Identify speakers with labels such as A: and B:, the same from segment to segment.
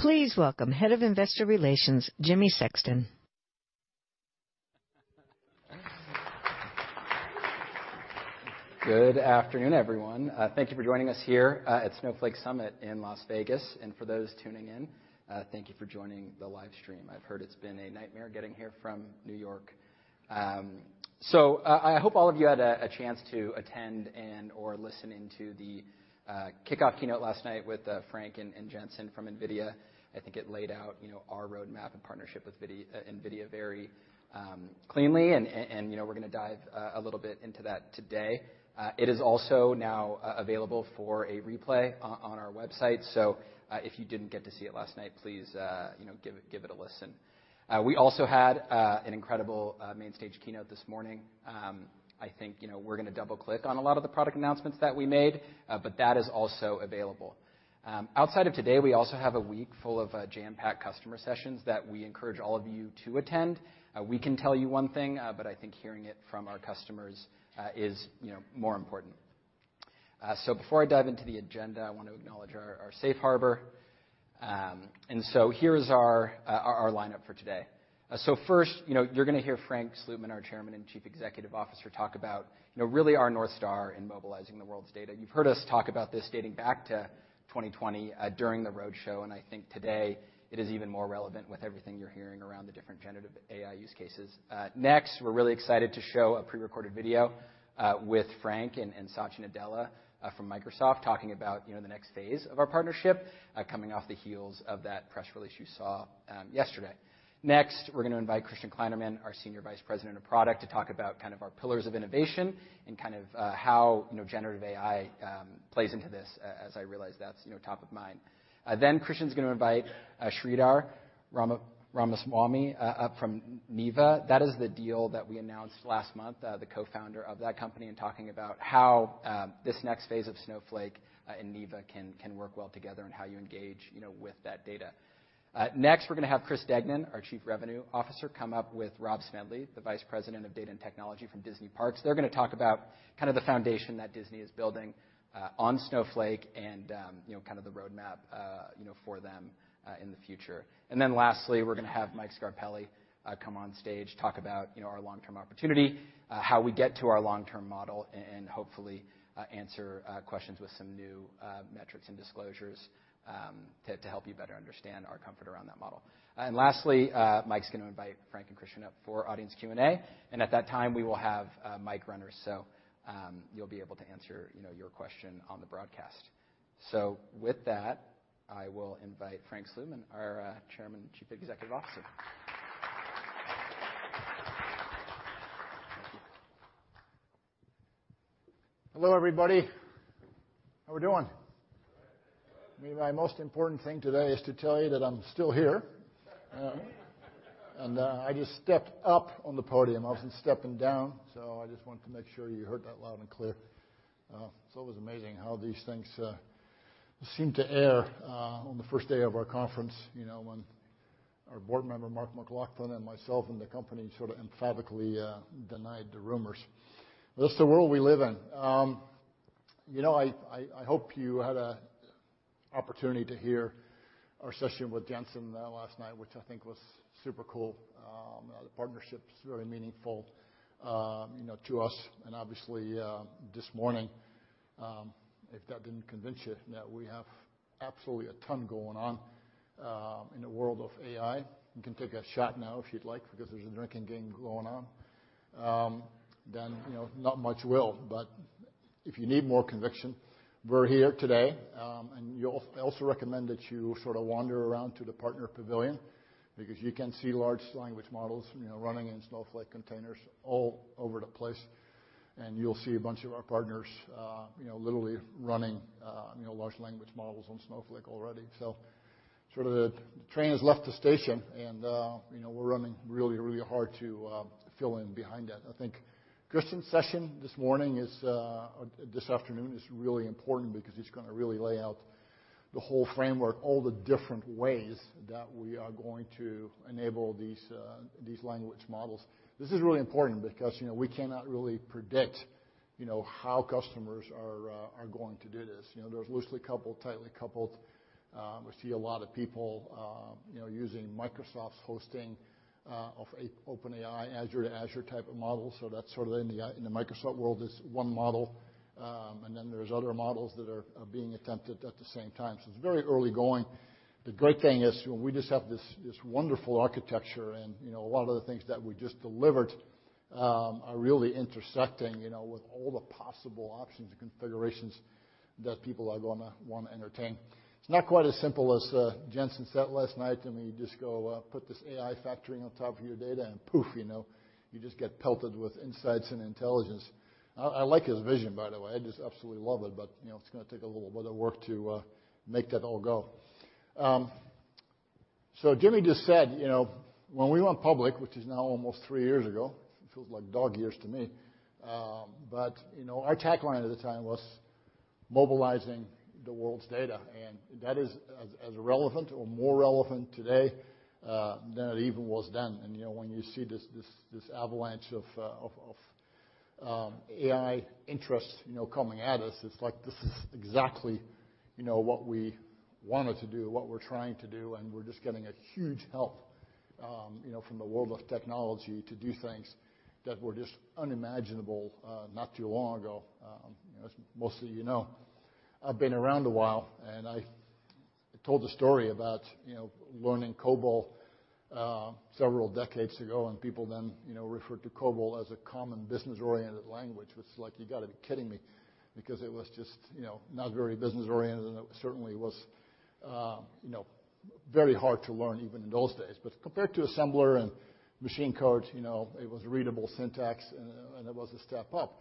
A: Please welcome Head of Investor Relations, Jimmy Sexton.
B: Good afternoon, everyone. Thank you for joining us here at Snowflake Summit in Las Vegas. For those tuning in, thank you for joining the live stream. I've heard it's been a nightmare getting here from New York. I hope all of you had a chance to attend and/or listen in to the kickoff keynote last night with Frank and Jensen from NVIDIA. I think it laid out, you know, our roadmap and partnership with NVIDIA very cleanly, and you know, we're gonna dive a little bit into that today. It is also now available for a replay on our website. If you didn't get to see it last night, please, you know give it a listen. We also had an incredible main stage keynote this morning. I think, you know, we're gonna double-click on a lot of the product announcements that we made, but that is also available. Outside of today, we also have a week full of jam-packed customer sessions that we encourage all of you to attend. We can tell you one thing, but I think hearing it from our customers is, you know, more important. Before I dive into the agenda, I want to acknowledge our safe harbor. Here's our lineup for today. First, you know, you're gonna hear Frank Slootman, our Chairman and Chief Executive Officer, talk about, you know, really our North Star in mobilizing the world's data. You've heard us talk about this dating back to 2020, during the roadshow. I think today it is even more relevant with everything you're hearing around the different generative AI use cases. Next, we're really excited to show a prerecorded video with Frank and Satya Nadella from Microsoft, talking about, you know, the next phase of our partnership, coming off the heels of that press release you saw yesterday. Next, we're gonna invite Christian Kleinerman, our Senior Vice President of Product, to talk about kind of our pillars of innovation and kind of how, you know, generative AI plays into this, as I realize that's, you know, top of mind. Christian's gonna invite Sridhar Ramaswamy up from Neeva. That is the deal that we announced last month, the cofounder of that company, and talking about how this next phase of Snowflake and Neeva can work well together, and how you engage, you know, with that data. Next, we're gonna have Chris Degnan, our Chief Revenue Officer, come up with Rob Smedley, the Vice President of Data and Technology from Disney Parks. They're gonna talk about kind of the foundation that Disney is building on Snowflake and, you know, kind of the roadmap, you know, for them in the future. Lastly, we're gonna have Mike Scarpelli come on stage, talk about, you know, our long-term opportunity, how we get to our long-term model, and hopefully answer questions with some new metrics and disclosures to help you better understand our comfort around that model. Lastly, Mike's gonna invite Frank and Christian up for audience Q&A, and at that time, we will have mic runners, so you'll be able to answer, you know, your question on the broadcast. With that, I will invite Frank Slootman, our Chairman and Chief Executive Officer. Thank you.
C: Hello, everybody. How we doing? Maybe my most important thing today is to tell you that I'm still here. I just stepped up on the podium. I wasn't stepping down, so I just wanted to make sure you heard that loud and clear. It's always amazing how these things seem to air on the first day of our conference, you know, when our board member, Mark McLaughlin, and myself and the company sort of emphatically denied the rumors. That's the world we live in. You know, I hope you had a opportunity to hear our session with Jensen last night which I think was super cool. The partnership's very meaningful, you know, to us. This morning, if that didn't convince you that we have absolutely a ton going on in the world of AI, you can take a shot now if you'd like, because there's a drinking game going on. You know, not much will, but if you need more conviction, we're here today, and I also recommend that you sort of wander around to the partner pavilion, because you can see large language models, you know, running in Snowflake containers all over the place, and you'll see a bunch of our partners, you know, literally running, you know, large language models on Snowflake already. The train has left the station and, you know, we're running really, really hard to fill in behind that. I think Christian Kleinerman's session this morning is, or this afternoon, is really important because he's gonna really lay out the whole framework, all the different ways that we are going to enable these language models. This is really important because, you know, we cannot really predict, you know, how customers are going to do this. You know, there's loosely coupled, tightly coupled. We see a lot of people, you know, using Microsoft's hosting of OpenAI Azure-to-Azure type of model, so that's sort of in the Microsoft world, is one model. There's other models that are being attempted at the same time, it's very early going. The great thing is, we just have this wonderful architecture and, you know, a lot of the things that we just delivered, are really intersecting, you know, with all the possible options and configurations that people are gonna wanna entertain. It's not quite as simple as Jensen said last night, I mean, you just go, put this AI factoring on top of your data, and poof, you know, you just get pelted with insights and intelligence. I like his vision, by the way. I just absolutely love it, you know, it's gonna take a little bit of work to make that all go. Jimmy just said, you know, when we went public, which is now almost three years ago, it feels like dog years to me, but, you know, our tagline at the time was, "Mobilizing the world's data," and that is as relevant or more relevant today than it even was then. You know, when you see this avalanche of AI interest, you know, coming at us, it's like this is exactly, you know, what we wanted to do, what we're trying to do, and we're just getting a huge help, you know, from the world of technology to do things that were just unimaginable not too long ago. As most of you know, I've been around a while. I told a story about, you know, learning COBOL, several decades ago. People then, you know, referred to COBOL as a common business-oriented language, which is like, "You got to be kidding me," because it was just, you know, not very business-oriented, and it certainly was, you know, very hard to learn even in those days. Compared to assembler and machine code, you know, it was readable syntax, and it was a step up.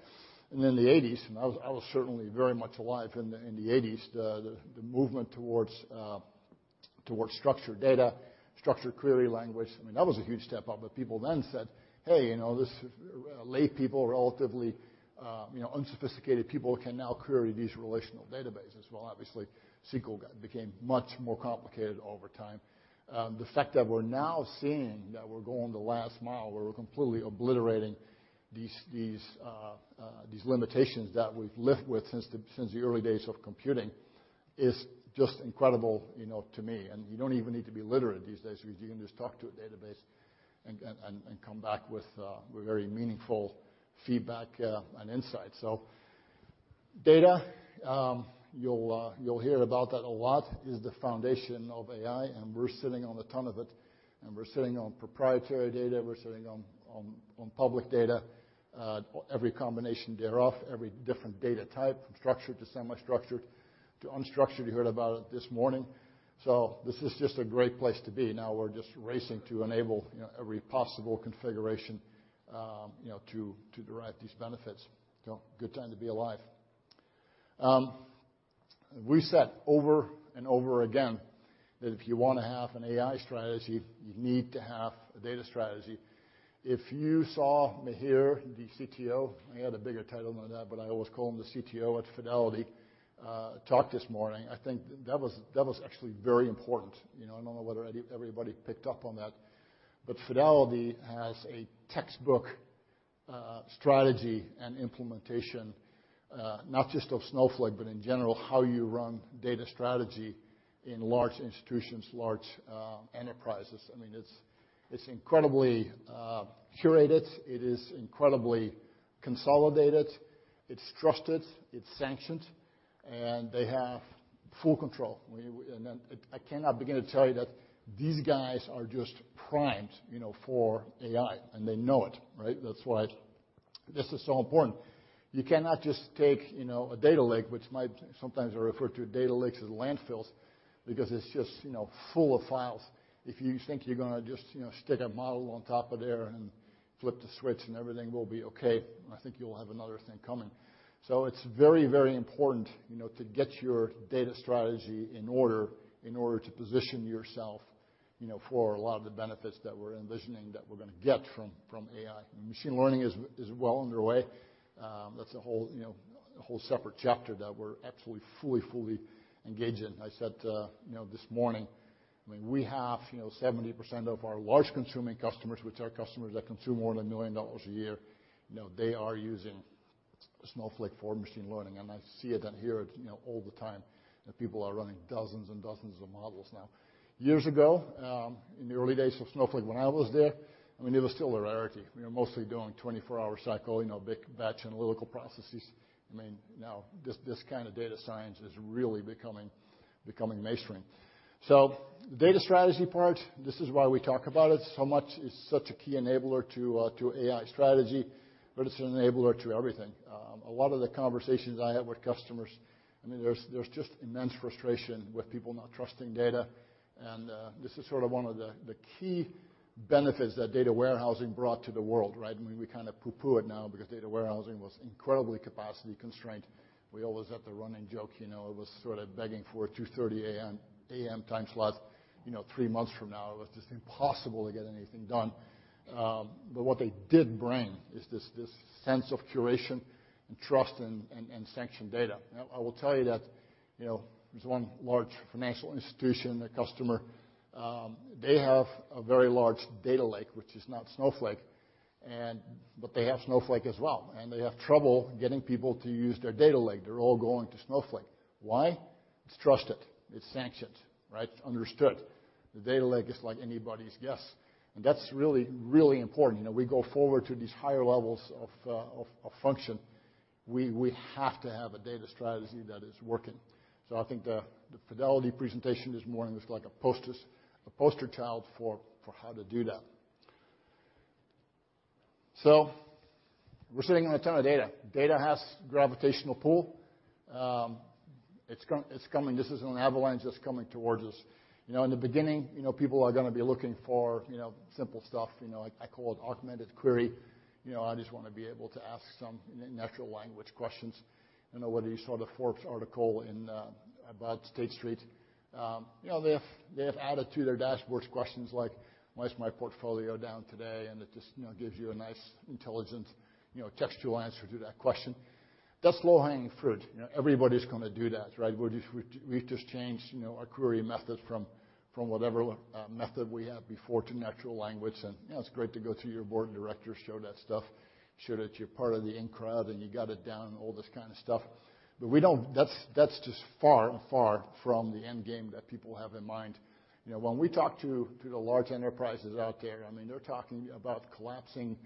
C: In the '80s, and I was certainly very much alive in the '80s, the movement towards structured data, structured query language, I mean, that was a huge step up. People then said, "Hey, you know, this laypeople, relatively, you know, unsophisticated people can now query these relational databases." Obviously, SQL got became much more complicated over time. The fact that we're now seeing that we're going the last mile, where we're completely obliterating these limitations that we've lived with since the early days of computing, is just incredible, you know, to me. You don't even need to be literate these days because you can just talk to a database and come back with very meaningful feedback and insight. Data, you'll hear about that a lot, is the foundation of AI, and we're sitting on a ton of it, and we're sitting on proprietary data. We're sitting on public data, every combination thereof, every different data type, from structured to semi-structured to unstructured. You heard about it this morning. This is just a great place to be. Now we're just racing to enable, you know, every possible configuration, you know, to derive these benefits. Good time to be alive. We said over and over again that if you want to have an AI strategy, you need to have a data strategy. If you saw Mihir, the CTO, he had a bigger title than that, but I always call him the CTO at Fidelity, talk this morning, I think that was actually very important. You know, I don't know whether everybody picked up on that, but Fidelity has a textbook, strategy and implementation, not just of Snowflake, but in general, how you run data strategy in large institutions, large, enterprises. I mean, it's incredibly curated. It is incredibly consolidated, it's trusted, it's sanctioned, and they have full control. I cannot begin to tell you that these guys are just primed, you know, for AI, and they know it, right? That's why this is so important. You cannot just take, you know, a data lake, which might sometimes refer to data lakes as landfills, because it's just, you know, full of files. If you think you're gonna just, you know, stick a model on top of there and flip the switch, and everything will be okay, I think you'll have another thing coming. It's very, very important, you know, to get your data strategy in order, in order to position yourself, you know, for a lot of the benefits that we're envisioning that we're gonna get from AI. Machine learning is well underway. That's a whole, you know, a whole separate chapter that we're absolutely, fully engaged in. I said, you know, this morning, I mean, we have, you know, 70% of our large consuming customers, which are customers that consume more than $1 million a year, you know, they are using Snowflake for machine learning, and I see it and hear it, you know, all the time, that people are running dozens and dozens of models now. Years ago, in the early days of Snowflake, when I was there, I mean, it was still a rarity. We were mostly doing 24-hour cycle, you know, big batch analytical processes. I mean, now, this kind of data science is really becoming mainstream. The data strategy part, this is why we talk about it so much. It's such a key enabler to AI strategy, but it's an enabler to everything. A lot of the conversations I have with customers, I mean, there's just immense frustration with people not trusting data, and this is sort of one of the key benefits that data warehousing brought to the world, right? I mean, we kind of poo-poo it now because data warehousing was incredibly capacity-constrained. We always have the running joke, you know, it was sort of begging for a 2:30 A.M. time slot, you know, three months from now. It was just impossible to get anything done. What they did bring is this sense of curation and trust and sanctioned data. I will tell you that, you know, there's one large financial institution, a customer, they have a very large data lake, which is not Snowflake, and but they have Snowflake as well, and they have trouble getting people to use their data lake. They're all going to Snowflake. Why? It's trusted, it's sanctioned, right? Understood. The data lake is like anybody's guess, and that's really, really important. You know, we go forward to these higher levels of function, we have to have a data strategy that is working. I think the Fidelity presentation this morning was like a poster child for how to do that. We're sitting on a ton of data. Data has gravitational pull. It's coming. This is an avalanche that's coming towards us. You know, in the beginning, you know, people are gonna be looking for, you know, simple stuff. You know, I call it augmented query. You know, I just wanna be able to ask some natural language questions. I don't know whether you saw the Forbes article in about State Street. You know, they have added to their dashboards questions like, "Why is my portfolio down today?" It just, you know, gives you a nice, intelligent, you know, textual answer to that question. That's low-hanging fruit. You know, everybody's gonna do that, right? We've just changed, you know, our query methods from whatever method we had before to natural language. You know, it's great to go to your board of directors, show that stuff, show that you're part of the in crowd, and you got it down, and all this kind of stuff. That's just far, far from the end game that people have in mind. You know, when we talk to the large enterprises out there, I mean, they're talking about collapsing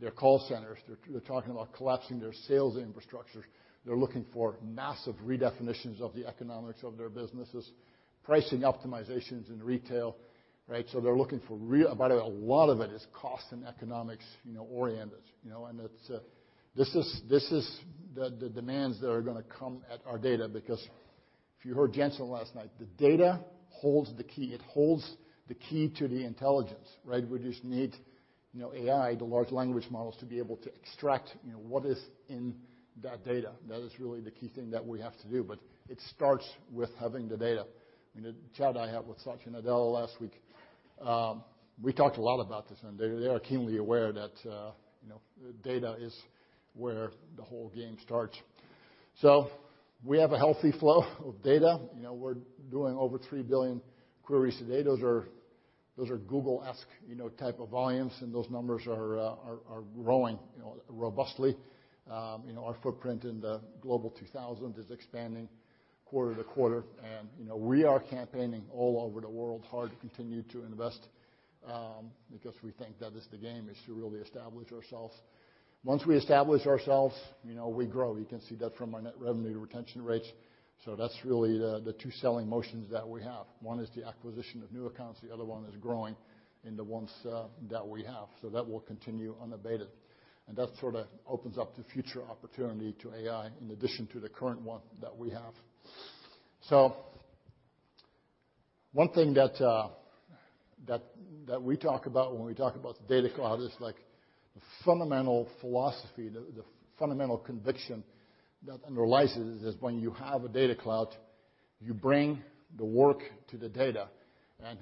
C: their call centers. They're talking about collapsing their sales infrastructures. They're looking for massive redefinitions of the economics of their businesses, pricing optimizations in retail, right? They're looking for but a lot of it is cost and economics, you know, oriented, you know. It's this is the demands that are gonna come at our data, because if you heard Jensen last night, the data holds the key. It holds the key to the intelligence, right? We just need, you know, AI, the large language models, to be able to extract, you know, what is in that data. That is really the key thing that we have to do. It starts with having the data. I mean, the chat I had with Satya Nadella last week, we talked a lot about this, and they are keenly aware that, data is where the whole game starts. We have a healthy flow of data. You know, we're doing over 3 billion queries today. Those are Google-esque, you know, type of volumes, and those numbers are growing, you know, robustly. You know, our footprint in the Global 2000 is expanding quarter to quarter, and, you know, we are campaigning all over the world hard to continue to invest, because we think that is the game, is to really establish ourselves. Once we establish ourselves, you know, we grow. You can see that from our net revenue retention rates. That's really the 2 selling motions that we have. One is the acquisition of new accounts, the other one is growing in the ones that we have. That will continue unabated, and that sort of opens up the future opportunity to AI, in addition to the current one that we have. One thing that we talk about when we talk about the Data Cloud is, like, the fundamental philosophy, the fundamental conviction that underlies it is when you have a Data Cloud, you bring the work to the data.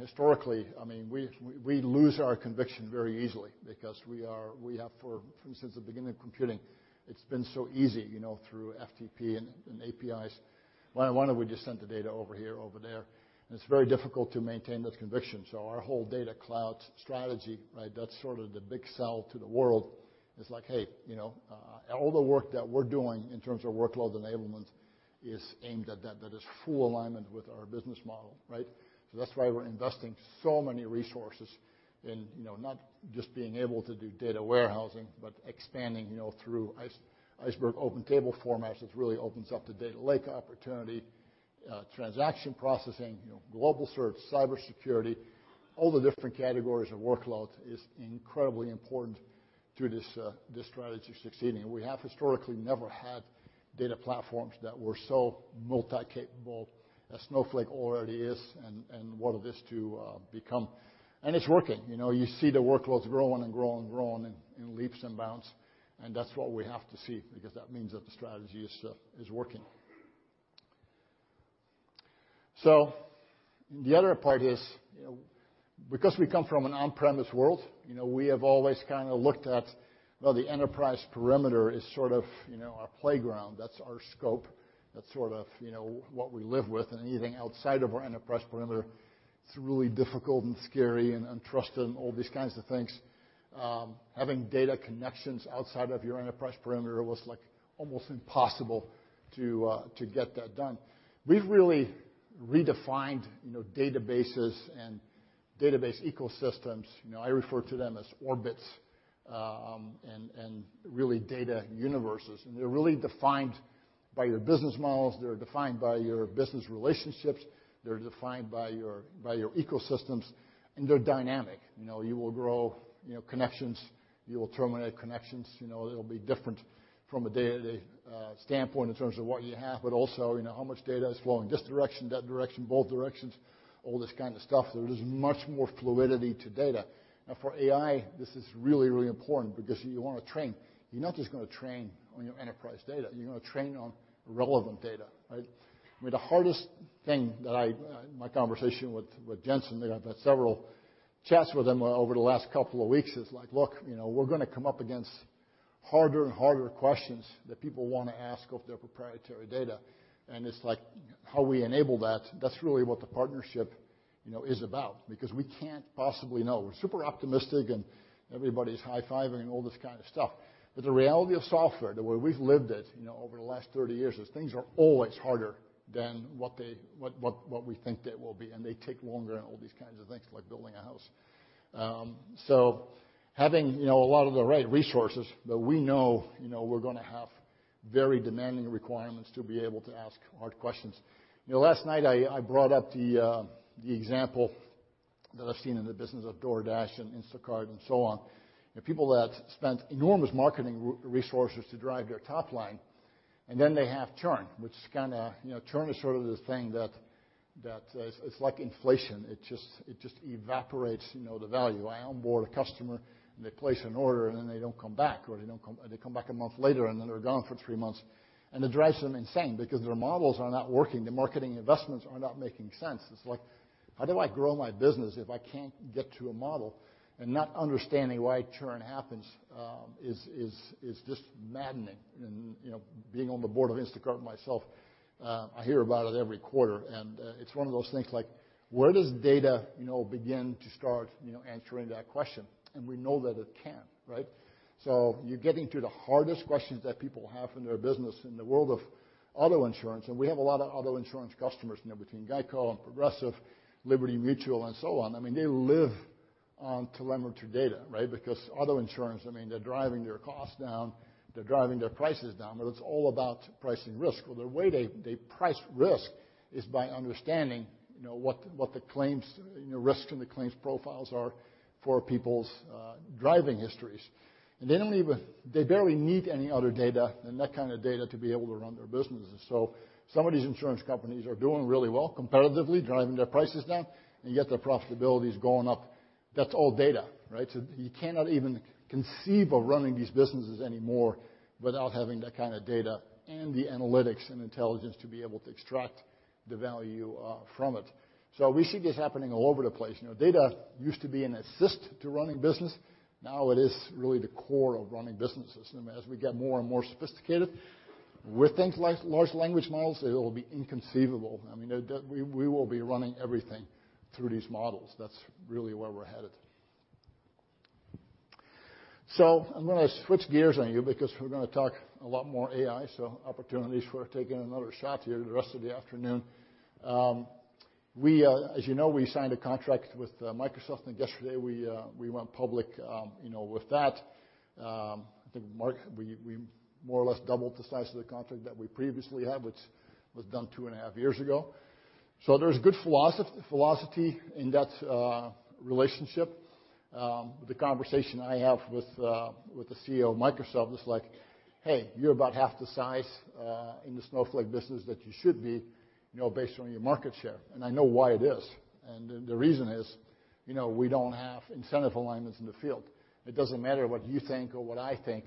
C: Historically, I mean, we lose our conviction very easily because we have for, since the beginning of computing, it's been so easy, you know, through FTP and APIs. Why don't we just send the data over here, over there? It's very difficult to maintain that conviction. Our whole Data Cloud strategy, right, that's sort of the big sell to the world, is like, "Hey, you know, all the work that we're doing in terms of workload enablement is aimed at that." That is full alignment with our business model, right? That's why we're investing so many resources in, you know, not just being able to do data warehousing, but expanding, you know, through Iceberg Open table formats, which really opens up the data lake opportunity, transaction processing, you know, global search, cybersecurity, all the different categories of workload is incredibly important to this strategy succeeding. We have historically never had data platforms that were so multi-capable as Snowflake already is, and what it is to become, and it's working. You know, you see the workloads growing and growing and growing in leaps and bounds, and that's what we have to see, because that means that the strategy is working. The other part is, you know, because we come from an on-premise world, you know, we have always kinda looked at, well, the enterprise perimeter is sort of, you know, our playground. That's our scope. That's sort of, you know, what we live with, and anything outside of our enterprise perimeter, it's really difficult and scary and untrusted and all these kinds of things. Having data connections outside of your enterprise perimeter was, like, almost impossible to get that done. We've really redefined, you know, databases and database ecosystems. You know, I refer to them as orbits, and really data universes, and they're really defined by your business models. They're defined by your business relationships, they're defined by your, by your ecosystems, and they're dynamic. You know, you will grow, you know, connections, you will terminate connections. You know, it'll be different from a day-to-day standpoint in terms of what you have, but also, you know, how much data is flowing this direction, that direction, both directions, all this kind of stuff. There is much more fluidity to data. For AI, this is really, really important because you wanna train. You're not just gonna train on your enterprise data, you're gonna train on relevant data, right? I mean, the hardest thing in my conversation with Jensen, I've had several chats with him over the last couple of weeks, is like: Look, you know, we're gonna come up against harder and harder questions that people wanna ask of their proprietary data. It's like, how we enable that's really what the partnership, you know, is about, because we can't possibly know. We're super optimistic, everybody's high-fiving and all this kind of stuff. The reality of software, the way we've lived it, you know, over the last 30 years, is things are always harder than what they, what we think they will be, and they take longer and all these kinds of things, like building a house. Having, you know, a lot of the right resources that we know, you know, we're gonna have very demanding requirements to be able to ask hard questions. You know, last night I brought up the example that I've seen in the business of DoorDash and Instacart and so on. You know, people that spent enormous marketing resources to drive their top line, and then they have churn, which is kinda. You know, churn is sort of the thing that, it's like inflation. It just evaporates, you know, the value. I onboard a customer, and they place an order, and then they don't come back, or they come back a month later, and then they're gone for three months. It drives them insane because their models are not working, their marketing investments are not making sense. It's like, how do I grow my business if I can't get to a model? Not understanding why churn happens is just maddening. You know, being on the board of Instacart myself, I hear about it every quarter, and it's one of those things, like, where does data, you know, begin to start, you know, answering that question? We know that it can, right? You're getting to the hardest questions that people have in their business in the world of auto insurance, and we have a lot of auto insurance customers in between GEICO and Progressive, Liberty Mutual, and so on. I mean, they live on telemetry data, right? Because auto insurance, I mean, they're driving their costs down, they're driving their prices down, but it's all about pricing risk. Well, the way they price risk is by understanding, you know, what the claims, you know, risk and the claims profiles are for people's driving histories. They barely need any other data than that kind of data to be able to run their businesses. Some of these insurance companies are doing really well, comparatively, driving their prices down, and yet their profitability is going up. That's all data, right? You cannot even conceive of running these businesses anymore without having that kind of data and the analytics and intelligence to be able to extract the value from it. We see this happening all over the place. You know, data used to be an assist to running business. Now it is really the core of running businesses. As we get more and more sophisticated with things like large language models, it'll be inconceivable. I mean, we will be running everything through these models. That's really where we're headed. I'm gonna switch gears on you because we're gonna talk a lot more AI, so opportunities for taking another shot here the rest of the afternoon. We, as you know, we signed a contract with Microsoft, and yesterday we went public, you know, with that. I think Mark, we more or less doubled the size of the contract that we previously had, which was done two and a half years ago. There's good velocity in that relationship. The conversation I have with the CEO of Microsoft is like: "Hey, you're about half the size in the Snowflake business that you should be, you know, based on your market share." I know why it is, and the reason is, you know, we don't have incentive alignments in the field. It doesn't matter what you think or what I think,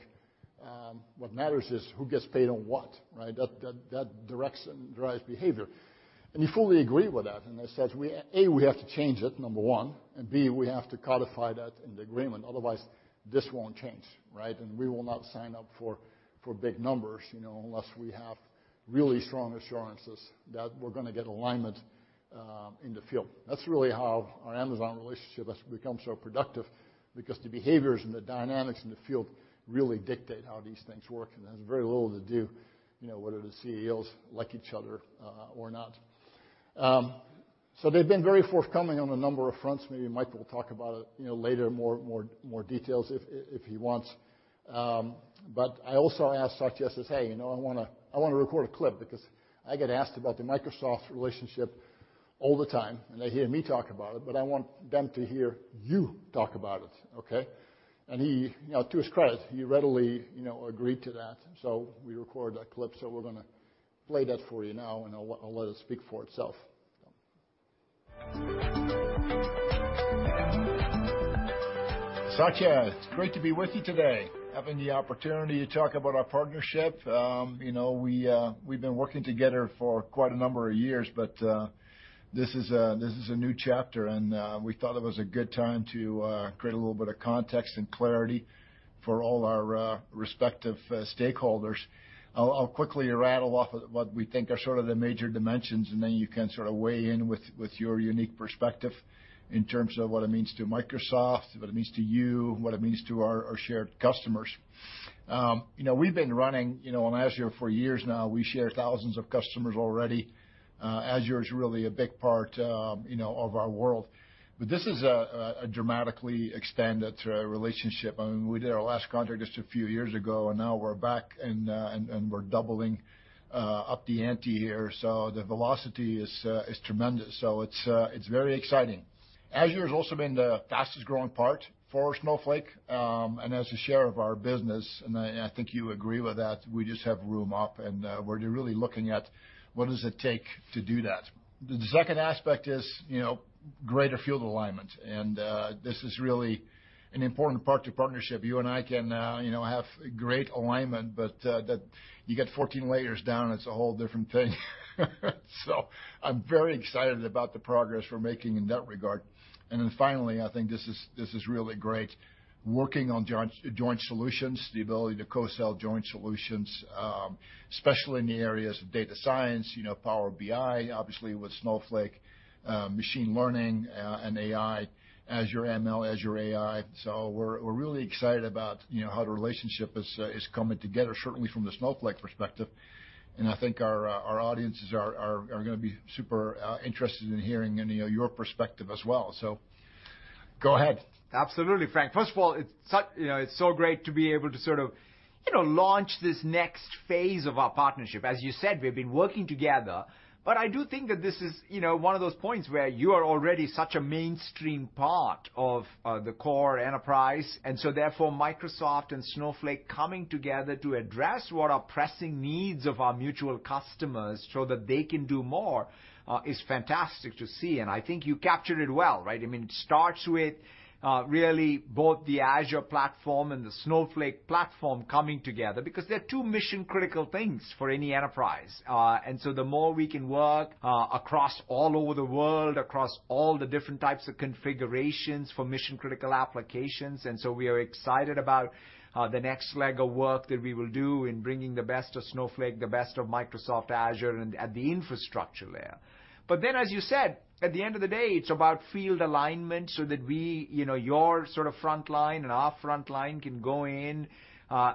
C: what matters is who gets paid on what, right? That directs and drives behavior. He fully agreed with that, and I said, "We, A, we have to change it, number one, and B, we have to codify that in the agreement. Otherwise, this won't change, right? We will not sign up for big numbers, you know, unless we have really strong assurances that we're gonna get alignment in the field." That's really how our Amazon relationship has become so productive, because the behaviors and the dynamics in the field really dictate how these things work, and it has very little to do, you know, whether the CEOs like each other, or not. They've been very forthcoming on a number of fronts. Maybe Mike will talk about it, you know, later, more details if he wants. I also asked Satya, I says, "Hey, you know, I wanna record a clip because I get asked about the Microsoft relationship all the time, and they hear me talk about it, but I want them to hear you talk about it, okay?" He, you know, to his credit, he readily agreed to that. We recorded that clip, so we're gonna play that for you now, and I'll let it speak for itself. Satya, it's great to be with you today, having the opportunity to talk about our partnership. You know, we've been working together for quite a number of years, but this is a new chapter, and we thought it was a good time to create a little bit of context and clarity for all our respective stakeholders. I'll quickly rattle off what we think are sort of the major dimensions, and then you can sort of weigh in with your unique perspective in terms of what it means to Microsoft, what it means to you, what it means to our shared customers. You know, we've been running, you know, on Azure for years now. We share thousands of customers already. Azure is really a big part, you know, of our world. This is a dramatically extended relationship. I mean, we did our last contract just a few years ago, and now we're back and we're doubling up the ante here. The velocity is tremendous. It's very exciting. Azure has also been the fastest-growing part for Snowflake, and as a share of our business, and I think you agree with that, we just have room up, and we're really looking at what does it take to do that. The second aspect is, you know, greater field alignment, and this is really an important part of the partnership. You and I can, you know, have great alignment, but that you get 14 layers down, it's a whole different thing. I'm very excited about the progress we're making in that regard. Finally, I think this is really great, working on joint solutions, the ability to co-sell joint solutions, especially in the areas of data science, you know, Power BI, obviously with Snowflake, machine learning, and AI, Azure ML, Azure AI. We're really excited about, you know, how the relationship is coming together, certainly from the Snowflake perspective. I think our audiences are gonna be super interested in hearing, you know, your perspective as well. Go ahead.
D: Absolutely, Frank. First of all, it's such, you know, it's so great to be able to sort of, you know, launch this next phase of our partnership. As you said, we've been working together, but I do think that this is, you know, one of those points where you are already such a mainstream part of the core enterprise, and so therefore, Microsoft and Snowflake coming together to address what are pressing needs of our mutual customers so that they can do more is fantastic to see. I think you captured it well, right? I mean, it starts with really both the Azure platform and the Snowflake platform coming together, because they're two mission-critical things for any enterprise. The more we can work across all over the world, across all the different types of configurations for mission-critical applications, we are excited about the next leg of work that we will do in bringing the best of Snowflake, the best of Microsoft Azure, and at the infrastructure layer. As you said, at the end of the day, it's about field alignment so that we, you know, your sort of frontline and our frontline can go in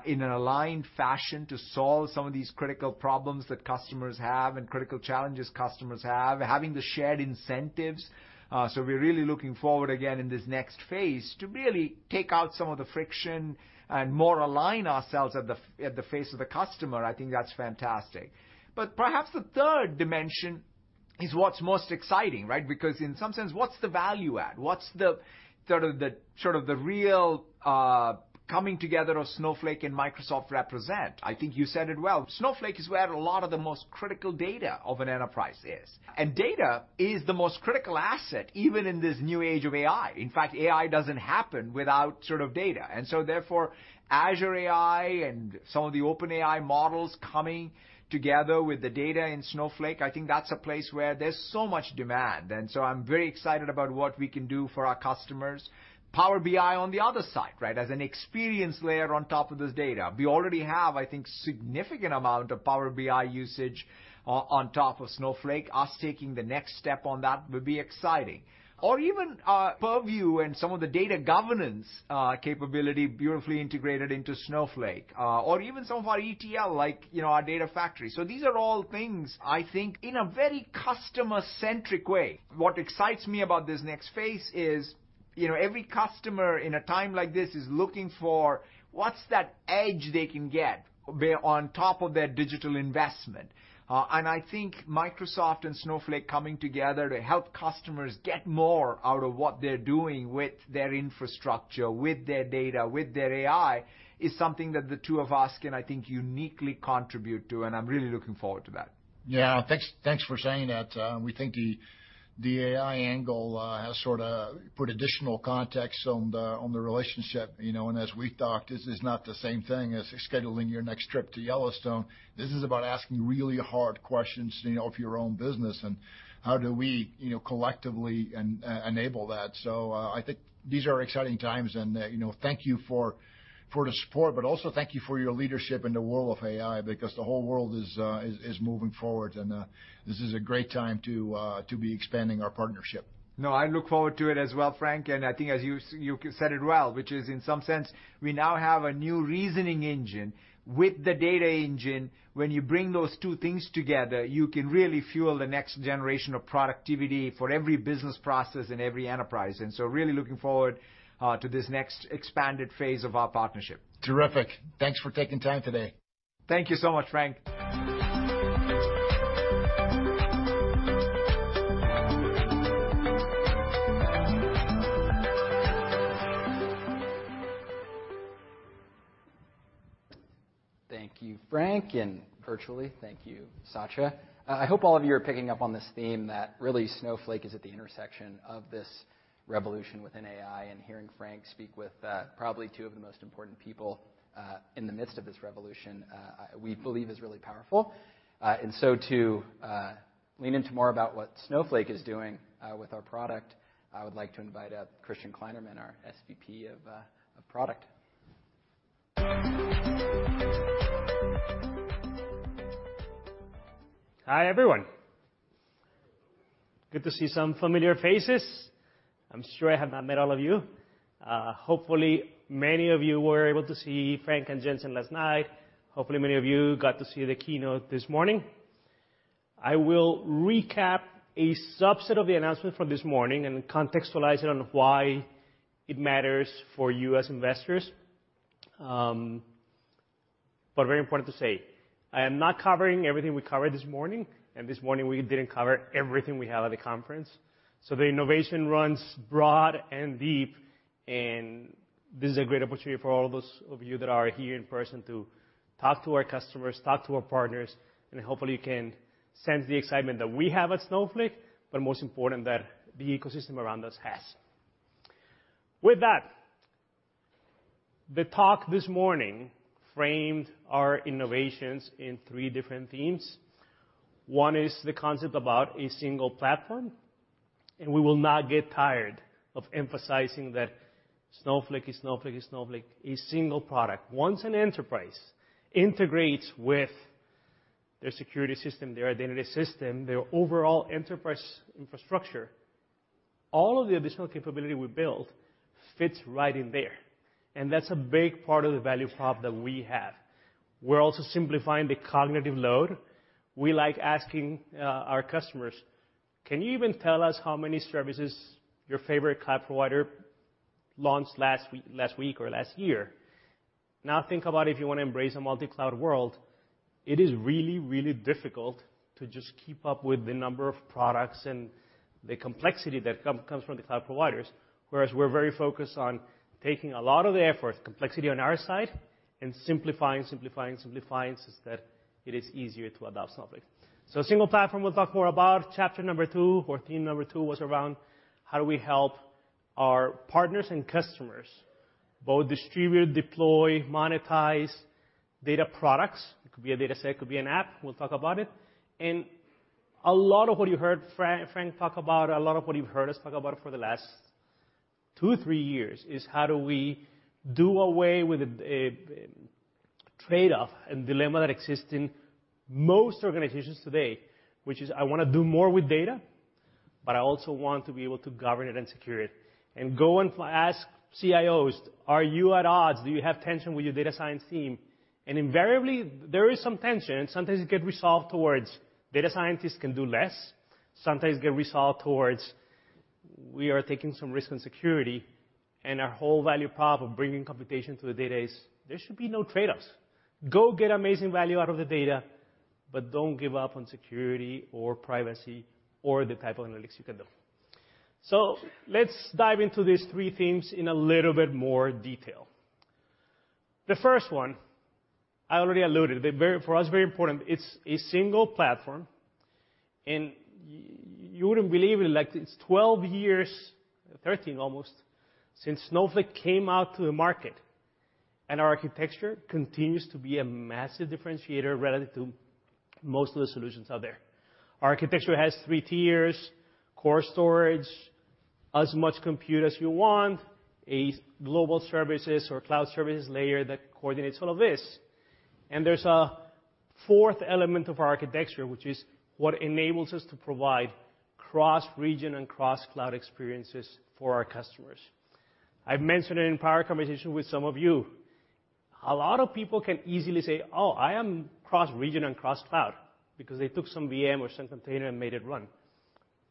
D: in an aligned fashion to solve some of these critical problems that customers have and critical challenges customers have, having the shared incentives. We're really looking forward again in this next phase, to really take out some of the friction and more align ourselves at the face of the customer. I think that's fantastic. Perhaps the third dimension is what's most exciting, right? In some sense, what's the value add? What's the sort of the real coming together of Snowflake and Microsoft represent? I think you said it well. Snowflake is where a lot of the most critical data of an enterprise is, and data is the most critical asset, even in this new age of AI. In fact, AI doesn't happen without sort of data. Therefore, Azure AI and some of the OpenAI models coming together with the data in Snowflake, I think that's a place where there's so much demand. I'm very excited about what we can do for our customers. Power BI on the other side, right? As an experience layer on top of this data. We already have, I think, significant amount of Power BI usage on top of Snowflake. Us taking the next step on that will be exciting. Even Purview and some of the data governance capability beautifully integrated into Snowflake, or even some of our ETL, like, you know, our data factory. These are all things, I think, in a very customer-centric way. What excites me about this next phase is, you know, every customer in a time like this is looking for what's that edge they can get. On top of their digital investment. I think Microsoft and Snowflake coming together to help customers get more out of what they're doing with their infrastructure, with their data, with their AI, is something that the two of us can, I think, uniquely contribute to, and I'm really looking forward to that.
C: Yeah. Thanks, thanks for saying that. We think the AI angle has sorta put additional context on the relationship, you know. As we talked, this is not the same thing as scheduling your next trip to Yellowstone. This is about asking really hard questions, you know, of your own business, and how do we, you know, collectively enable that. I think these are exciting times, and, you know, thank you for the support, but also thank you for your leadership in the world of AI, because the whole world is moving forward, and this is a great time to be expanding our partnership.
D: I look forward to it as well, Frank, as you said it well, which is, in some sense, we now have a new reasoning engine. With the data engine, when you bring those two things together, you can really fuel the next generation of productivity for every business process and every enterprise. Really looking forward to this next expanded phase of our partnership.
C: Terrific. Thanks for taking time today.
D: Thank you so much, Frank.
B: Thank you, Frank, virtually thank you, Satya. I hope all of you are picking up on this theme, that really Snowflake is at the intersection of this revolution within AI, hearing Frank speak with probably two of the most important people in the midst of this revolution, we believe is really powerful. To lean into more about what Snowflake is doing with our product, I would like to invite up Christian Kleinerman, our SVP of Product.
E: Hi, everyone. Good to see some familiar faces. I'm sure I have not met all of you. Hopefully, many of you were able to see Frank and Jensen last night. Hopefully, many of you got to see the keynote this morning. I will recap a subset of the announcement from this morning and contextualize it on why it matters for you as investors. Very important to say, I am not covering everything we covered this morning, and this morning, we didn't cover everything we have at the conference. The innovation runs broad and deep, and this is a great opportunity for all those of you that are here in person to talk to our customers, talk to our partners, and hopefully, you can sense the excitement that we have at Snowflake, but most important, that the ecosystem around us has. With that, the talk this morning framed our innovations in three different themes. One is the concept about a single platform, and we will not get tired of emphasizing that Snowflake is Snowflake is Snowflake, a single product. Once an enterprise integrates with their security system, their identity system, their overall enterprise infrastructure, all of the additional capability we build fits right in there, and that's a big part of the value prop that we have. We're also simplifying the cognitive load. We like asking our customers: Can you even tell us how many services your favorite cloud provider launched last week or last year? Think about if you want to embrace a multi-cloud world, it is really, really difficult to just keep up with the number of products and the complexity that comes from the cloud providers. Whereas we're very focused on taking a lot of the effort, complexity on our side, and simplifying, simplifying, so that it is easier to adopt Snowflake. A single platform, we'll talk more about chapter two or theme two, was around how do we help our partners and customers both distribute, deploy, monetize data products. It could be a data set, it could be an app. We'll talk about it. A lot of what you heard Frank talk about, a lot of what you've heard us talk about for the last 2, 3 years, is how do we do away with a trade-off and dilemma that exists in most organizations today, which is I want to do more with data, but I also want to be able to govern it and secure it. Go and ask CIOs, "Are you at odds? Do you have tension with your data science team? Invariably, there is some tension, and sometimes it gets resolved towards data scientists can do less, sometimes get resolved towards we are taking some risk on security, and our whole value prop of bringing computation to the data is there should be no trade-offs. Go get amazing value out of the data, don't give up on security or privacy or the type of analytics you can do. Let's dive into these three themes in a little bit more detail. The first one, I already alluded, the very for us, very important. It's a single platform, you wouldn't believe it, like, it's 12 years, 13 almost, since Snowflake came out to the market, our architecture continues to be a massive differentiator relative to most of the solutions out there. Our architecture has three tiers, core storage, as much compute as you want, a global services or cloud services layer that coordinates all of this. There's a fourth element of our architecture, which is what enables us to provide cross-region and cross-cloud experiences for our customers. I've mentioned it in prior conversation with some of you. A lot of people can easily say, "Oh, I am cross-region and cross-cloud," because they took some VM or some container and made it run.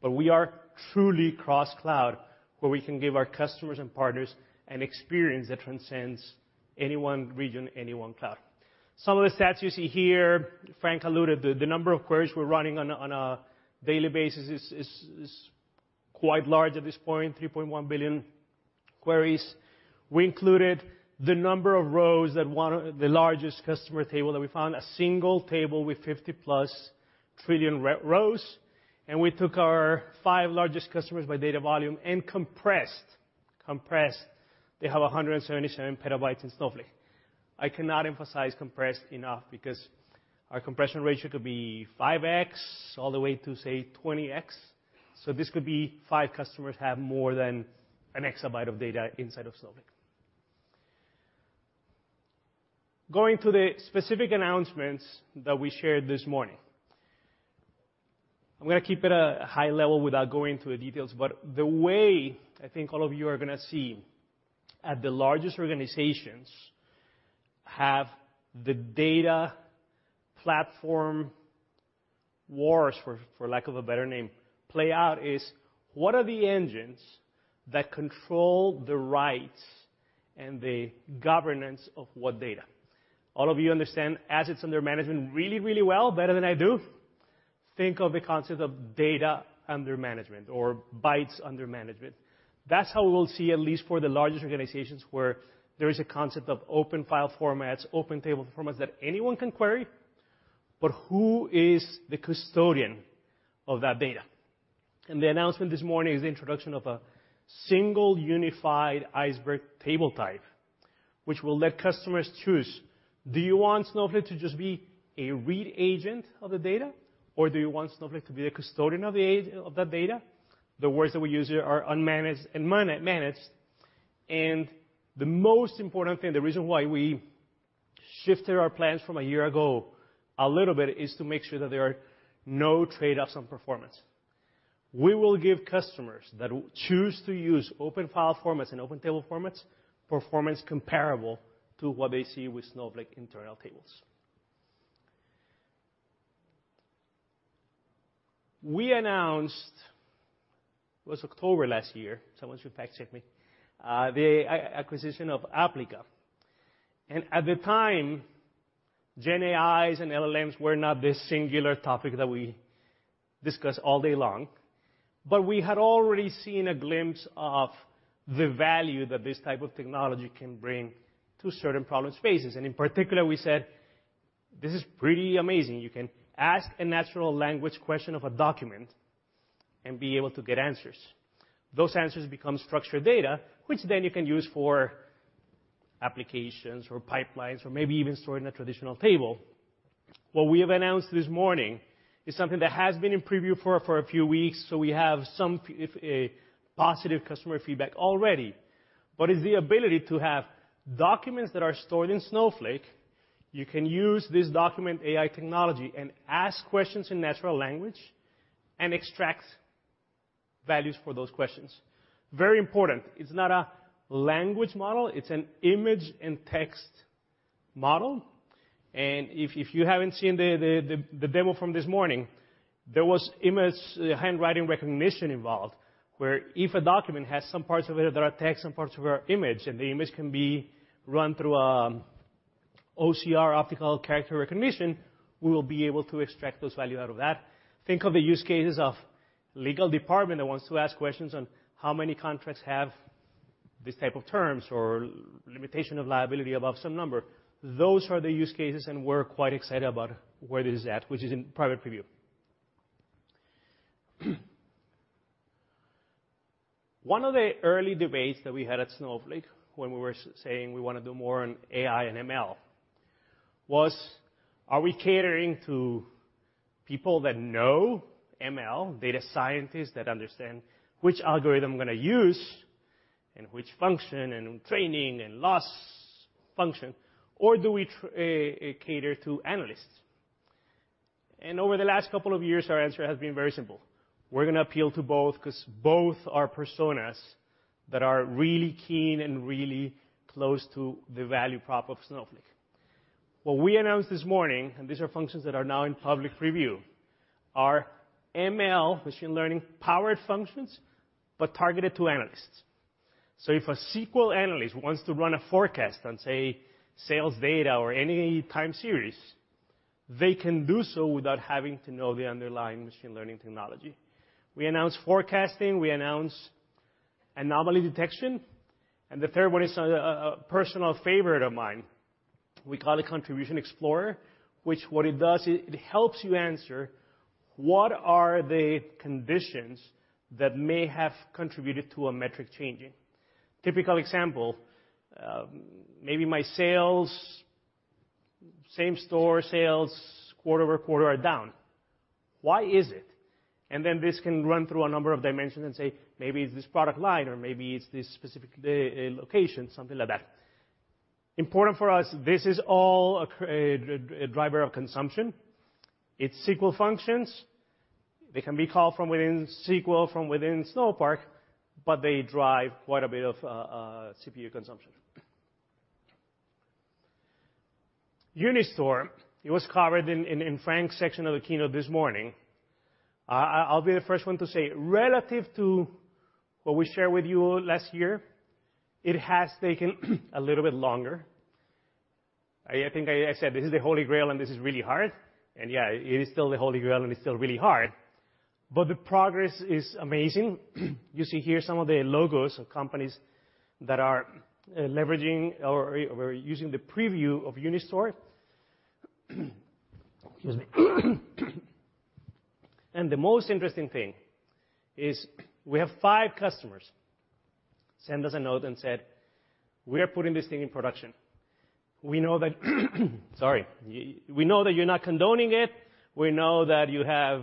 E: We are truly cross-cloud, where we can give our customers and partners an experience that transcends any one region, any one cloud. Some of the stats you see here, Frank alluded, the number of queries we're running on a daily basis is quite large at this point, 3.1 billion queries. We included the number of rows that one... the largest customer table that we found, a single table with 50-plus trillion rows. We took our five largest customers by data volume and compressed. They have 177 petabytes in Snowflake. I cannot emphasize compressed enough, because our compression ratio could be 5x all the way to, say, 20x. This could be five customers have more than an exabyte of data inside of Snowflake. Going to the specific announcements that we shared this morning. I'm gonna keep it at a high level without going into the details, but the way I think all of you are gonna see at the largest organizations have the data platform wars, for lack of a better name, play out is, what are the engines that control the rights and the governance of what data? All of you understand assets under management really, really well, better than I do. Think of the concept of data under management or bytes under management. That's how we'll see, at least for the largest organizations, where there is a concept of open file formats, open table formats that anyone can query, but who is the custodian of that data? The announcement this morning is the introduction of a single unified Iceberg table type, which will let customers choose. Do you want Snowflake to just be a read agent of the data, or do you want Snowflake to be the custodian of that data? The words that we use here are unmanaged and managed. The most important thing, the reason why we shifted our plans from a year ago a little bit, is to make sure that there are no trade-offs on performance. We will give customers that choose to use open file formats and open table formats, performance comparable to what they see with Snowflake internal tables. We announced, it was October last year, someone should fact-check me, the acquisition of Applica. At the time, GenAIs and LLMs were not this singular topic that we discuss all day long, but we had already seen a glimpse of the value that this type of technology can bring to certain problem spaces. In particular, we said, "This is pretty amazing. You can ask a natural language question of a document and be able to get answers." Those answers become structured data, which then you can use for applications or pipelines or maybe even store in a traditional table. What we have announced this morning is something that has been in preview for a few weeks, so we have some positive customer feedback already. It's the ability to have documents that are stored in Snowflake. You can use this Document AI technology and ask questions in natural language and extract values for those questions. Very important, it's not a language model, it's an image and text model. If you haven't seen the demo from this morning, there was image handwriting recognition involved, where if a document has some parts of it that are text and parts of it are image. The image can be run through OCR, optical character recognition, we will be able to extract those value out of that. Think of the use cases of legal department that wants to ask questions on how many contracts have these type of terms or limitation of liability above some number. Those are the use cases, and we're quite excited about where this is at, which is in private preview. One of the early debates that we had at Snowflake when we were saying we wanna do more on AI and ML, was, are we catering to people that know ML, data scientists that understand which algorithm I'm gonna use, and which function, and training, and loss function, or do we cater to analysts? Over the last couple of years, our answer has been very simple: We're gonna appeal to both, 'cause both are personas that are really keen and really close to the value prop of Snowflake. What we announced this morning, these are functions that are now in public preview, are ML, machine learning, powered functions, but targeted to analysts. If a SQL analyst wants to run a forecast on, say, sales data or any time series, they can do so without having to know the underlying machine learning technology. We announced forecasting, we announced anomaly detection, and the third one is a personal favorite of mine. We call it Contribution Explorer, which what it does is it helps you answer: What are the conditions that may have contributed to a metric changing? Typical example, maybe my sales, same store sales, quarter-over-quarter are down. Why is it? Then this can run through a number of dimensions and say, "Maybe it's this product line, or maybe it's this specific location," something like that. Important for us, this is all a driver of consumption. It's SQL functions. They can be called from within SQL, from within Snowpark, but they drive quite a bit of CPU consumption. Unistore, it was covered in Frank's section of the keynote this morning. I'll be the first one to say, relative to what we shared with you last year, it has taken a little bit longer. I think I said this is the Holy Grail and this is really hard, and yeah, it is still the Holy Grail, and it's still really hard, but the progress is amazing. You see here some of the logos of companies that are leveraging or using the preview of Unistore. Excuse me. The most interesting thing is we have five customers send us a note and said: "We are putting this thing in production. We know that, sorry, we know that you're not condoning it, we know that you have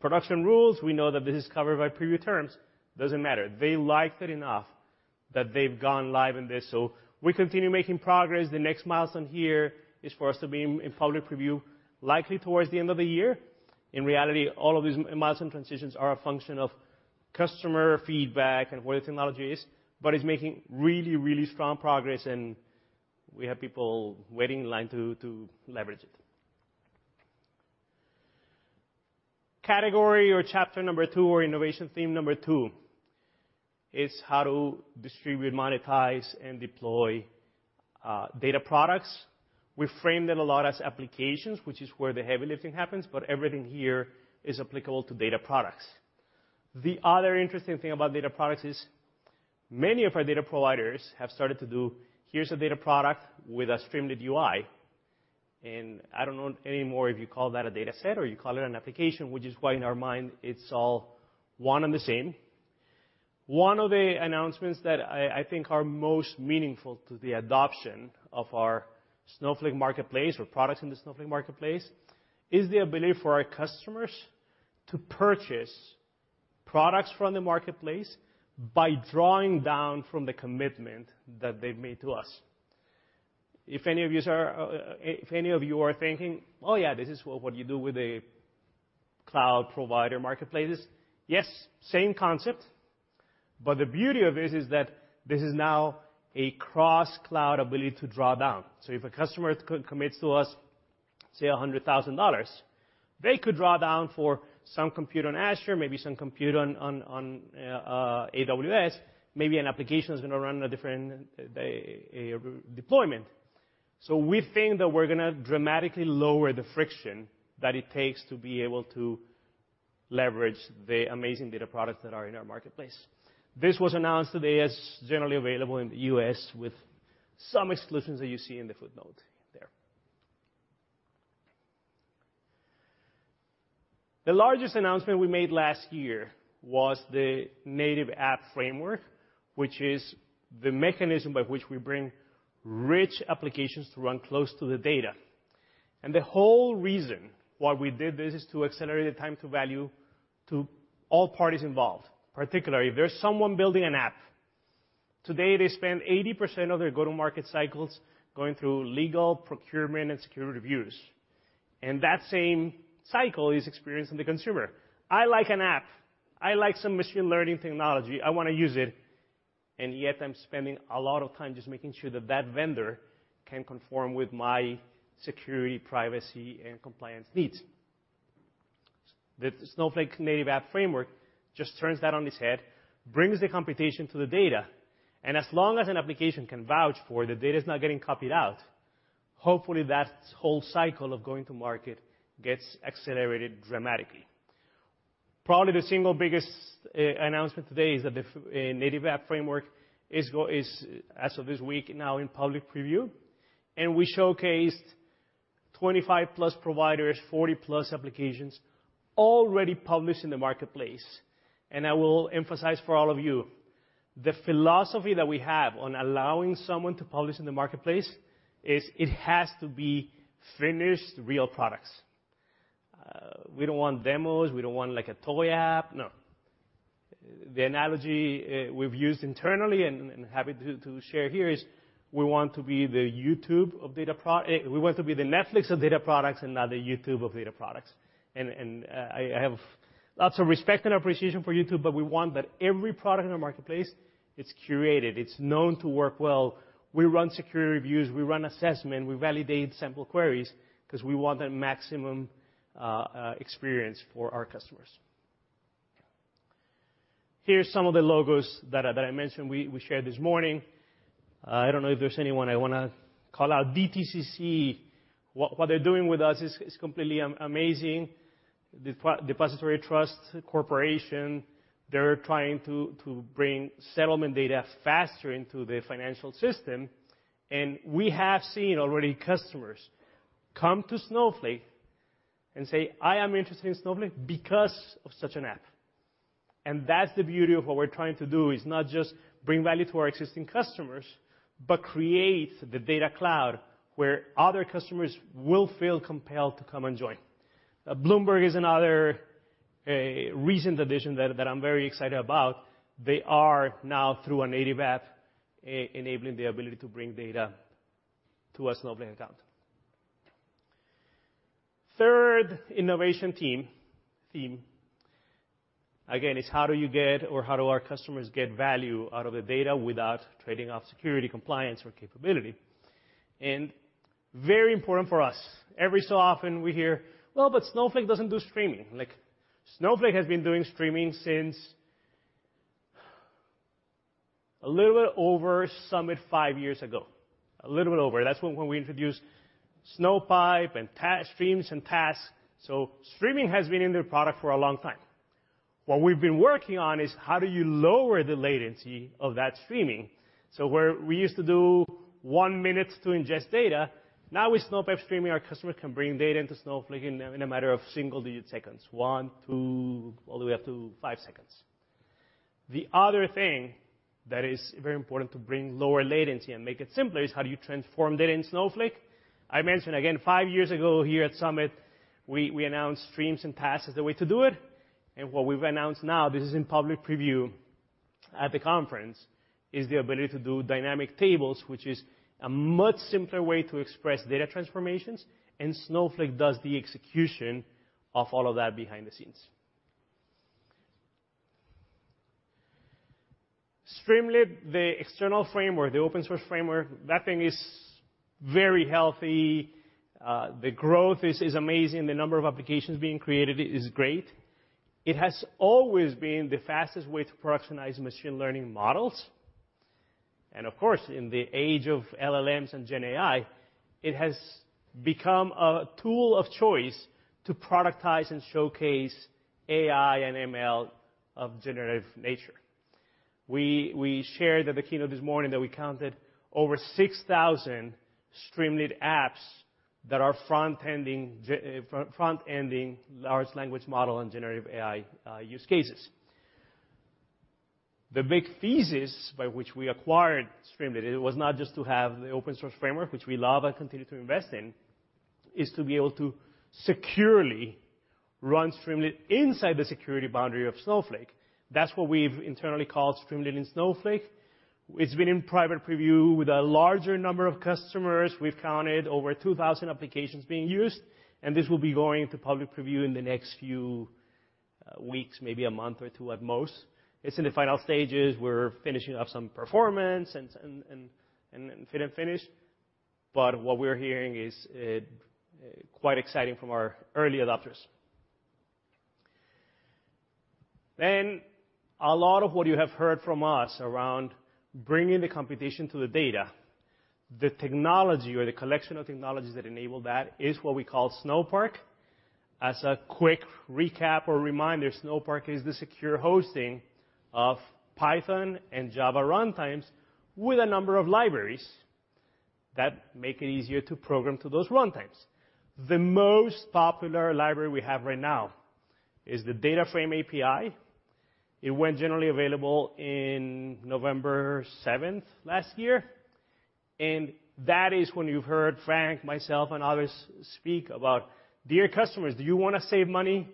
E: production rules, we know that this is covered by preview terms." Doesn't matter. They liked it enough that they've gone live in this. We continue making progress. The next milestone here is for us to be in public preview, likely towards the end of the year. In reality, all of these milestone transitions are a function of customer feedback and where the technology is, but it's making really, really strong progress, and we have people waiting in line to leverage it. Category or chapter number 2, or innovation theme number 2, is how to distribute, monetize, and deploy data products. We frame them a lot as applications, which is where the heavy lifting happens, but everything here is applicable to data products. The other interesting thing about data products is many of our data providers have started to do, "Here's a data product with a Streamlit UI," and I don't know anymore if you call that a data set or you call it an application, which is why, in our mind, it's all one and the same. One of the announcements that I think are most meaningful to the adoption of our Snowflake Marketplace or products in the Snowflake Marketplace, is the ability for our customers to purchase products from the Marketplace by drawing down from the commitment that they've made to us. If any of you are thinking, "Oh, yeah, this is what you do with a cloud provider marketplace," yes, same concept, but the beauty of this is that this is now a cross-cloud ability to draw down. If a customer commits to us, say, $100,000, they could draw down for some compute on Azure, maybe some compute on AWS, maybe an application is gonna run on a different deployment. We think that we're gonna dramatically lower the friction that it takes to be able to leverage the amazing data products that are in our marketplace. This was announced today as generally available in the U.S., with some exclusions that you see in the footnote there. The largest announcement we made last year was the Native App Framework, which is the mechanism by which we bring rich applications to run close to the data. The whole reason why we did this is to accelerate the time to value to all parties involved. Particularly, if there's someone building an app. Today, they spend 80% of their go-to-market cycles going through legal, procurement, and security reviews, and that same cycle is experienced in the consumer. I like an app. I like some machine learning technology. I want to use it, and yet I'm spending a lot of time just making sure that that vendor can conform with my security, privacy, and compliance needs. The Snowflake Native App Framework just turns that on its head, brings the computation to the data, and as long as an application can vouch for the data's not getting copied out, hopefully that whole cycle of going to market gets accelerated dramatically. Probably the single biggest announcement today is that the Native App Framework Is, as of this week, now in public preview, and we showcased 25+ providers, 40+ applications already published in the marketplace. I will emphasize for all of you, the philosophy that we have on allowing someone to publish in the marketplace is it has to be finished, real products. We don't want demos. We don't want, like, a toy app. No. The analogy we've used internally and happy to share here is we want to be the Netflix of data products, and not the YouTube of data products. I have lots of respect and appreciation for YouTube, but we want that every product in our marketplace, it's curated, it's known to work well. We run security reviews, we run assessment, we validate sample queries, 'cause we want a maximum experience for our customers. Here's some of the logos that I mentioned we shared this morning. I don't know if there's anyone I wanna call out. DTCC, what they're doing with us is completely amazing. Depository Trust Corporation, they're trying to bring settlement data faster into the financial system, and we have seen already customers come to Snowflake and say, "I am interested in Snowflake because of such an app." And that's the beauty of what we're trying to do, is not just bring value to our existing customers, but create the Data Cloud where other customers will feel compelled to come and join. Bloomberg is another recent addition that I'm very excited about. They are now, through a Native App, enabling the ability to bring data to a Snowflake account. Third innovation theme, again, is how do you get or how do our customers get value out of the data without trading off security, compliance, or capability? Very important for us, every so often we hear, "Well, but Snowflake doesn't do streaming." Like Snowflake has been doing streaming since a little bit over Summit five years ago, a little bit over. That's when we introduced Snowpipe and streams and tasks. Streaming has been in the product for a long time. What we've been working on is how do you lower the latency of that streaming? Where we used to do 1 minute to ingest data, now with Snowpipe Streaming, our customer can bring data into Snowflake in a matter of single-digit seconds, 1 to all the way up to five seconds. The other thing that is very important to bring lower latency and make it simpler is how do you transform data in Snowflake? I mentioned again, five years ago here at Summit, we announced streams and tasks as the way to do it, and what we've announced now, this is in public preview at the conference, is the ability to do Dynamic Tables, which is a much simpler way to express data transformations, and Snowflake does the execution of all of that behind the scenes. Streamlit, the external framework, the open-source framework, that thing is very healthy. The growth is amazing. The number of applications being created is great. It has always been the fastest way to productionize machine learning models, and of course, in the age of LLMs and GenAI, it has become a tool of choice to productize and showcase AI and ML of generative nature. We shared at the keynote this morning that we counted over 6,000 Streamlit apps that are front-ending large language model and generative AI use cases. The big thesis by which we acquired Streamlit, it was not just to have the open-source framework, which we love and continue to invest in, is to be able to securely run Streamlit inside the security boundary of Snowflake. That's what we've internally called Streamlit in Snowflake. It's been in private preview with a larger number of customers. We've counted over 2,000 applications being used, and this will be going into public preview in the next few weeks, maybe a month or two at most. It's in the final stages. We're finishing up some performance and fit-and-finish, but what we're hearing is quite exciting from our early adopters. A lot of what you have heard from us around bringing the computation to the data, the technology or the collection of technologies that enable that, is what we call Snowpark. As a quick recap or reminder, Snowpark is the secure hosting of Python and Java runtimes with a number of libraries that make it easier to program to those runtimes. The most popular library we have right now is the DataFrame API. It went generally available in November 7th last year. That is when you've heard Frank, myself, and others speak about, "Dear customers, do you wanna save money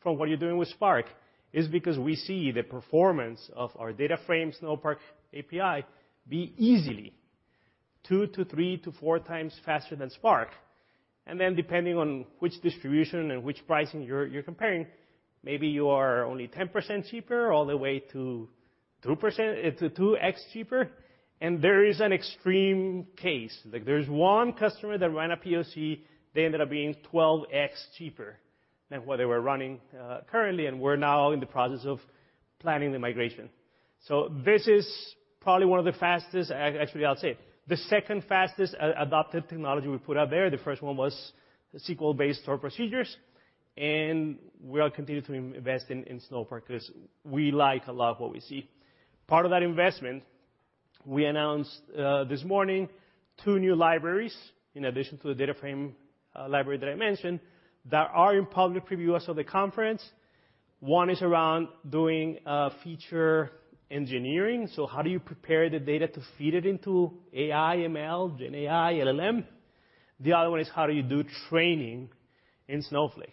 E: from what you're doing with Spark?" Is because we see the performance of our DataFrame Snowpark API be easily 2 to 3 to 4 times faster than Spark. Depending on which distribution and which pricing you're comparing, maybe you are only 10% cheaper all the way to 2%, to 2x cheaper. There is an extreme case. Like, there's one customer that ran a POC, they ended up being 12x cheaper than what they were running currently, and we're now in the process of planning the migration. This is probably one of the fastest, actually, I'll say, the second fastest adopted technology we put out there. The first one was SQL-based store procedures, and we are continuing to invest in Snowpark because we like a lot of what we see. Part of that investment, we announced this morning, two new libraries, in addition to the data frame library that I mentioned, that are in public preview as of the conference. One is around doing feature engineering. How do you prepare the data to feed it into AI, ML, GenAI, LLM? The other one is, how do you do training in Snowflake?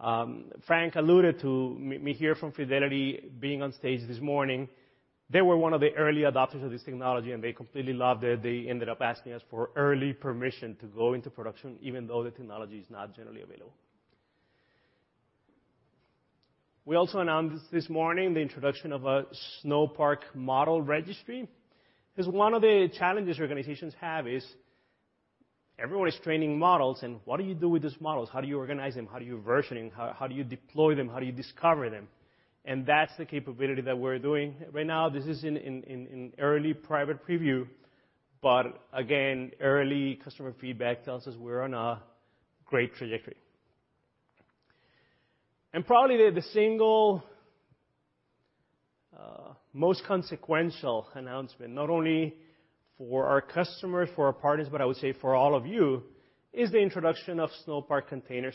E: Frank alluded to Mihir from Fidelity being on stage this morning. They were one of the early adopters of this technology, and they completely loved it. They ended up asking us for early permission to go into production, even though the technology is not generally available. We also announced this morning the introduction of a Snowpark Model Registry. One of the challenges organizations have is everyone is training models, and what do you do with these models? How do you organize them? How do you version them? How do you deploy them? How do you discover them? That's the capability that we're doing right now. This is in early private preview, but again, early customer feedback tells us we're on a great trajectory. Probably the single most consequential announcement, not only for our customers, for our partners, but I would say for all of you, is the introduction of Snowpark Container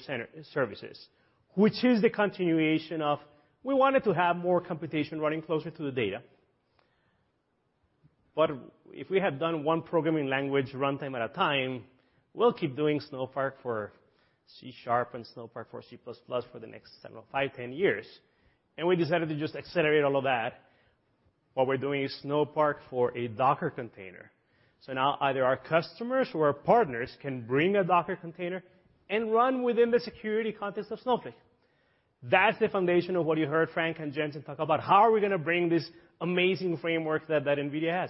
E: Services, which is the continuation of we wanted to have more computation running closer to the data. If we had done one programming language runtime at a time, we'll keep doing Snowpark for C# and Snowpark for C++ for the next, I don't know, five, 10 years. We decided to just accelerate all of that. What we're doing is Snowpark for a Docker container. Now either our customers or our partners can bring a Docker container and run within the security context of Snowflake. That's the foundation of what you heard Frank and Jensen talk about. How are we gonna bring this amazing framework that NVIDIA has?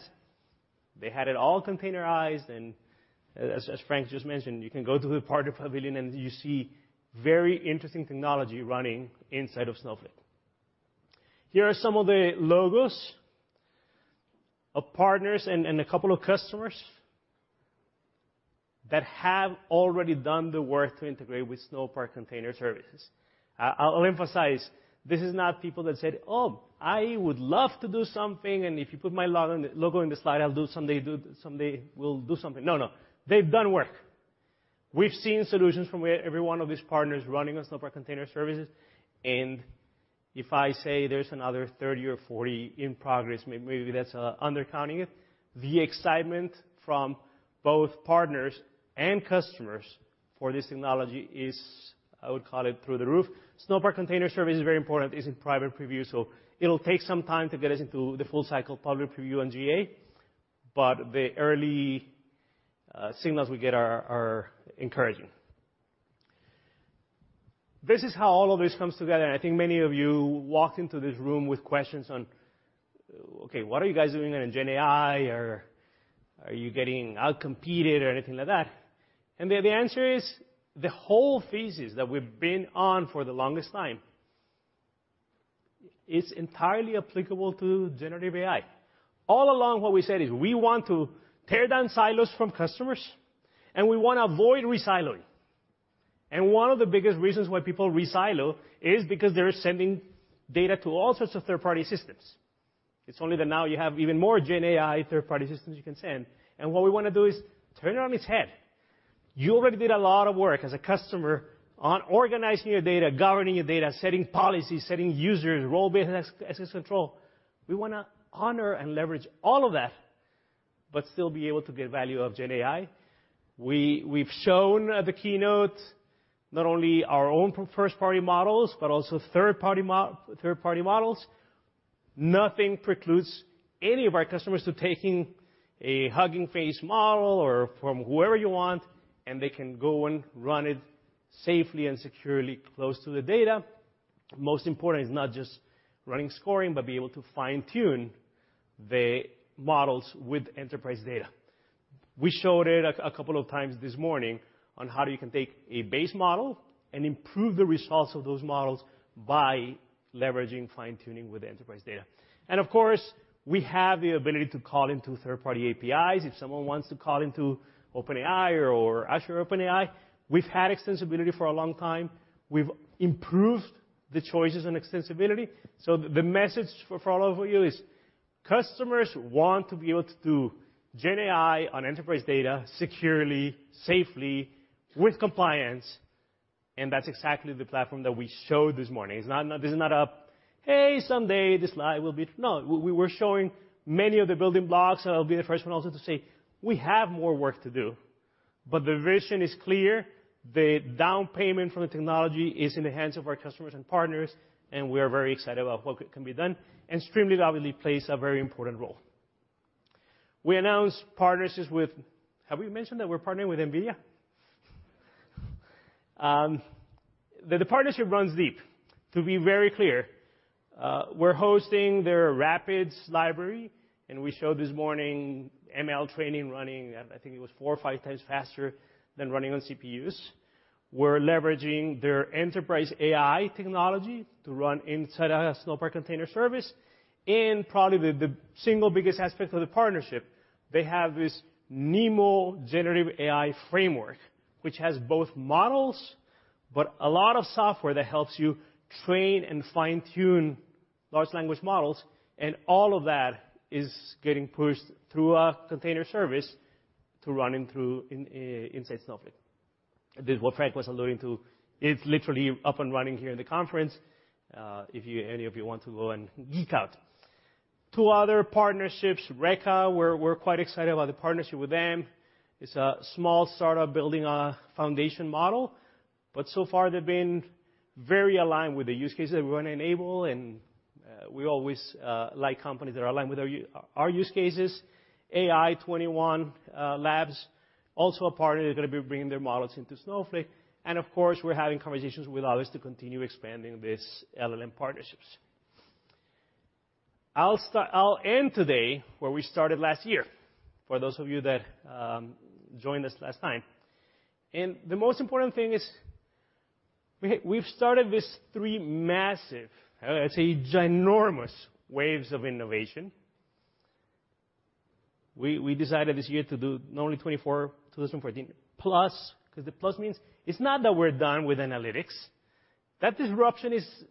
E: They had it all containerized. As Frank just mentioned, you can go to the partner pavilion, and you see very interesting technology running inside of Snowflake. Here are some of the logos of partners and a couple of customers that have already done the work to integrate with Snowpark Container Services. I'll emphasize, this is not people that said, "Oh, I would love to do something, and if you put my logo on the slide, I'll do someday, Someday, we'll do something." No, they've done work. We've seen solutions from every one of these partners running on Snowpark Container Services. If I say there's another 30 or 40 in progress, maybe that's undercounting it. The excitement from both partners and customers for this technology is, I would call it, through the roof. Snowpark Container Service is very important. It's in private preview, so it'll take some time to get us into the full cycle public preview and GA, but the early signals we get are encouraging. This is how all of this comes together, and I think many of you walked into this room with questions on, "Okay, what are you guys doing on GenAI, or are you getting out-competed or anything like that?" The answer is the whole thesis that we've been on for the longest time is entirely applicable to generative AI. All along, what we said is we want to tear down silos from customers, and we wanna avoid re-siloing. One of the biggest reasons why people re-silo is because they're sending data to all sorts of third-party systems. It's only that now you have even more GenAI third-party systems you can send, and what we wanna do is turn it on its head. You already did a lot of work as a customer on organizing your data, governing your data, setting policies, setting users, role-based access control. We wanna honor and leverage all of that, but still be able to get value of GenAI. We've shown at the keynote, not only our own first-party models, but also third-party models. Nothing precludes any of our customers to taking a Hugging Face model or from whoever you want, and they can go and run it safely and securely, close to the data. Most important is not just running scoring but be able to fine-tune the models with enterprise data. We showed it a couple of times this morning on how you can take a base model and improve the results of those models by leveraging fine-tuning with enterprise data. Of course, we have the ability to call into third-party APIs. If someone wants to call into OpenAI or Azure OpenAI, we've had extensibility for a long time. We've improved the choices and extensibility. The message for all of you is, customers want to be able to do GenAI on enterprise data securely, safely, with compliance. That's exactly the platform that we showed this morning. This is not a, "Hey, someday, this slide will be." No, we were showing many of the building blocks. I'll be the first one also to say, we have more work to do, but the vision is clear. The down payment from the technology is in the hands of our customers and partners, and we are very excited about what can be done, and Streamlit obviously plays a very important role. We announced partnerships with - have we mentioned that we're partnering with NVIDIA? The partnership runs deep. To be very clear, we're hosting their RAPIDS library, and we showed this morning ML training running, I think it was four or five times faster than running on CPUs. We're leveraging their enterprise AI technology to run inside our Snowpark Container Services. Probably the single biggest aspect of the partnership, they have this NeMo generative AI framework, which has both models, but a lot of software that helps you train and fine-tune large language models. All of that is getting pushed through a container service to running through inside Snowflake. This, what Frank was alluding to, it's literally up and running here in the conference, if you, any of you want to go and geek out. Two other partnerships, Reka. We're quite excited about the partnership with them. It's a small startup building a foundation model. So far they've been very aligned with the use cases that we wanna enable. We always like companies that are aligned with our use cases. AI21 Labs, also a partner. They're gonna be bringing their models into Snowflake. Of course, we're having conversations with others to continue expanding this LLM partnerships. I'll end today where we started last year, for those of you that joined us last time. The most important thing is we've started this three massive, let's say, ginormous waves of innovation. We decided this year to do not only 24, 2014 plus, 'cause the plus means it's not that we're done with analytics. That disruption is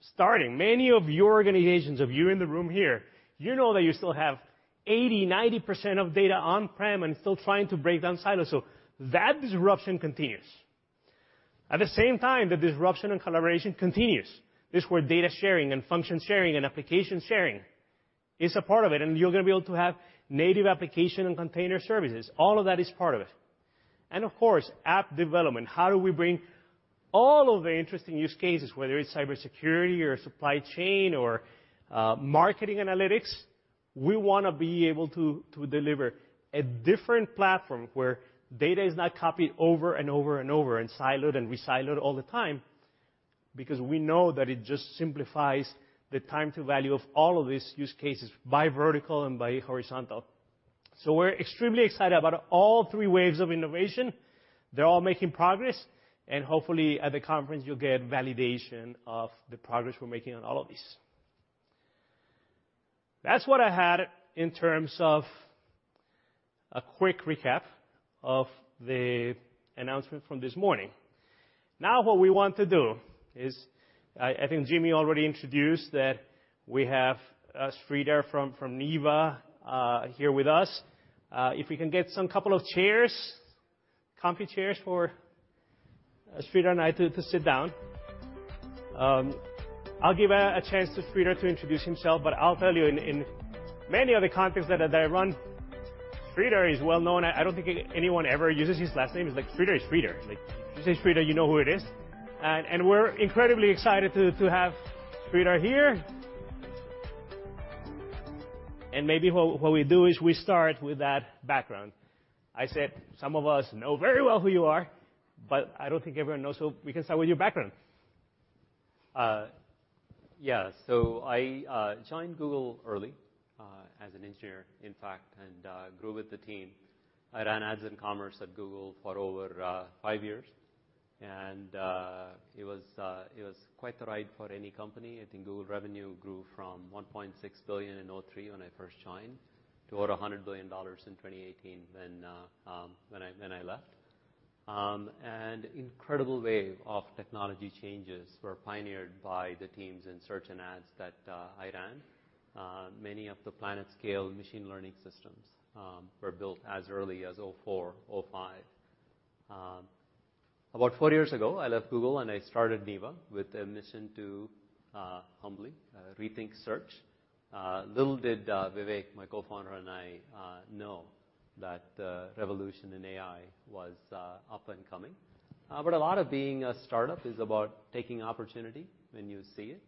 E: starting. Many of your organizations, of you in the room here, you know that you still have 80, 90% of data on-prem and still trying to break down silos, so that disruption continues. At the same time, the disruption and collaboration continues. This is where data sharing and function sharing and application sharing is a part of it, and you're gonna be able to have native application and container services. All of that is part of it. Of course, app development. How do we bring all of the interesting use cases, whether it's cybersecurity or supply chain or marketing analytics? We wanna be able to deliver a different platform, where data is not copied over and over and over, and siloed and resiloed all the time, because we know that it just simplifies the time to value of all of these use cases, by vertical and by horizontal. We're extremely excited about all three waves of innovation. They're all making progress, and hopefully, at the conference, you'll get validation of the progress we're making on all of these. That's what I had in terms of a quick recap of the announcement from this morning. What we want to do is, I think Jimmy already introduced that we have Sridhar from Neeva here with us. If we can get some couple of chairs, comfy chairs for Sridhar and I to sit down. I'll give a chance to Sridhar to introduce himself, but I'll tell you, in many of the conferences that I run, Sridhar is well known. I don't think anyone ever uses his last name. It's like, Sridhar is Sridhar. Like, you say Sridhar, you know who it is. We're incredibly excited to have Sridhar here. Maybe we do is we start with that background. I said some of us know very well who you are, but I don't think everyone knows, so we can start with your background.
F: Yeah. I joined Google early as an engineer, in fact and grew with the team. I ran ads and commerce at Google for over five years, and it was quite the ride for any company. I think Google revenue grew from $1.6 billion in 2003, when I first joined, to over $100 billion in 2018 when I left. Incredible wave of technology changes were pioneered by the teams in search and ads that I ran. Many of the planet-scale machine learning systems were built as early as 2004, 2005. About 4 years ago, I left Google, and I started Neeva with a mission to humbly rethink search. Little did Vivek, my co-founder, and I know that revolution in AI was up and coming. A lot of being a start-up is about taking opportunity when you see it.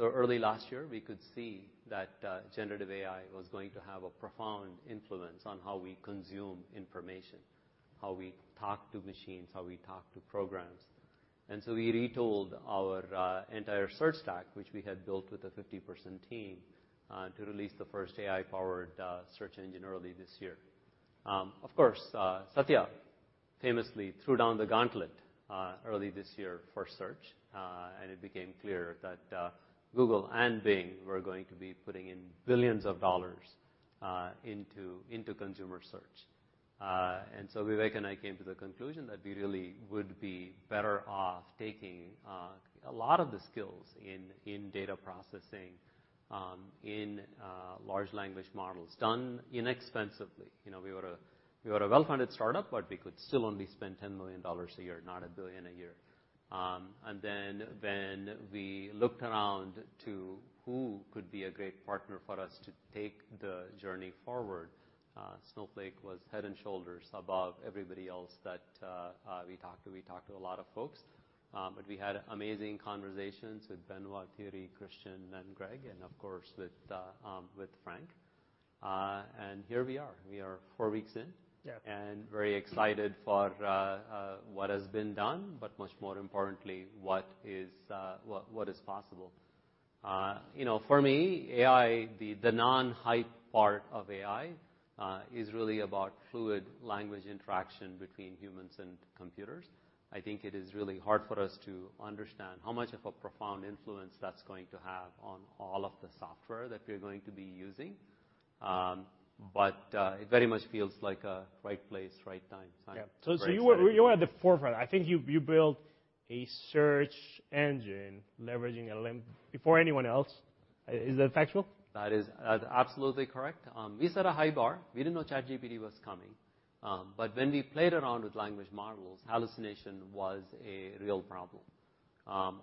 F: Early last year, we could see that generative AI was going to have a profound influence on how we consume information, how we talk to machines, how we talk to programs. We retooled our entire search stack, which we had built with a 50-person team, to release the first AI-powered search engine early this year. Satya famously threw down the gauntlet early this year for search, and it became clear that Google and Bing were going to be putting in billions of dollars into consumer search. Vivek and I came to the conclusion that we really would be better off taking a lot of the skills in data processing, in large language models, done inexpensively. You know, we were a, we were a well-funded start-up, but we could still only spend $10 million a year, not $1 billion a year. When we looked around to who could be a great partner for us to take the journey forward, Snowflake was head and shoulders above everybody else that we talked to. We talked to a lot of folks, but we had amazing conversations with Benoit, Thierry, Christian, and Greg, and of course, with Frank. Here we are. We are four weeks in.
E: Yeah.
F: Very excited for what has been done, much more importantly, what is possible. You know, for me, AI, the non-hype part of AI, is really about fluid language interaction between humans and computers. I think it is really hard for us to understand how much of a profound influence that's going to have on all of the software that we're going to be using. But, it very much feels like a right place, right time, Sridhar.
E: Yeah. You were at the forefront. I think you built a search engine leveraging a LLM before anyone else. Is that factual?
F: That is absolutely correct. We set a high bar. We didn't know ChatGPT was coming. When we played around with language models, hallucination was a real problem.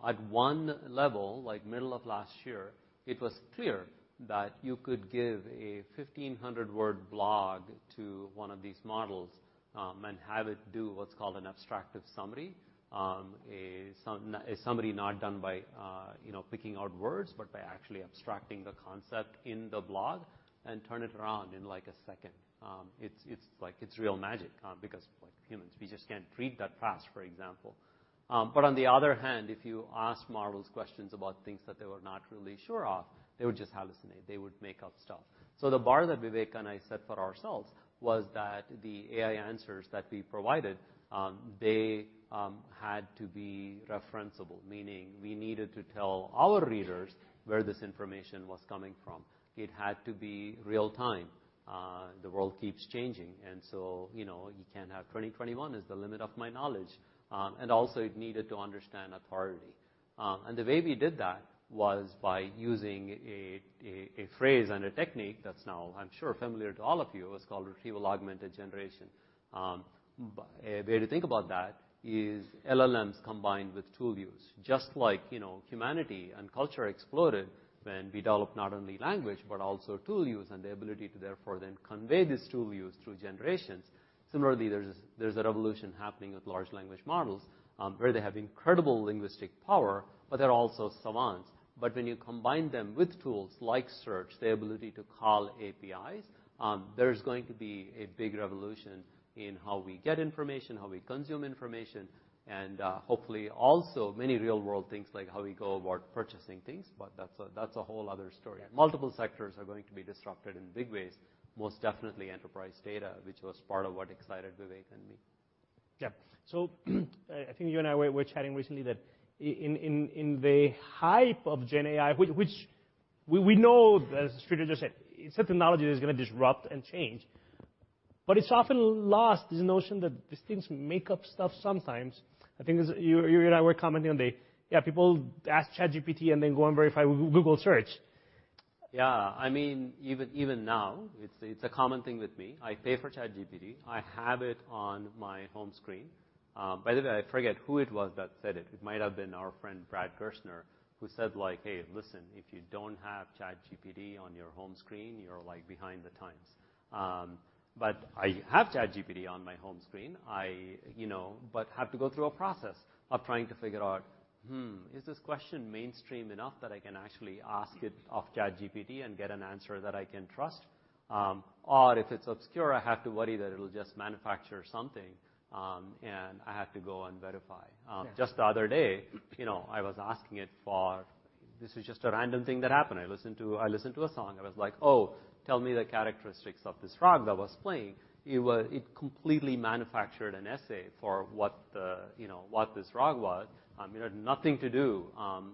F: At one level, like middle of last year, it was clear that you could give a 1,500-word blog to one of these models, and have it do what's called an abstractive summary. A summary not done by, you know, picking out words, but by actually abstracting the concept in the blog and turn it around in, like, a second. It's like, it's real magic, because like humans, we just can't read that fast, for example. On the other hand, if you ask models questions about things that they were not really sure of, they would just hallucinate. They would make up stuff. The bar that Vivek and I set for ourselves was that the AI answers that we provided, they had to be referenceable, meaning we needed to tell our readers where this information was coming from. It had to be real time. The world keeps changing, you know, you can't have 2021 as the limit of my knowledge. It needed to understand authority. The way we did that was by using a phrase and a technique that's now, I'm sure, familiar to all of you. It's called retrieval augmented generation. A way to think about that is LLMs combined with tool use. Just like, you know, humanity and culture exploded when we developed not only language, but also tool use and the ability to therefore then convey these tool use through generations, similarly, there's a revolution happening with large language models, where they have incredible linguistic power, but they're also savants. When you combine them with tools like search, the ability to call APIs, there's going to be a big revolution in how we get information, how we consume information, and hopefully also many real-world things, like how we go about purchasing things, but that's a whole other story.
E: Yeah.
F: Multiple sectors are going to be disrupted in big ways, most definitely enterprise data, which was part of what excited Vivek and me.
E: Yeah. I think you and I were chatting recently that in the hype of GenAI, which we know, as Sridhar just said, it's a technology that is gonna disrupt and change, but it's often lost, this notion that these things make up stuff sometimes. I think as you and I were commenting on the. Yeah, people ask ChatGPT and then go and verify with Google Search.
F: I mean even now, it's a common thing with me. I pay for ChatGPT. I have it on my home screen. By the way, I forget who it was that said it. It might have been our friend Brad Gerstner, who said, "Hey, listen, if you don't have ChatGPT on your home screen, you're, like, behind the times." I have ChatGPT on my home screen. You know, but have to go through a process of trying to figure out, "Hmm, is this question mainstream enough that I can actually ask it of ChatGPT and get an answer that I can trust? Or if it's obscure, I have to worry that it'll just manufacture something, and I have to go and verify.
E: Yeah.
F: Just the other day, you know, I was asking it for... This is just a random thing that happened. I listened to a song, and I was like, "Oh, tell me the characteristics of this rag that was playing." It completely manufactured an essay for what the, you know, what this rag was. It had nothing to do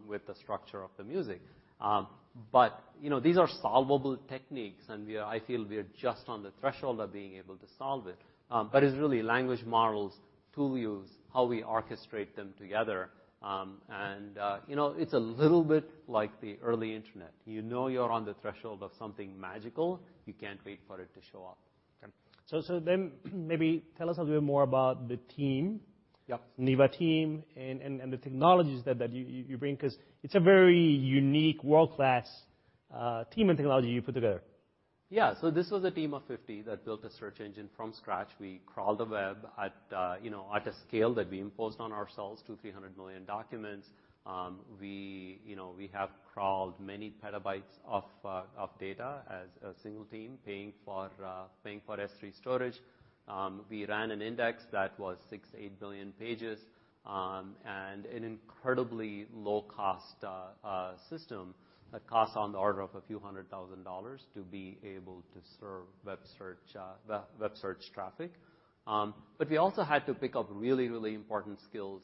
F: with the structure of the music. You know, these are solvable techniques, and I feel we are just on the threshold of being able to solve it. It's really language models, tool use, how we orchestrate them together. You know, it's a little bit like the early internet. You know, you're on the threshold of something magical. You can't wait for it to show up.
E: Okay. Maybe tell us a little bit more about the team?
F: Yep.
E: Neeva team and the technologies that you bring, 'cause it's a very unique, world-class, team and technology you put together.
F: This was a team of 50 that built a search engine from scratch. We crawled the web at, you know, at a scale that we imposed on ourselves, 200 million-300 million documents. We, you know, we have crawled many petabytes of data as a single team, paying for S3 storage. We ran an index that was 6 billion-8 billion pages and an incredibly low-cost system that costs on the order of a few hundred thousand dollars to be able to serve web search traffic. We also had to pick up really, really important skills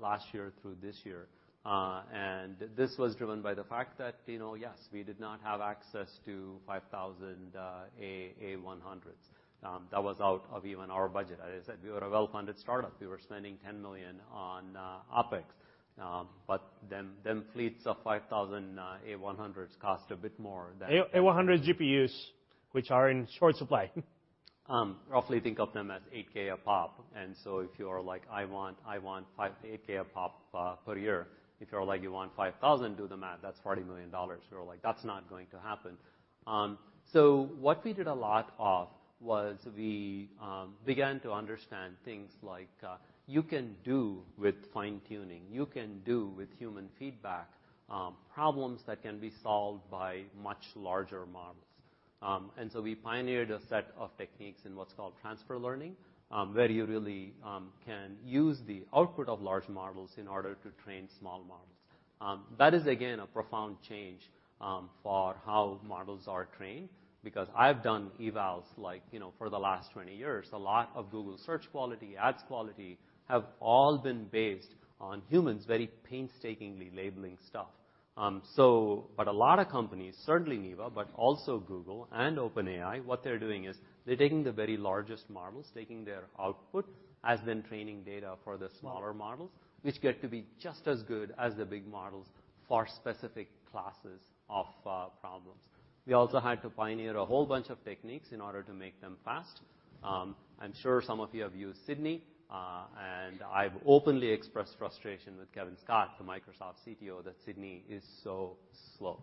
F: last year through this year. This was driven by the fact that, you know, yes, we did not have access to 5,000 A100s. That was out of even our budget. As I said, we were a well-funded startup. We were spending $10 million on OpEx, but them fleets of 5,000 A100s cost a bit more than.
E: A100 GPUs, which are in short supply.
F: Roughly think of them as 8K a pop. If you are like, I want 8K a pop per year, if you are like, you want 5,000, do the math. That's $40 million. We were like, "That's not going to happen." What we did a lot of was we began to understand things like, you can do with fine-tuning, you can do with human feedback, problems that can be solved by much larger models. We pioneered a set of techniques in what is called transfer learning, where you really can use the output of large models in order to train small models. That is, again, a profound change for how models are trained, because I've done evals like, you know, for the last 20 years. A lot of Google search quality, ads quality, have all been based on humans, very painstakingly labeling stuff. A lot of companies, certainly Neeva, but also Google and OpenAI, what they're doing is they're taking the very largest models, taking their output, as then training data for the smaller models, which get to be just as good as the big models for specific classes of problems. We also had to pioneer a whole bunch of techniques in order to make them fast. I'm sure some of you have used Sydney, and I've openly expressed frustration with Kevin Scott, the Microsoft CTO, that Sydney is so slow.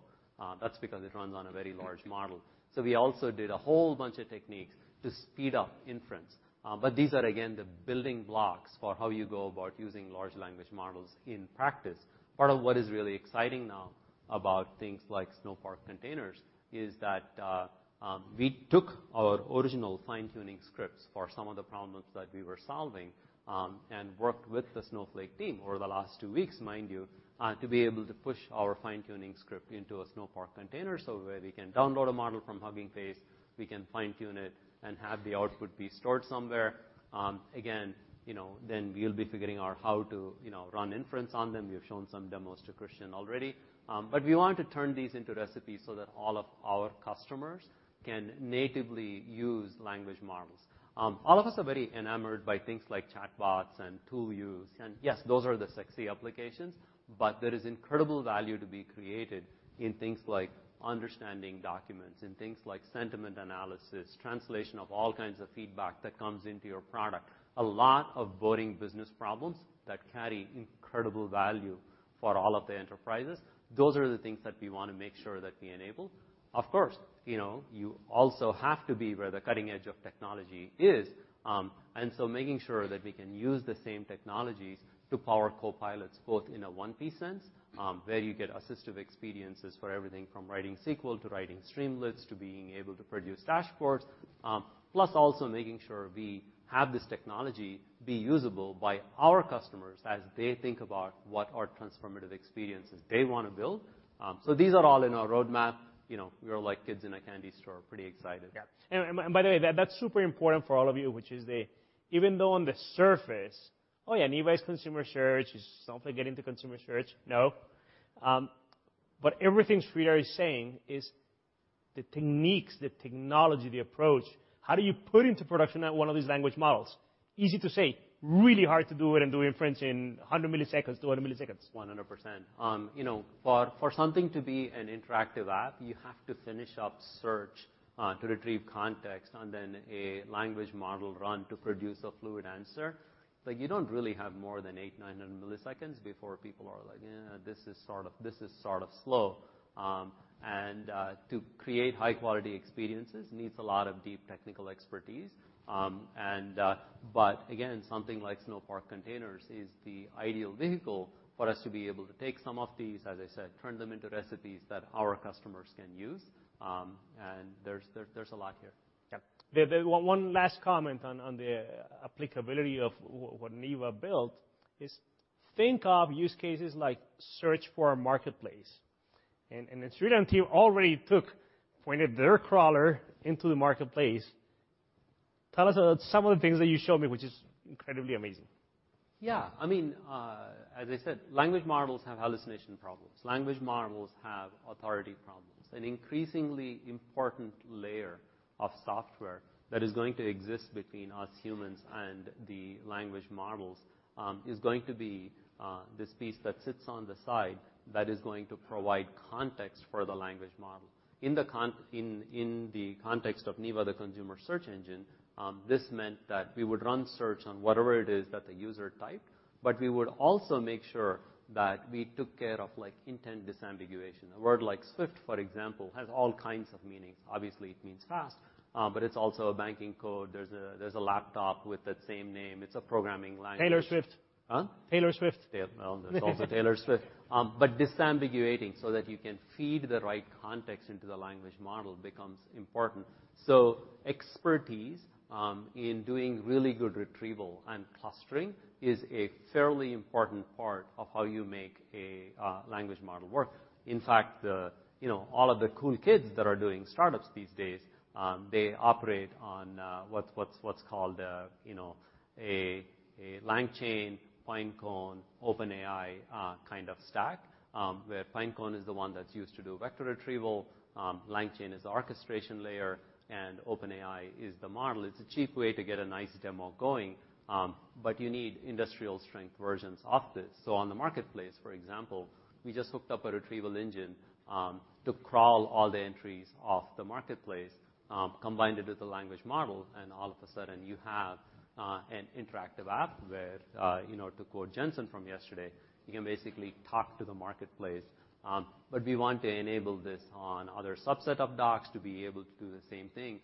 F: That's because it runs on a very large model. We also did a whole bunch of techniques to speed up inference. These are, again the building blocks for how you go about using large language models in practice. Part of what is really exciting now about things like Snowpark containers is that we took our original fine-tuning scripts for some of the problems that we were solving and worked with the Snowflake team over the last two weeks, mind you, to be able to push our fine-tuning script into a Snowpark container. Where we can download a model from Hugging Face, we can fine-tune it, and have the output be stored somewhere. Again, you know, we'll be figuring out how to, you know, run inference on them. We have shown some demos to Christian already. We want to turn these into recipes so that all of our customers can natively use language models. All of us are very enamored by things like chatbots and tool use, and yes, those are the sexy applications, but there is incredible value to be created in things like understanding documents and things like sentiment analysis, translation of all kinds of feedback that comes into your product. A lot of boring business problems that carry incredible value for all of the enterprises. Those are the things that we wanna make sure that we enable. Of course, you know, you also have to be where the cutting edge of technology is. Making sure that we can use the same technologies to power Copilots, both in a one-piece sense, where you get assistive experiences for everything from writing SQL, to writing Streamlit, to being able to produce dashboards. Plus, also making sure we have this technology be usable by our customers as they think about what are transformative experiences they wanna build. These are all in our roadmap. You know, we are like kids in a candy store, pretty excited.
E: Yeah. By the way, that's super important for all of you, which is the - even though on the surface, yeah, Neeva's consumer search is something getting to consumer search, no. Everything Sridhar is saying is the techniques, the technology, the approach. How do you put into production at one of these language models? Easy to say, really hard to do it, and do inference in 100 milliseconds, 200 milliseconds.
F: 100%. You know, for something to be an interactive app, you have to finish up search, to retrieve context, and then a language model run to produce a fluid answer. Like, you don't really have more than 800-900 milliseconds before people are like, "Eh, this is sort of, this is sort of slow." And to create high-quality experiences needs a lot of deep technical expertise. Again, something like Snowpark Containers is the ideal vehicle for us to be able to take some of these, as I said, turn them into recipes that our customers can use. There's a lot here.
E: Yeah. The one last comment on the applicability of what Neeva built is think of use cases like search for a marketplace. The Sridhar team already took, pointed their crawler into the marketplace. Tell us some of the things that you showed me, which is incredibly amazing.
F: Yeah. I mean, as I said, language models have hallucination problems, language models have authority problems. An increasingly important layer of software that is going to exist between us humans and the language models, is going to be this piece that sits on the side that is going to provide context for the language model. In the context of Neeva, the consumer search engine, this meant that we would run search on whatever it is that the user typed, but we would also make sure that we took care of, like, intent disambiguation. A word like Swift, for example, has all kinds of meanings. Obviously, it means fast, but it's also a banking code. There's a laptop with that same name. It's a programming language.
E: Taylor Swift.
F: Huh?
E: Taylor Swift.
F: Well, there's also Taylor Swift. Disambiguating so that you can feed the right context into the language model becomes important. Expertise in doing really good retrieval and clustering is a fairly important part of how you make a language model work. In fact, you know, all of the cool kids that are doing startups these days, they operate on what's called a LangChain, Pinecone, OpenAI kind of stack. Where Pinecone is the one that's used to do vector retrieval, LangChain is the orchestration layer, and OpenAI is the model. It's a cheap way to get a nice demo going, but you need industrial-strength versions of this. On the Marketplace, for example, we just hooked up a retrieval engine, to crawl all the entries off the Marketplace, combined it with the language model, and all of a sudden you have an interactive app where, you know, to quote Jensen from yesterday, you can basically talk to the Marketplace. But we want to enable this on other subset of docs to be able to do the same thing,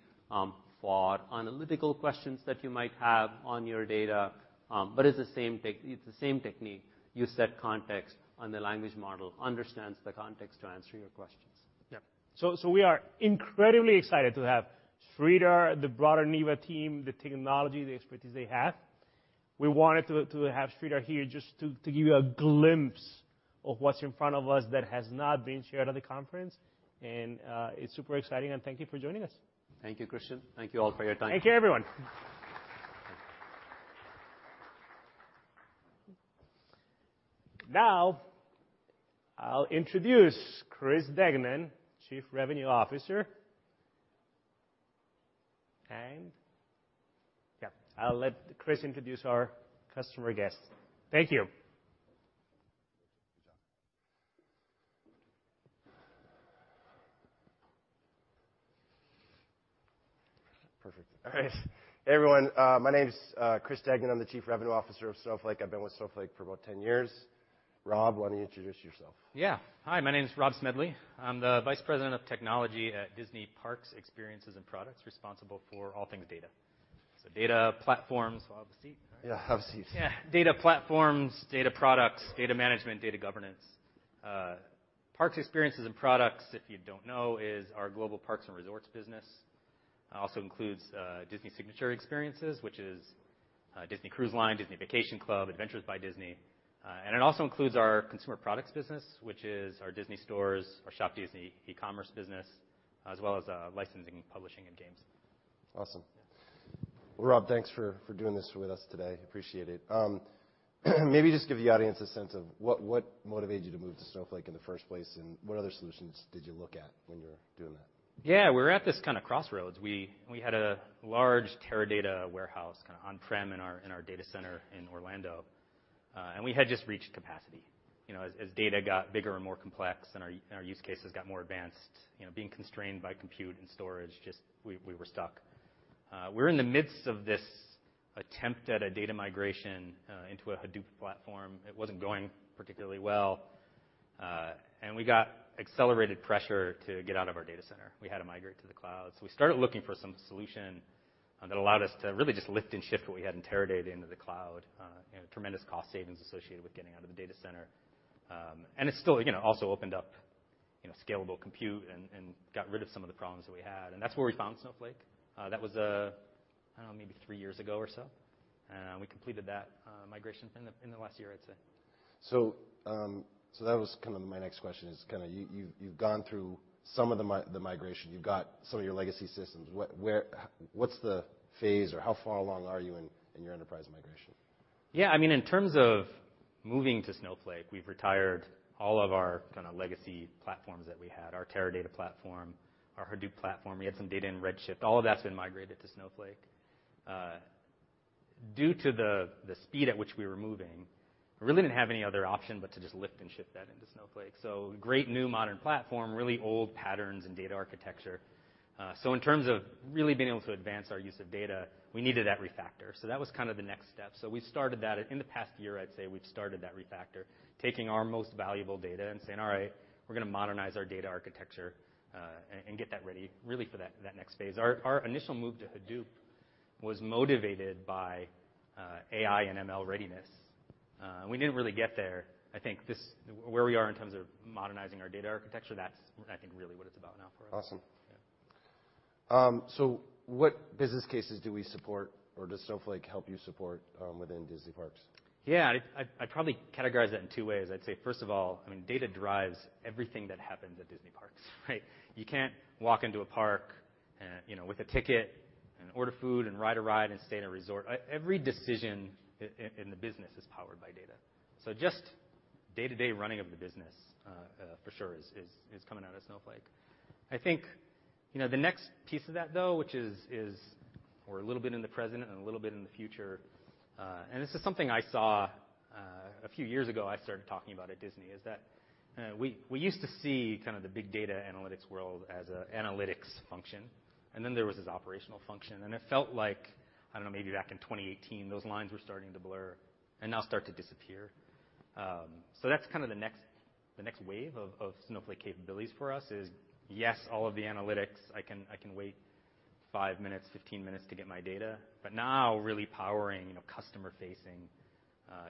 F: for analytical questions that you might have on your data. But it's the same technique. You set context, and the language model understands the context to answer your questions.
E: Yeah. We are incredibly excited to have Sridhar, the broader Neeva team, the technology, the expertise they have. We wanted to have Sridhar here just to give you a glimpse of what's in front of us that has not been shared at the conference, and it's super exciting, and thank you for joining us.
F: Thank you Christian. Thank you all for your time.
E: Thank you, everyone. Now, I'll introduce Chris Degnan, Chief Revenue Officer. Yeah, I'll let Chris introduce our customer guest. Thank you.
G: Good job. Perfect. All right. Hey, everyone, my name's, Chris Degnan. I'm the Chief Revenue Officer of Snowflake. I've been with Snowflake for about 10 years. Rob, why don't you introduce yourself?
H: Yeah. Hi, my name is Rob Smedley. I'm the Vice President of Technology at Disney Parks, Experiences and Products, responsible for all things data. Data platforms. We'll have a seat, right?
G: Yeah, have a seat.
H: Data platforms, data products, data management, data governance. Parks, Experiences and Products, if you don't know, is our global parks and resorts business. Also includes Disney Signature Experiences, which is Disney Cruise Line, Disney Vacation Club, Adventures by Disney, and it also includes our consumer products business, which is our Disney Stores, our shopDisney, e-commerce business, as well as licensing, publishing, and games.
G: Awesome. Well, Rob, thanks for doing this with us today. Appreciate it. Maybe just give the audience a sense of what motivated you to move to Snowflake in the first place. What other solutions did you look at when you were doing that?
H: Yeah, we were at this kind of crossroads. We had a large Teradata warehouse, kind of on-prem in our data center in Orlando, and we had just reached capacity. You know, as data got bigger and more complex, and our use cases got more advanced, you know, being constrained by compute and storage, just we were stuck. We were in the midst of this attempt at a data migration into a Hadoop platform. It wasn't going particularly well, and we got accelerated pressure to get out of our data center. We had to migrate to the cloud. We started looking for some solution that allowed us to really just lift and shift what we had in Teradata into the cloud. You know, tremendous cost savings associated with getting out of the data center. It still, you know, also opened up, you know, scalable compute and got rid of some of the problems that we had, and that's where we found Snowflake. That was, I don't know, maybe 3 years ago or so, and we completed that migration in the last year, I'd say.
G: That was kind of my next question, is kind of you've, you've gone through some of the migration. You've got some of your legacy systems. What, where, what's the phase, or how far along are you in your enterprise migration?
H: Yeah, I mean in terms of moving to Snowflake, we've retired all of our kind of legacy platforms that we had, our Teradata platform, our Hadoop platform. We had some data in Redshift. All of that's been migrated to Snowflake. Due to the speed at which we were moving, we really didn't have any other option but to just lift and shift that into Snowflake. Great, new, modern platform, really old patterns and data architecture. In terms of really being able to advance our use of data, we needed that refactor. That was kind of the next step. We started that. In the past year, I'd say we've started that refactor, taking our most valuable data and saying, "All right, we're going to modernize our data architecture, and get that ready, really for that next phase." Our initial move to Hadoop was motivated by AI and ML readiness. We didn't really get there. I think this, where we are in terms of modernizing our data architecture, that's, I think, really what it's about now for us.
G: Awesome.
H: Yeah.
G: What business cases do we support or does Snowflake help you support within Disney Parks?
H: Yeah, I'd probably categorize that in two ways. I'd say, first of all, I mean, data drives everything that happens at Disney Parks, right? You can't walk into a park, you know, with a ticket and order food and ride a ride and stay in a resort. Every decision in the business is powered by data. Just day-to-day running of the business, for sure is coming out of Snowflake. I think you know, the next piece of that, though, which is we're a little bit in the present and a little bit in the future. This is something I saw a few years ago, I started talking about at Disney, is that we used to see kind of the big data analytics world as a analytics function, and then there was this operational function, and it felt like, I don't know, maybe back in 2018, those lines were starting to blur and now start to disappear. That's kind of the next, the next wave of Snowflake capabilities for us is, yes, all of the analytics, I can, I can wait five minutes, 15 minutes to get my data, but now really powering, you know, customer-facing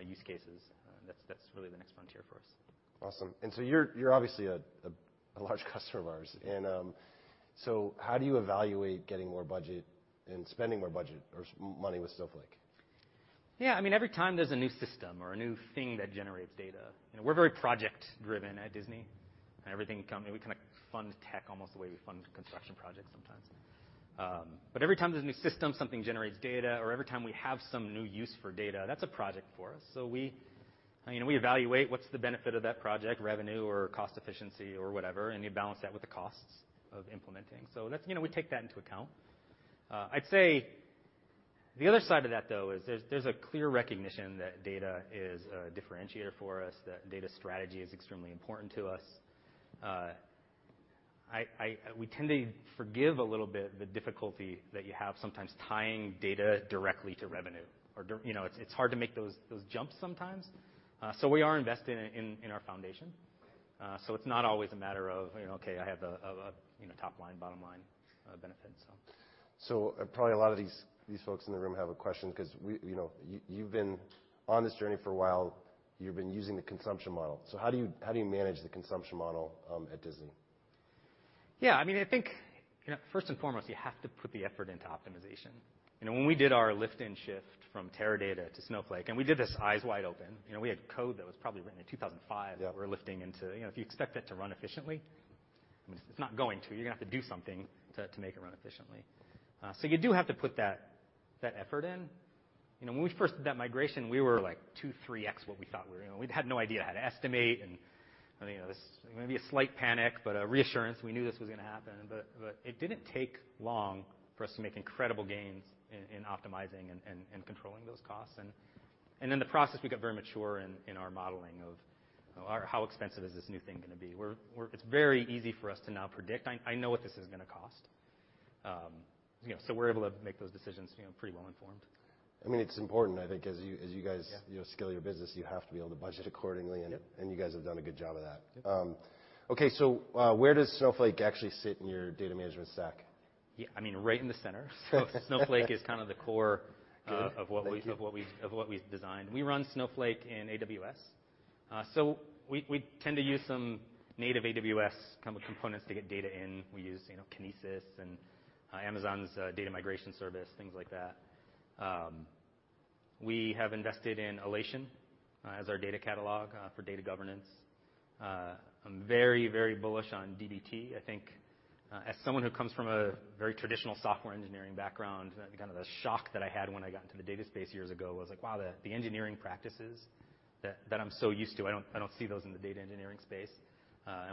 H: use cases. That's, that's really the next frontier for us.
G: Awesome. You're obviously a large customer of ours, and, so how do you evaluate getting more budget and spending more budget or money with Snowflake?
H: Yeah, I mean, every time there's a new system or a new thing that generates data, you know, we're very project driven at Disney, and everything we kind of fund tech almost the way we fund construction projects sometimes. Every time there's a new system, something generates data, or every time we have some new use for data, that's a project for us. We, you know, we evaluate what's the benefit of that project, revenue or cost efficiency or whatever, and you balance that with the costs of implementing. That's, you know, we take that into account. I'd say the other side of that, though, is there's a clear recognition that data is a differentiator for us, that data strategy is extremely important to us. We tend to forgive a little bit the difficulty that you have sometimes tying data directly to revenue or You know, it's hard to make those jumps sometimes. We are investing in our foundation. It's not always a matter of, you know, okay, I have a, you know, top line, bottom line benefit, so.
G: Probably a lot of these folks in the room have a question because You know, you've been on this journey for a while. You've been using the consumption model. How do you manage the consumption model at Disney?
H: Yeah, I mean, I think, you know, first and foremost, you have to put the effort into optimization. You know, when we did our lift and shift from Teradata to Snowflake, and we did this eyes wide open, you know, we had code that was probably written in 2005.
G: Yeah.
H: That we're lifting into. You know, if you expect it to run efficiently, I mean, it's not going to. You're going to have to do something to make it run efficiently. You do have to put that effort in. You know, when we first did that migration, we were like 2, 3X what we thought we were. You know, we had no idea how to estimate, and I think it was maybe a slight panic, but a reassurance we knew this was going to happen. It didn't take long for us to make incredible gains in optimizing and controlling those costs. In the process, we got very mature in our modeling of how expensive is this new thing going to be? It's very easy for us to now predict. I know what this is going to cost. You know, we're able to make those decisions, you know, pretty well informed.
G: I mean, it's important, I think, as you guys-
H: Yeah
G: You know, scale your business, you have to be able to budget accordingly.
H: Yep.
G: You guys have done a good job of that.
H: Yep.
G: Okay, where does Snowflake actually sit in your data management stack?
H: Yeah, I mean, right in the center. Snowflake is kind of the core of what we've designed. We run Snowflake in AWS. So we tend to use some native AWS kind of components to get data in. We use, you know, Kinesis and Amazon's data migration service, things like that. We have invested in Alation as our data catalog for data governance. I'm very, very bullish on DBT. I think, as someone who comes from a very traditional software engineering background, kind of the shock that I had when I got into the data space years ago was like: Wow, the engineering practices that I'm so used to, I don't see those in the data engineering space.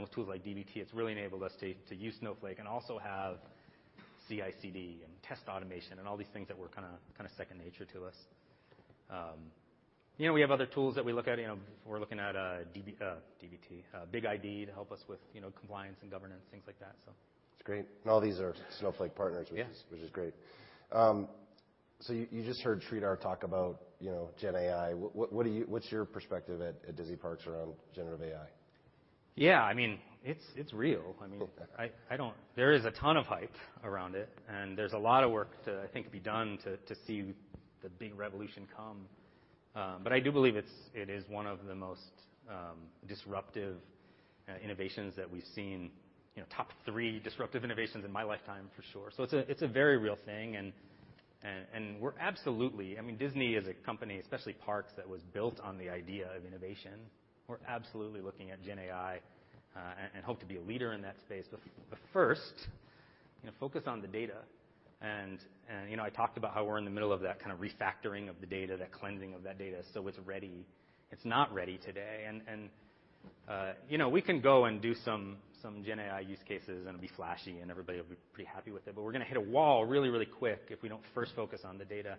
H: With tools like DBT, it's really enabled us to use Snowflake and also have CICD and test automation and all these things that were kind of second nature to us. You know, we have other tools that we look at. You know, we're looking at DBT, BigID, to help us with, you know, compliance and governance, things like that.
G: It's great. All these are Snowflake partners.
H: Yeah
G: Which is great. You just heard Sridhar talk about, you know, GenAI. What's your perspective at Disney Parks around generative AI?
H: Yeah, I mean it's real. I mean, there is a ton of hype around it, there's a lot of work to, I think, be done to see the big revolution come. I do believe it is one of the most disruptive innovations that we've seen, you know, top three disruptive innovations in my lifetime, for sure. It's a, it's a very real thing, and we're absolutely - I mean Disney is a company, especially parks, that was built on the idea of innovation. We're absolutely looking at GenAI and hope to be a leader in that space. First, you know, focus on the data. You know, I talked about how we're in the middle of that kind of refactoring of the data, that cleansing of that data, so it's ready. It's not ready today. You know, we can go and do some GenAI use cases, and it'll be flashy, and everybody will be pretty happy with it, but we're going to hit a wall really, really quick if we don't first focus on the data.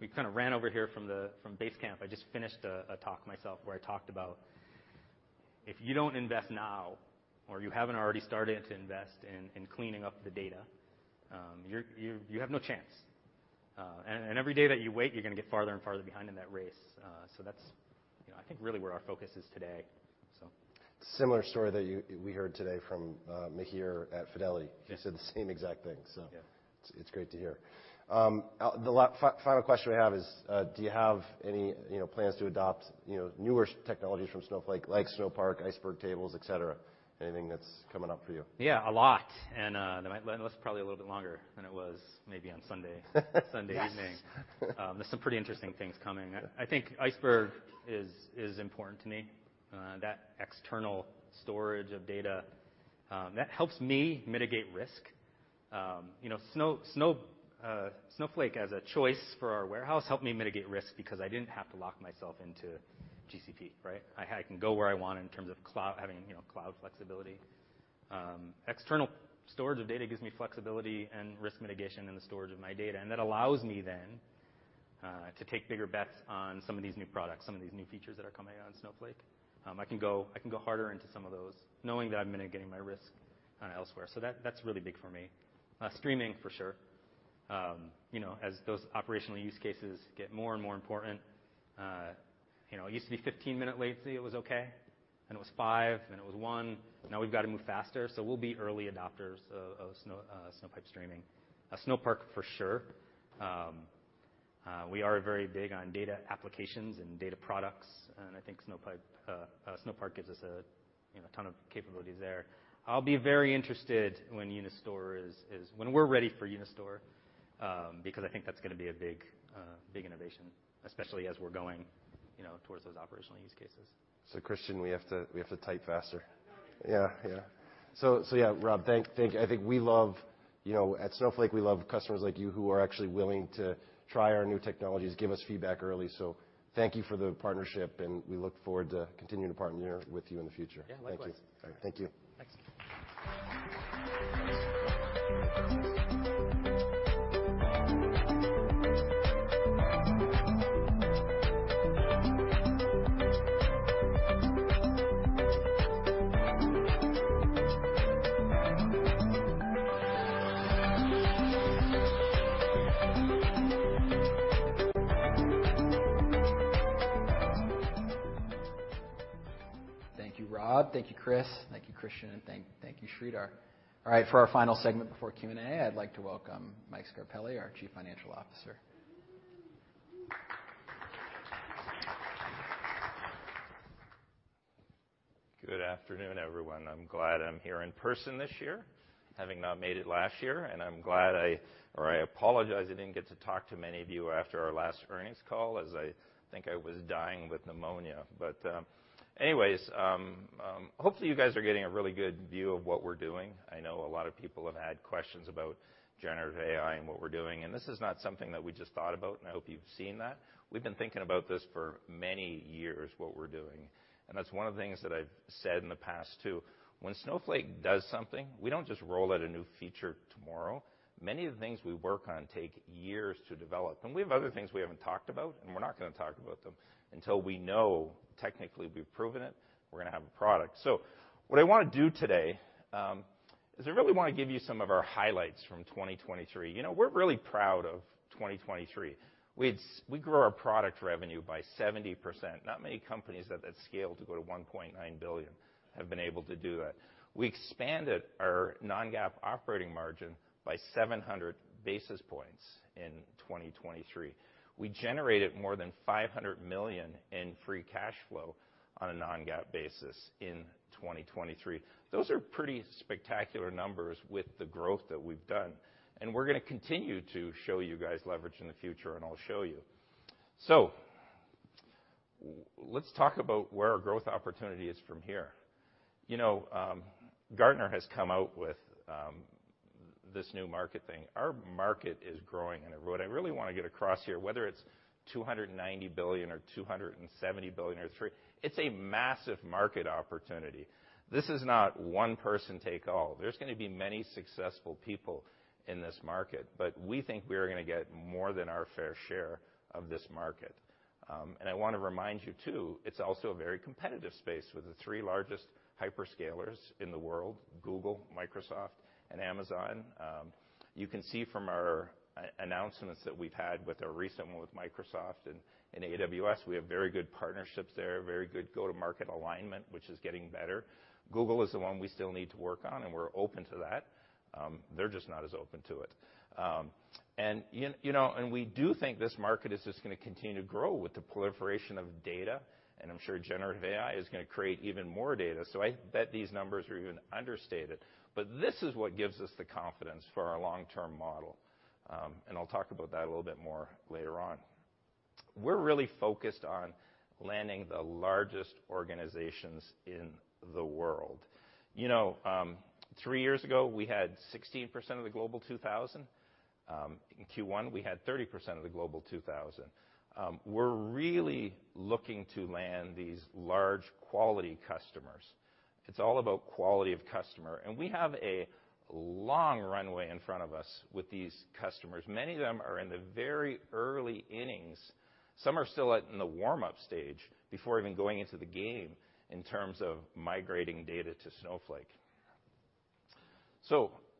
H: We kind of ran over here from base camp. I just finished a talk myself, where I talked about if you don't invest now or you haven't already started to invest in cleaning up the data, you have no chance. Every day that you wait, you're going to get farther and farther behind in that race. That's, you know, I think, really where our focus is today, so.
G: Similar story that we heard today from Mihir at Fidelity.
H: Yeah.
G: He said the same exact thing, so.
H: Yeah.
G: It's great to hear. The final question we have is, do you have any, you know, plans to adopt, you know, newer technologies from Snowflake, like Snowpark, Iceberg tables, et cetera? Anything that's coming up for you?
H: Yeah, a lot. And, the list is probably a little bit longer than it was maybe on Sunday evening.
G: Yes.
H: There's some pretty interesting things coming.
G: Yeah.
H: I think Iceberg is important to me. That external storage of data, that helps me mitigate risk. You know, Snowflake, as a choice for our warehouse, helped me mitigate risk because I didn't have to lock myself into GCP, right? I can go where I want in terms of cloud, having, you know, cloud flexibility. External storage of data gives me flexibility and risk mitigation in the storage of my data, that allows me then to take bigger bets on some of these new products, some of these new features that are coming out on Snowflake. I can go harder into some of those, knowing that I'm mitigating my risk elsewhere. That, that's really big for me. Streaming, for sure. You know, as those operational use cases get more and more important, you know, it used to be 15-minute latency was okay, then it was 5, then it was 1. Now we've got to move faster, so we'll be early adopters of Snowpipe Streaming. Snowpark, for sure. We are very big on data applications and data products, and I think Snowpark gives us a ton of capabilities there. I'll be very interested when Unistore is when we're ready for Unistore, because I think that's going to be a big innovation, especially as we're going towards those operational use cases.
G: Christian, we have to type faster.
E: Yeah.
G: Yeah. Rob, thank you. I think we love. You know, at Snowflake, we love customers like you, who are actually willing to try our new technologies, give us feedback early. Thank you for the partnership. We look forward to continuing to partner with you in the future.
H: Yeah, likewise.
G: Thank you. Thank you.
H: Thanks.
B: Thank you, Rob. Thank you, Chris. Thank you, Christian, and thank you, Sridhar. All right, for our final segment before Q&A, I'd like to welcome Mike Scarpelli, our Chief Financial Officer.
I: Good afternoon, everyone. I'm glad I'm here in person this year, having not made it last year, I apologize I didn't get to talk to many of you after our last earnings call, as I think I was dying with pneumonia. Anyways, hopefully, you guys are getting a really good view of what we're doing. I know a lot of people have had questions about generative AI and what we're doing. This is not something that we just thought about. I hope you've seen that. We've been thinking about this for many years, what we're doing. That's one of the things that I've said in the past, too. When Snowflake does something, we don't just roll out a new feature tomorrow. Many of the things we work on take years to develop and we have other things we haven't talked about, and we're not gonna talk about them until we know, technically, we've proven it, we're gonna have a product. What I wanna do today is I really want to give you some of our highlights from 2023. You know, we're really proud of 2023. We grew our product revenue by 70%. Not many companies at that scale, to go to $1.9 billion, have been able to do that. We expanded our non-GAAP operating margin by 700 basis points in 2023. We generated more than $500 million in free cash flow on a non-GAAP basis in 2023. Those are pretty spectacular numbers with the growth that we've done. We're gonna continue to show you guys leverage in the future. I'll show you. Let's talk about where our growth opportunity is from here. You know, Gartner has come out with this new market thing. Our market is growing. What I really want to get across here, whether it's $290 billion or $270 billion or $300 billion, it's a massive market opportunity. This is not one person take all. There's gonna be many successful people in this market. We think we are gonna get more than our fair share of this market. I want to remind you, too. It's also a very competitive space, with the three largest hyperscalers in the world, Google, Microsoft, and Amazon. You can see from our announcements that we've had with our recent one with Microsoft and AWS, we have very good partnerships there, very good go-to-market alignment, which is getting better. Google is the one we still need to work on, and we're open to that. They're just not as open to it. You know, and we do think this market is just gonna continue to grow with the proliferation of data, and I'm sure generative AI is gonna create even more data, so I bet these numbers are even understated. This is what gives us the confidence for our long-term model and I'll talk about that a little bit more later on. We're really focused on landing the largest organizations in the world. You know, three years ago, we had 16% of the Global 2000. In Q1, we had 30% of the Global 2000. We're really looking to land these large quality customers. It's all about quality of customer, and we have a long runway in front of us with these customers. Many of them are in the very early innings. Some are still at in the warm-up stage before even going into the game in terms of migrating data to Snowflake.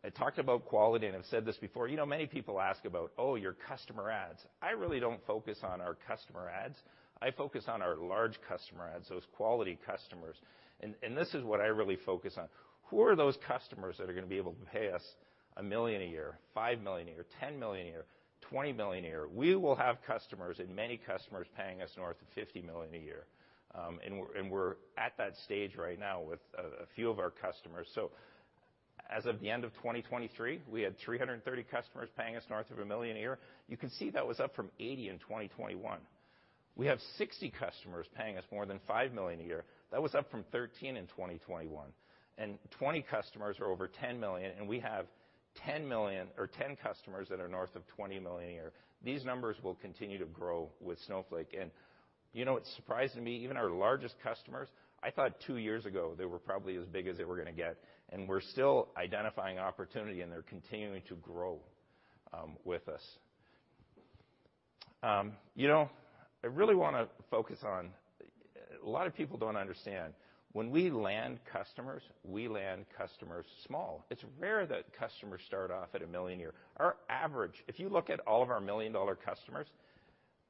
I: I talked about quality, and I've said this before, you know, many people ask about, "Oh, your customer adds." I really don't focus on our customer adds. I focus on our large customer adds, those quality customers. This is what I really focus on. Who are those customers that are gonna be able to pay us $1 million a year, $5 million a year, $10 million a year, $20 million a year? We will have customers and many customers paying us north of $50 million a year, and we're at that stage right now with a few of our customers. As of the end of 2023, we had 330 customers paying us north of $1 million a year. You can see that was up from 80 in 2021. We have 60 customers paying us more than $5 million a year. That was up from 13 in 2021, and 20 customers are over $10 million, and we have 10 customers that are north of $20 million a year. These numbers will continue to grow with Snowflake, and you know what's surprising to me? Even our largest customers, I thought two years ago they were probably as big as they were gonna get, and we're still identifying opportunity, and they're continuing to grow with us. You know, I really wanna focus on. A lot of people don't understand, when we land customers, we land customers small. It's rare that customers start off at $1 million a year. Our average, if you look at all of our $1 million-dollar customers,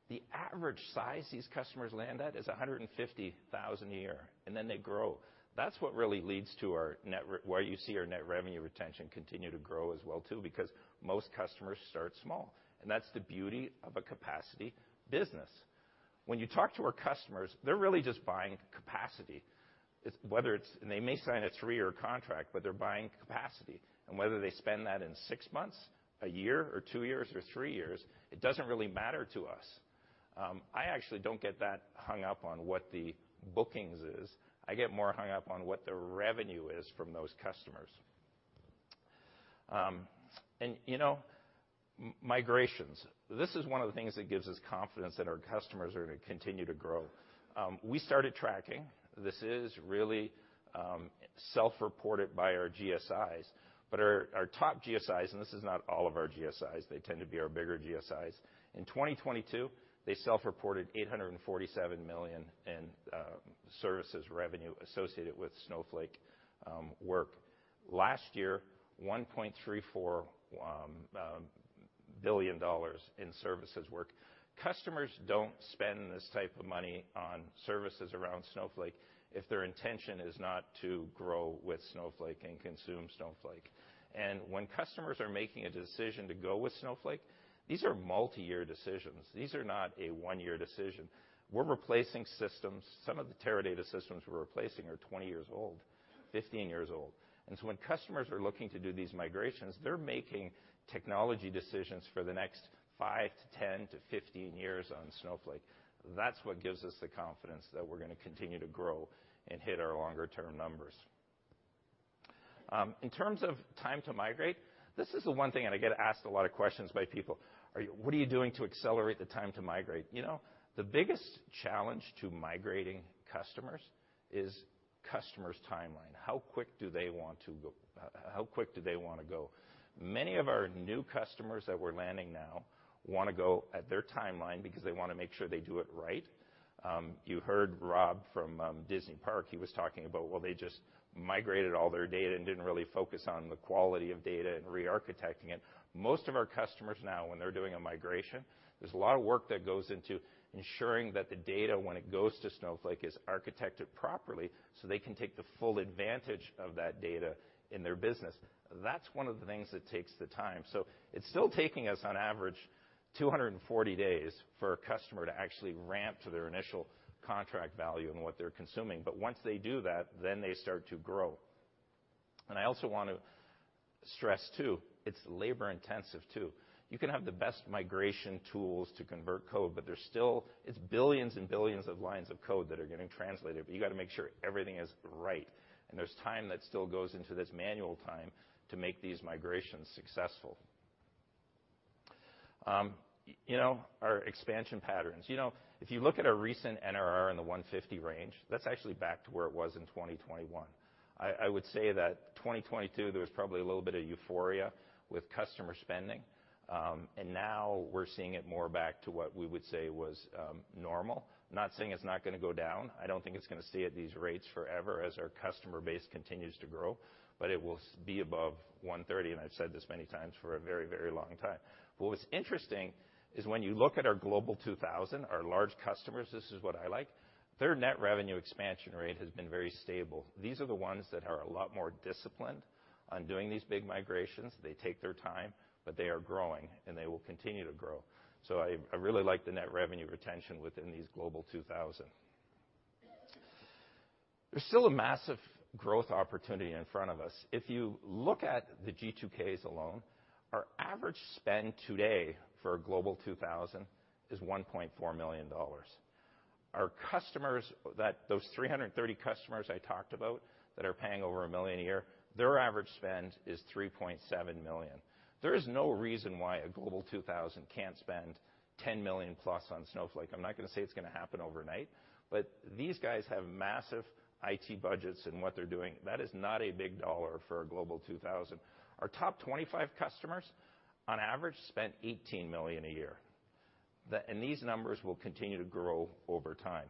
I: the average size these customers land at is $150,000 a year, and then they grow. That's what really leads to our why you see our net revenue retention continue to grow as well, too, because most customers start small, and that's the beauty of a capacity business. When you talk to our customers, they're really just buying capacity. It's whether they may sign a three-year contract, but they're buying capacity, and whether they spend that in six months, a year, or two years, or three years, it doesn't really matter to us. I actually don't get that hung up on what the bookings is. I get more hung up on what the revenue is from those customers. You know, migrations, this is one of the things that gives us confidence that our customers are going to continue to grow. We started tracking. This is really self-reported by our GSIs, but our top GSIs, and this is not all of our GSIs, they tend to be our bigger GSIs. In 2022, they self-reported $847 million in services revenue associated with Snowflake work. Last year, $1.34 billion in services work. Customers don't spend this type of money on services around Snowflake if their intention is not to grow with Snowflake and consume Snowflake. When customers are making a decision to go with Snowflake, these are multi-year decisions. These are not a one-year decision. We're replacing systems. Some of the Teradata systems we're replacing are 20 years old, 15 years old. When customers are looking to do these migrations, they're making technology decisions for the next five to 10 to 15 years on Snowflake. That's what gives us the confidence that we're going to continue to grow and hit our longer-term numbers. In terms of time to migrate, this is the one thing, and I get asked a lot of questions by people: What are you doing to accelerate the time to migrate? You know, the biggest challenge to migrating customers is customers' timeline. How quick do they want to go? Many of our new customers that we're landing now want to go at their timeline because they want to make sure they do it right. You heard Rob from Disney Park, he was talking about, well, they just migrated all their data and didn't really focus on the quality of data and re-architecting it. Most of our customers now, when they're doing a migration, there's a lot of work that goes into ensuring that the data, when it goes to Snowflake, is architected properly, so they can take the full advantage of that data in their business. That's one of the things that takes the time. It's still taking us, on average, 240 days for a customer to actually ramp to their initial contract value and what they're consuming. Once they do that, then they start to grow. I also want to stress, too, it's labor-intensive, too. You can have the best migration tools to convert code. It's billions and billions of lines of code that are getting translated, but you got to make sure everything is right. There's time that still goes into this manual time to make these migrations successful. You know, our expansion patterns. You know, if you look at our recent NRR in the 150 range, that's actually back to where it was in 2021. I would say that 2022, there was probably a little bit of euphoria with customer spending. Now we're seeing it more back to what we would say was normal. Not saying it's not going to go down. I don't think it's going to stay at these rates forever as our customer base continues to grow, but it will be above 130, and I've said this many times, for a very, very long time. What's interesting is when you look at our Global 2000, our large customers, this is what I like. Their net revenue expansion rate has been very stable. These are the ones that are a lot more disciplined on doing these big migrations. They take their time, but they are growing, and they will continue to grow. I really like the net revenue retention within these Global 2000. There's still a massive growth opportunity in front of us. If you look at the G2Ks alone, our average spend today for a Global 2000 is $1.4 million. Our customers, those 330 customers I talked about that are paying over $1 million a year, their average spend is $3.7 million. There is no reason why a Global 2000 can't spend $10 million+ on Snowflake. I'm not going to say it's going to happen overnight, but these guys have massive IT budgets, and what they're doing, that is not a big dollar for a Global 2000. Our top 25 customers on average, spend $18 million a year. These numbers will continue to grow over time.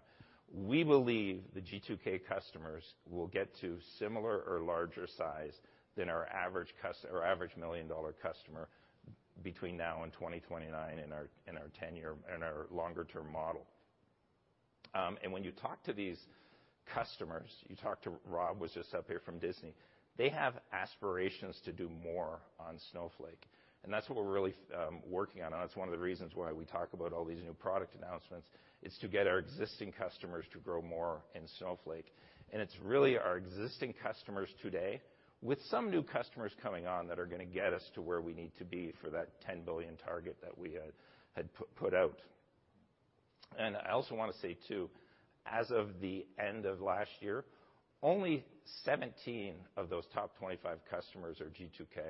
I: We believe the G2K customers will get to similar or larger size than our average our average million-dollar customer between now and 2029 in our, in our tenure, in our longer-term model. When you talk to these customers, you talk to Rob, was just up here from Disney, they have aspirations to do more on Snowflake, and that's what we're really working on, and that's one of the reasons why we talk about all these new product announcements, is to get our existing customers to grow more in Snowflake. It's really our existing customers today, with some new customers coming on, that are going to get us to where we need to be for that $10 billion target that we had put out. I also want to say, too, as of the end of last year, only 17 of those top 25 customers are G2K.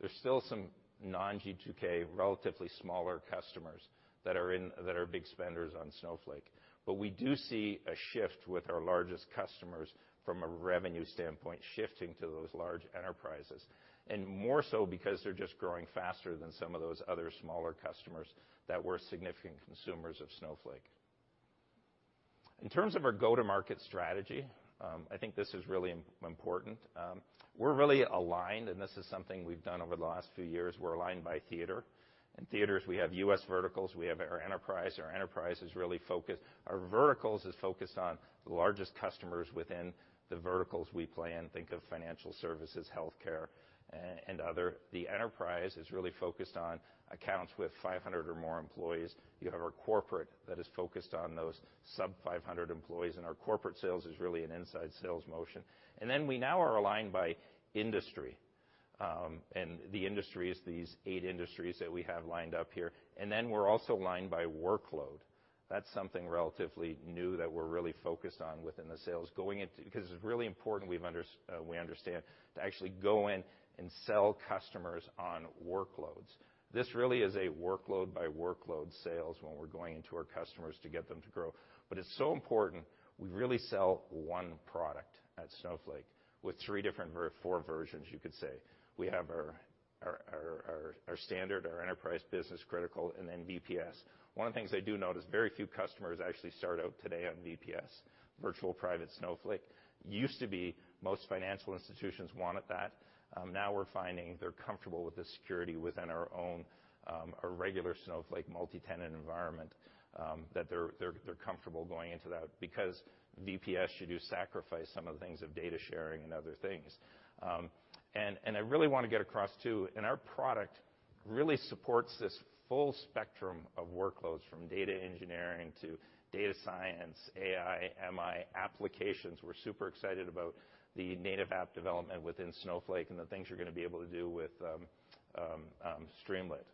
I: There's still some non-G2K, relatively smaller customers that are big spenders on Snowflake. We do see a shift with our largest customers from a revenue standpoint, shifting to those large enterprises, and more so because they're just growing faster than some of those other smaller customers that were significant consumers of Snowflake. In terms of our go-to-market strategy, I think this is really important. We're really aligned, and this is something we've done over the last few years, we're aligned by theater. In theaters, we have US verticals, we have our enterprise. Our enterprise is really focused. Our verticals is focused on the largest customers within the verticals we play in. Think of financial services, healthcare, and other. The enterprise is really focused on accounts with 500 or more employees. You have our corporate that is focused on those sub 500 employees, and our corporate sales is really an inside sales motion. We now are aligned by industry, and the industry is these eight industries that we have lined up here. We're also aligned by workload. That's something relatively new that we're really focused on within the sales, going into, because it's really important, we understand, to actually go in and sell customers on workloads. This really is a workload-by-workload sales when we're going into our customers to get them to grow. It's so important, we really sell one product at Snowflake with four versions, you could say. We have our standard, our Enterprise Business Critical, VPS. One of the things I do notice, very few customers actually start out today on VPS, Virtual Private Snowflake. Used to be most financial institutions wanted that. Now we're finding they're comfortable with the security within our own, our regular Snowflake multi-tenant environment, that they're comfortable going into that because VPS, you do sacrifice some of the things of data sharing and other things. I really want to get across, too, and our product really supports this full spectrum of workloads, from data engineering to data science, AI, ML, applications. We're super excited about the native app development within Snowflake and the things you're going to be able to do with Streamlit.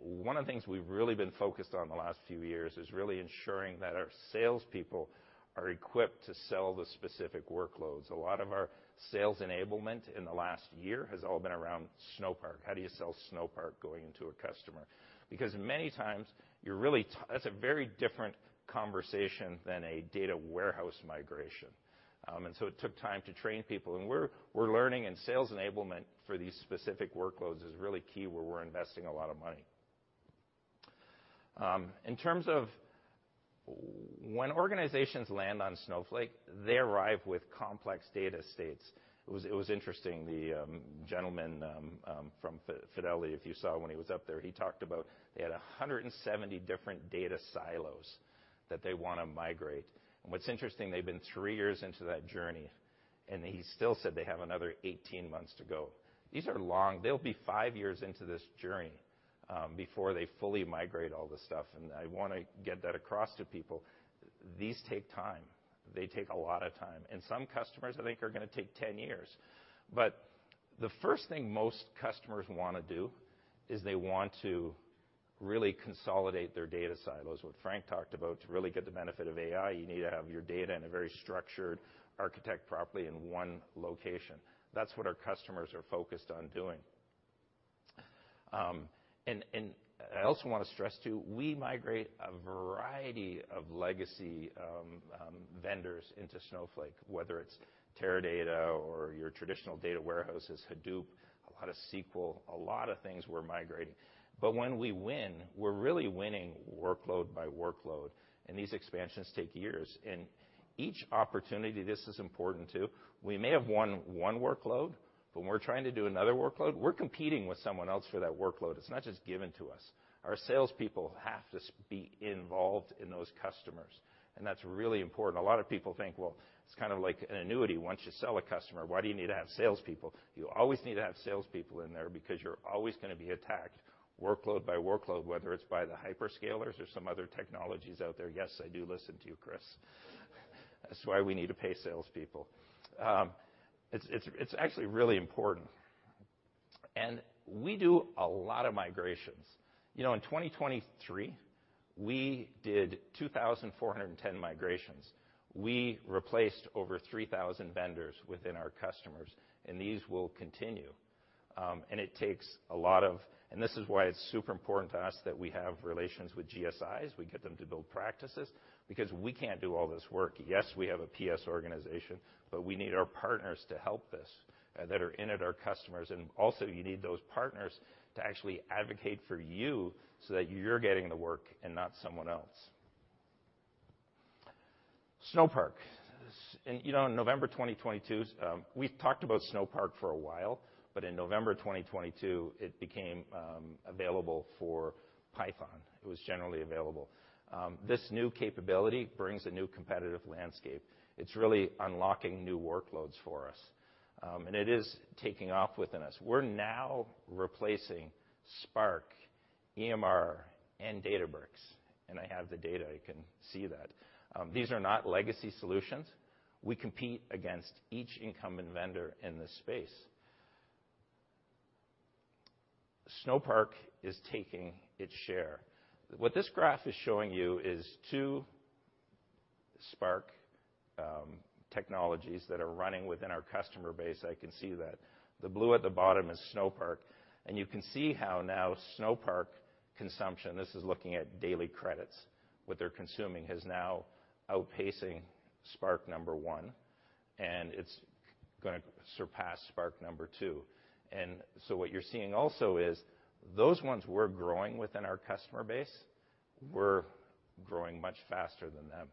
I: One of the things we've really been focused on the last few years is really ensuring that our salespeople are equipped to sell the specific workloads. A lot of our sales enablement in the last year has all been around Snowpark. How do you sell Snowpark going into a customer? Because many times you're really That's a very different conversation than a data warehouse migration. It took time to train people, and we're learning, and sales enablement for these specific workloads is really key, where we're investing a lot of money. In terms of When organizations land on Snowflake, they arrive with complex data states. It was interesting, the gentleman from Fidelity, if you saw when he was up there, he talked about they had 170 different data silos that they want to migrate. What's interesting, they've been three years into that journey, and he still said they have another 18 months to go. These are long. They'll be 5 years into this journey before they fully migrate all this stuff, and I want to get that across to people. These take time. They take a lot of time. Some customers, I think, are gonna take 10 years. The first thing most customers want to do is they want to really consolidate their data silos. What Frank talked about, to really get the benefit of AI, you need to have your data in a very structured, architect properly in one location. That's what our customers are focused on doing. And I also want to stress, too, we migrate a variety of legacy vendors into Snowflake, whether it's Teradata or your traditional data warehouses, Hadoop, a lot of SQL, a lot of things we're migrating. When we win, we're really winning workload by workload, and these expansions take years. Each opportunity. This is important, too. We may have won one workload, but when we're trying to do another workload, we're competing with someone else for that workload. It's not just given to us. Our salespeople have to be involved in those customers. That's really important. A lot of people think, well, it's kind of like an annuity. Once you sell a customer, why do you need to have salespeople? You always need to have salespeople in there because you're always gonna be attacked workload by workload, whether it's by the hyperscalers or some other technologies out there. Yes, I do listen to you, Chris. That's why we need to pay salespeople. It's actually really important. We do a lot of migrations. You know, in 2023, we did 2,410 migrations. We replaced over 3,000 vendors within our customers, and these will continue. This is why it's super important to us that we have relations with GSIs. We get them to build practices because we can't do all this work. Yes, we have a PS organization, but we need our partners to help us that are in at our customers, you need those partners to actually advocate for you so that you're getting the work and not someone else. Snowpark. You know, in November 2022, we've talked about Snowpark for a while, but in November of 2022, it became available for Python. It was generally available. This new capability brings a new competitive landscape. It's really unlocking new workloads for us, it is taking off within us. We're now replacing Spark, EMR, and Databricks, I have the data, you can see that. These are not legacy solutions. We compete against each incumbent vendor in this space. Snowpark is taking its share. What this graph is showing you is two Spark technologies that are running within our customer base. I can see that. The blue at the bottom is Snowpark, and you can see how now Snowpark consumption, this is looking at daily credits. What they're consuming is now outpacing Spark number one, and it's gonna surpass Spark number two. What you're seeing also is those ones who were growing within our customer base, we're growing much faster than them.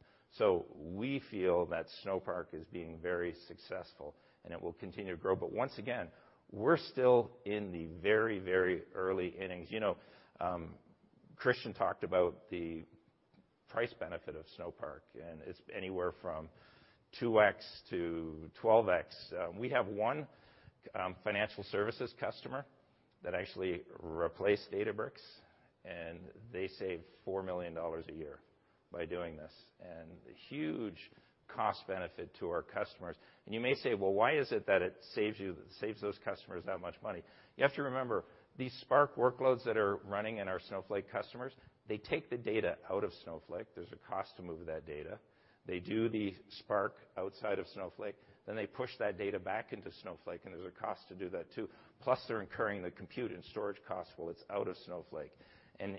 I: We feel that Snowpark is being very successful, and it will continue to grow. Once again, we're still in the very, very early innings. You know, Christian talked about the price benefit of Snowpark, and it's anywhere from 2x to 12x. We have one financial services customer that actually replaced Databricks, and they save $4 million a year by doing this, and a huge cost benefit to our customers. You may say, "Well, why is it that it saves those customers that much money?" You have to remember, these Spark workloads that are running in our Snowflake customers, they take the data out of Snowflake. There's a cost to move that data. They do the Spark outside of Snowflake, then they push that data back into Snowflake, and there's a cost to do that, too. Plus, they're incurring the compute and storage costs while it's out of Snowflake.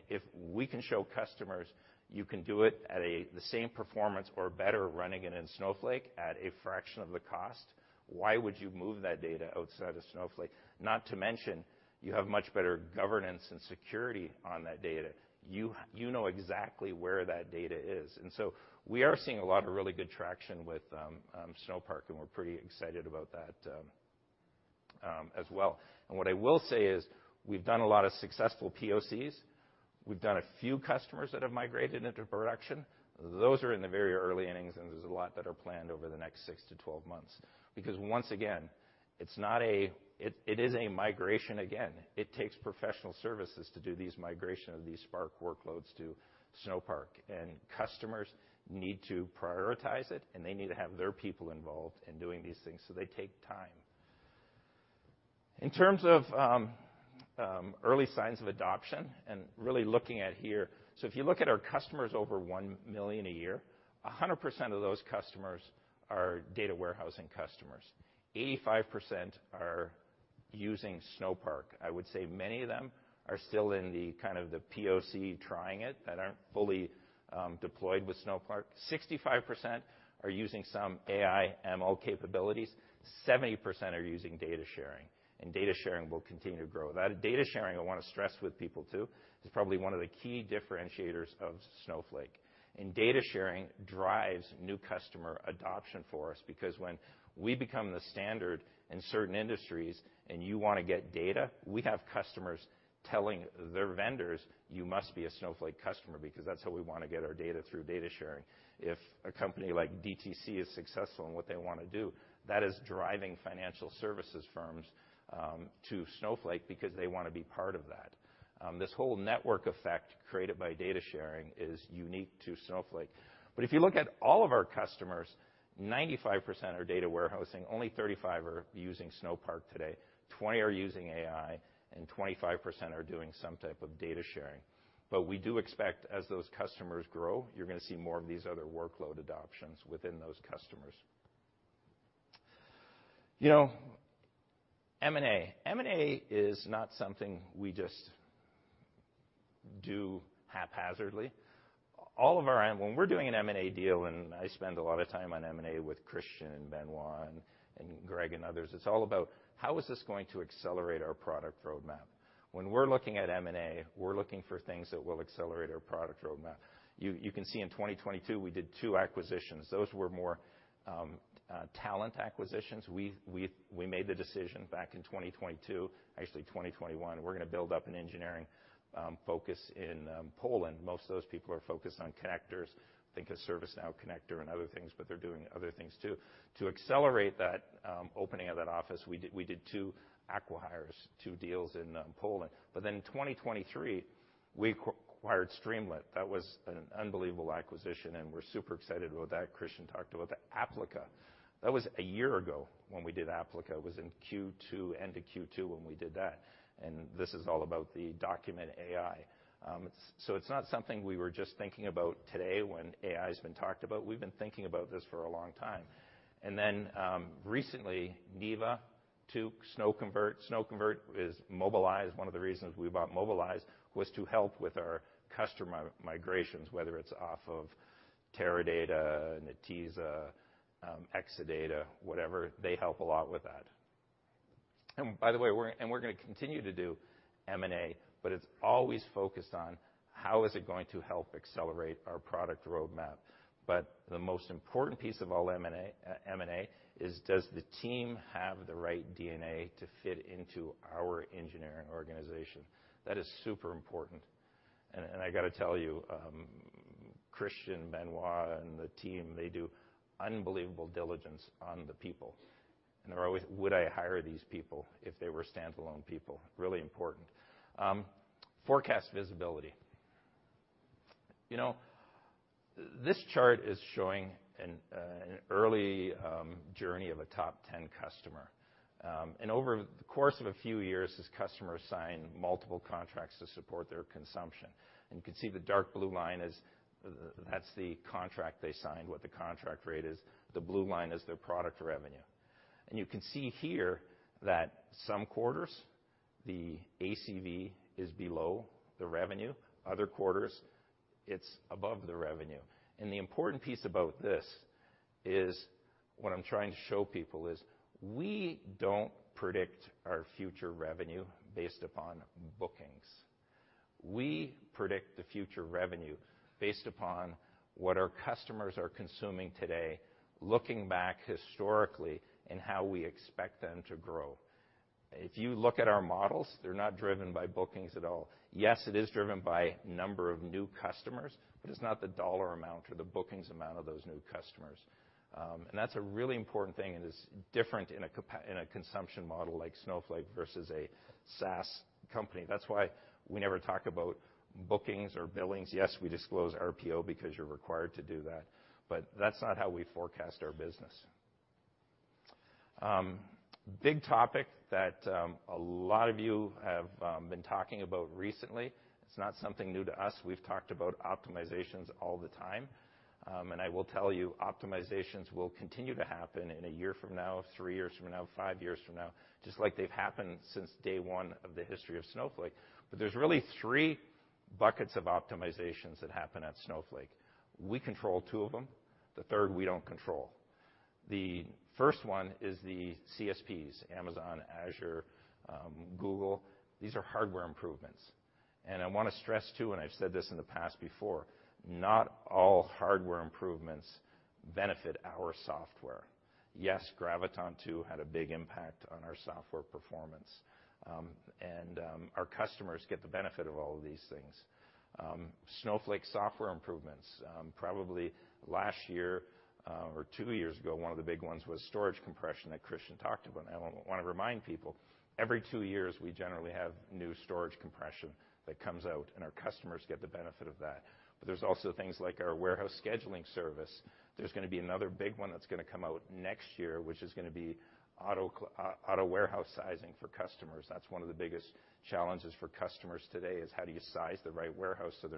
I: If we can show customers you can do it at the same performance or better running it in Snowflake at a fraction of the cost, why would you move that data outside of Snowflake? Not to mention, you have much better governance and security on that data. You, you know exactly where that data is. We are seeing a lot of really good traction with Snowpark, and we're pretty excited about that as well. What I will say is, we've done a lot of successful POCs. We've done a few customers that have migrated into production. Those are in the very early innings, and there's a lot that are planned over the next six to 12 months. Once again, it is a migration again. It takes professional services to do these migration of these Spark workloads to Snowpark, and customers need to prioritize it, and they need to have their people involved in doing these things, so they take time. In terms of early signs of adoption and really looking at here, if you look at our customers over 1 million a year, 100% of those customers are data warehousing customers. 85% are using Snowpark. I would say many of them are still in the kind of the POC, trying it, that aren't fully deployed with Snowpark. 65% are using some AI ML capabilities, 70% are using data sharing. Data sharing will continue to grow. That data sharing, I want to stress with people, too, is probably one of the key differentiators of Snowflake. Data sharing drives new customer adoption for us, because when we become the standard in certain industries and you want to get data, we have customers telling their vendors, "You must be a Snowflake customer, because that's how we want to get our data, through data sharing." If a company like DTC is successful in what they want to do, that is driving financial services firms to Snowflake because they want to be part of that. This whole network effect created by data sharing is unique to Snowflake. If you look at all of our customers, 95% are data warehousing, only 35 are using Snowpark today, 20 are using AI, and 25% are doing some type of data sharing. We do expect as those customers grow, you're gonna see more of these other workload adoptions within those customers. You know, M&A. M&A is not something we just do haphazardly. When we're doing an M&A deal, I spend a lot of time on M&A with Christian, Benoit, and Greg and others, it's all about how is this going to accelerate our product roadmap? When we're looking at M&A, we're looking for things that will accelerate our product roadmap. You can see in 2022, we did two acquisitions. Those were more talent acquisitions. We made the decision back in 2022, actually 2021, we're gonna build up an engineering focus in Poland. Most of those people are focused on connectors. Think of ServiceNow connector and other things, but they're doing other things, too. To accelerate that opening of that office, we did 2 acquihires, 2 deals in Poland. In 2023, we acquired Streamlit. That was an unbelievable acquisition, and we're super excited about that. Christian talked about the Applica. That was a year ago when we did Applica. It was in Q2, end of Q2 when we did that, this is all about the Document AI. It's not something we were just thinking about today when AI's been talked about. We've been thinking about this for a long time. Recently, Neeva, Tuk, SnowConvert. SnowConvert is Mobilize. One of the reasons we bought Mobilize was to help with our customer migrations, whether it's off of Teradata, Netezza, Exadata, whatever, they help a lot with that. By the way, we're gonna continue to do M&A, it's always focused on how is it going to help accelerate our product roadmap. The most important piece of all M&A, is does the team have the right DNA to fit into our engineering organization? That is super important. I gotta tell you, Christian, Benoit and the team, they do unbelievable diligence on the people. They're always, "Would I hire these people if they were standalone people?" Really important. Forecast visibility. You know, this chart is showing an early journey of a top 10 customer. Over the course of a few years, this customer signed multiple contracts to support their consumption. You can see the dark blue line is, that's the contract they signed, what the contract rate is. The blue line is their product revenue. You can see here that some quarters, the ACV is below the revenue, other quarters, it's above the revenue. The important piece about this is what I'm trying to show people is we don't predict our future revenue based upon bookings. We predict the future revenue based upon what our customers are consuming today, looking back historically in how we expect them to grow. If you look at our models, they're not driven by bookings at all. Yes, it is driven by number of new customers, but it's not the dollar amount or the bookings amount of those new customers. That's a really important thing, and it's different in a consumption model like Snowflake versus a SaaS company. That's why we never talk about bookings or billings. Yes, we disclose RPO because you're required to do that, but that's not how we forecast our business. Big topic that a lot of you have been talking about recently. It's not something new to us. We've talked about optimizations all the time. I will tell you, optimizations will continue to happen in a year from now, three years from now, five years from now, just like they've happened since day one of the history of Snowflake. There's really three buckets of optimizations that happen at Snowflake. We control two of them, the third we don't control. The first one is the CSPs, Amazon, Azure, Google. These are hardware improvements, and I want to stress too, and I've said this in the past before, not all hardware improvements benefit our software. Yes, Graviton2 had a big impact on our software performance. Our customers get the benefit of all of these things. Snowflake software improvements, probably last year, or 2 years ago, one of the big ones was storage compression that Christian talked about. I want to remind people, every 2 years, we generally have new storage compression that comes out, and our customers get the benefit of that. There's also things like our warehouse scheduling service. There's going to be another big one that's going to come out next year, which is going to be auto warehouse sizing for customers. That's one of the biggest challenges for customers today, is how do you size the right warehouse, so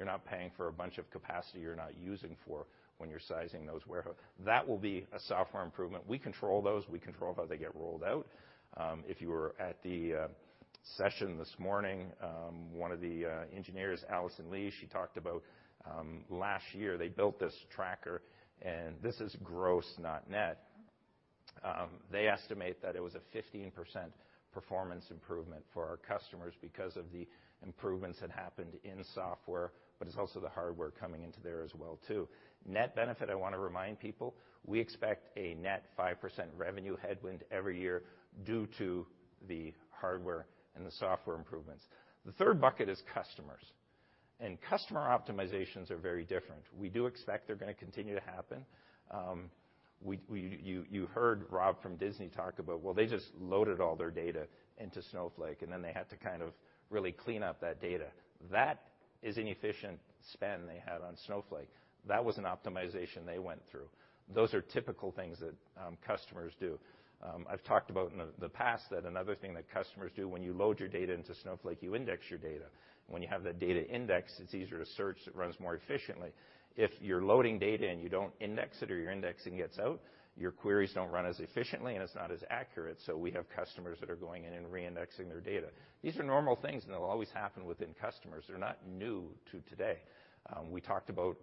I: you're not paying for a bunch of capacity you're not using for when you're sizing those warehouse. That will be a software improvement. We control those. We control how they get rolled out. If you were at the session this morning, one of the engineers Allison Lee, she talked about last year, they built this tracker, and this is gross, not net. They estimate that it was a 15% performance improvement for our customers because of the improvements that happened in software, but it's also the hardware coming into there as well, too. Net benefit, I want to remind people, we expect a net 5% revenue headwind every year due to the hardware and the software improvements. The third bucket is customers, and customer optimizations are very different. We do expect they're going to continue to happen. You heard Rob from Disney talk about, well, they just loaded all their data into Snowflake, and then they had to kind of really clean up that data. That is inefficient spend they had on Snowflake. That was an optimization they went through. Those are typical things that customers do. I've talked about in the past, that another thing that customers do when you load your data into Snowflake, you index your data. When you have that data indexed, it's easier to search. It runs more efficiently. If you're loading data and you don't index it or your indexing gets out, your queries don't run as efficiently, and it's not as accurate. We have customers that are going in and reindexing their data. These are normal things, and they'll always happen within customers. They're not new to today. We talked about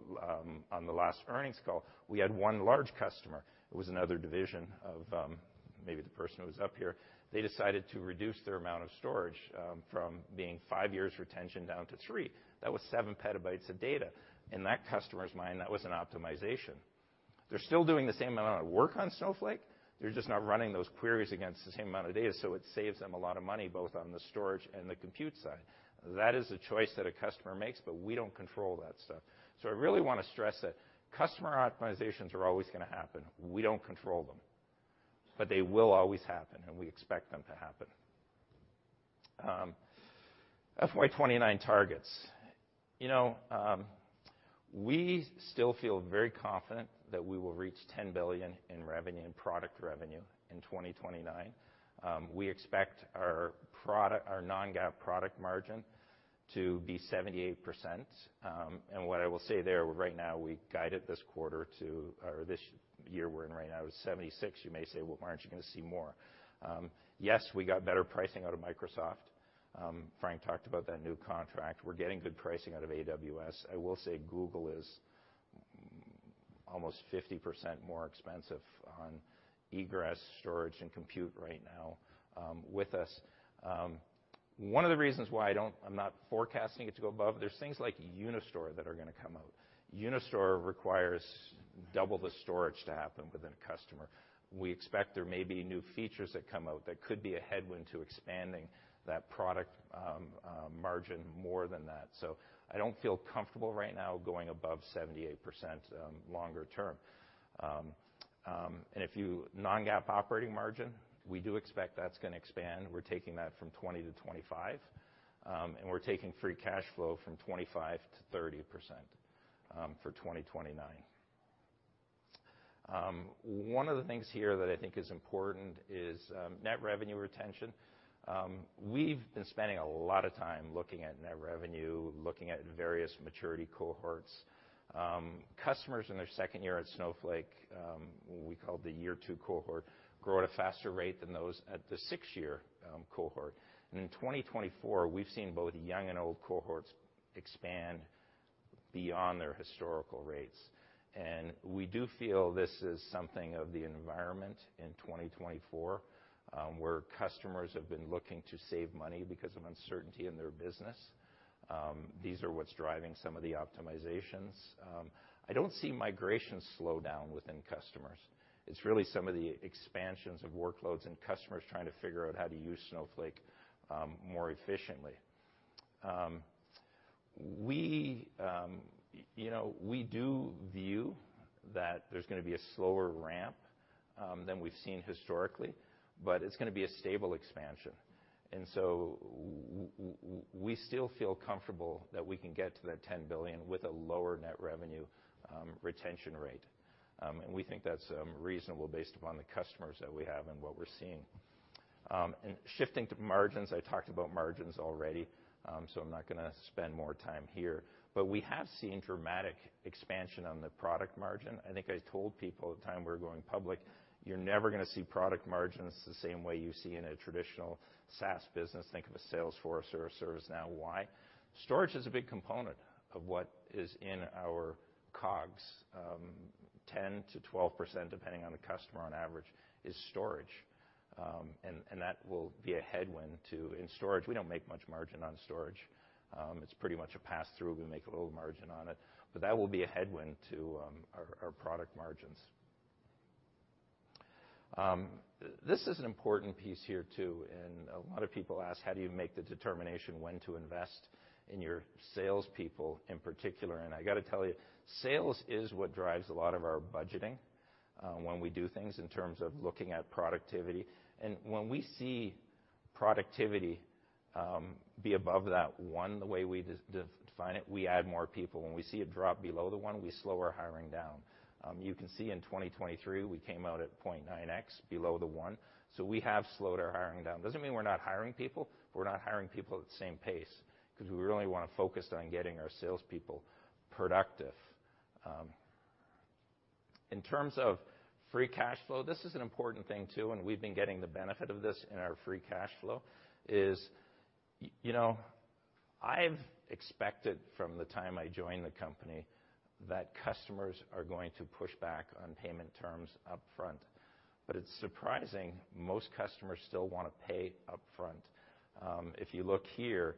I: on the last earnings call, we had one large customer. It was another division of maybe the person who was up here. They decided to reduce their amount of storage, from being five years retention down to three. That was 7 petabytes of data. In that customer's mind, that was an optimization. They're still doing the same amount of work on Snowflake. They're just not running those queries against the same amount of data, so it saves them a lot of money, both on the storage and the compute side. That is a choice that a customer makes, but we don't control that stuff. I really want to stress that customer optimizations are always going to happen. We don't control them, but they will always happen, and we expect them to happen. FY 2029 targets. You know, we still feel very confident that we will reach $10 billion in revenue and product revenue in 2029. We expect our non-GAAP product margin to be 78%. What I will say there, right now, we guided this quarter to - or this year we're in right now is 76%. You may say, "Well, aren't you going to see more?" Yes, we got better pricing out of Microsoft. Frank talked about that new contract. We're getting good pricing out of AWS. I will say Google is almost 50% more expensive on egress, storage, and compute right now with us. One of the reasons why I'm not forecasting it to go above, there's things like Unistore that are going to come out. Unistore requires double the storage to happen within a customer. We expect there may be new features that come out that could be a headwind to expanding that product margin more than that. I don't feel comfortable right now going above 78% longer term. non-GAAP operating margin, we do expect that's going to expand. We're taking that from 20-25, and we're taking free cash flow from 25%-30% for 2029. One of the things here that I think is important is net revenue retention. We've been spending a lot of time looking at net revenue, looking at various maturity cohorts. Customers in their second year at Snowflake, we call the year two cohort, grow at a faster rate than those at the 6-year cohort. In 2024, we've seen both young and old cohorts expand beyond their historical rates. We do feel this is something of the environment in 2024, where customers have been looking to save money because of uncertainty in their business. These are what's driving some of the optimizations. I don't see migration slow down within customers. It's really some of the expansions of workloads and customers trying to figure out how to use Snowflake more efficiently. We, you know, we do view that there's gonna be a slower ramp than we've seen historically, but it's gonna be a stable expansion. We still feel comfortable that we can get to that $10 billion with a lower net revenue retention rate. We think that's reasonable based upon the customers that we have and what we're seeing. Shifting to margins, I talked about margins already, I'm not gonna spend more time here, we have seen dramatic expansion on the product margin. I think I told people at the time we were going public, you're never gonna see product margins the same way you see in a traditional SaaS business. Think of a Salesforce or a ServiceNow. Why? Storage is a big component of what is in our COGS. 10%-12%, depending on the customer, on average, is storage. That will be a headwind, too. In storage, we don't make much margin on storage. It's pretty much a pass-through. We make a little margin on it, that will be a headwind to our product margins. This is an important piece here, too, a lot of people ask: How do you make the determination when to invest in your salespeople in particular? I got to tell you, sales is what drives a lot of our budgeting when we do things in terms of looking at productivity. When we see productivity be above that 1, the way we de-define it, we add more people. When we see it drop below the 1, we slow our hiring down. You can see in 2023, we came out at 0.9x, below the 1, we have slowed our hiring down. Doesn't mean we're not hiring people, but we're not hiring people at the same pace because we really want to focus on getting our salespeople productive. In terms of free cash flow, this is an important thing, too, and we've been getting the benefit of this in our free cash flow, is, I've expected from the time I joined the company that customers are going to push back on payment terms upfront, but it's surprising most customers still want to pay upfront. If you look here,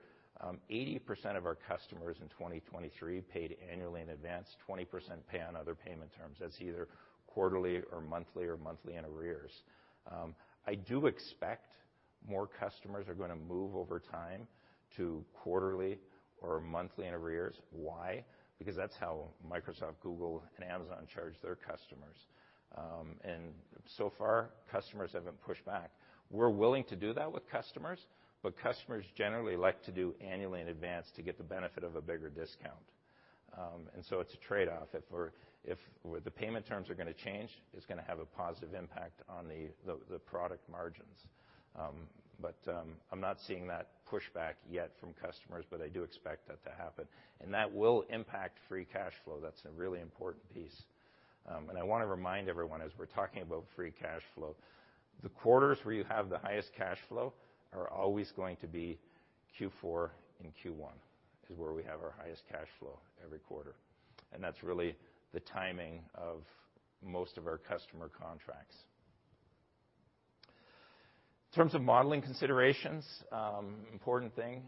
I: 80% of our customers in 2023 paid annually in advance, 20% pay on other payment terms. That's either quarterly or monthly or monthly in arrears. I do expect more customers are gonna move over time to quarterly or monthly in arrears. Why? Because that's how Microsoft, Google, and Amazon charge their customers. So far, customers haven't pushed back. We're willing to do that with customers, but customers generally like to do annually in advance to get the benefit of a bigger discount. It's a trade-off. If the payment terms are gonna change, it's gonna have a positive impact on the, the product margins. I'm not seeing that pushback yet from customers, but I do expect that to happen, and that will impact free cash flow. That's a really important piece. I want to remind everyone, as we're talking about free cash flow, the quarters where you have the highest cash flow are always going to be Q4 and Q1, is where we have our highest cash flow every quarter, and that's really the timing of most of our customer contracts. In terms of modeling considerations, important thing,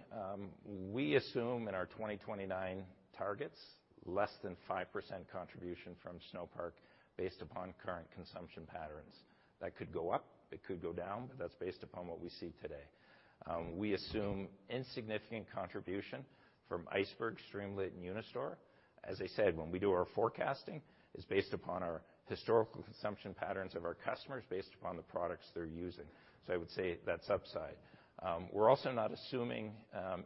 I: we assume in our 2029 targets, less than 5% contribution from Snowpark based upon current consumption patterns. That could go up, it could go down, but that's based upon what we see today. We assume insignificant contribution from Iceberg, Streamlit, and Unistore. As I said, when we do our forecasting, it's based upon our historical consumption patterns of our customers, based upon the products they're using. I would say that's upside. We're also not assuming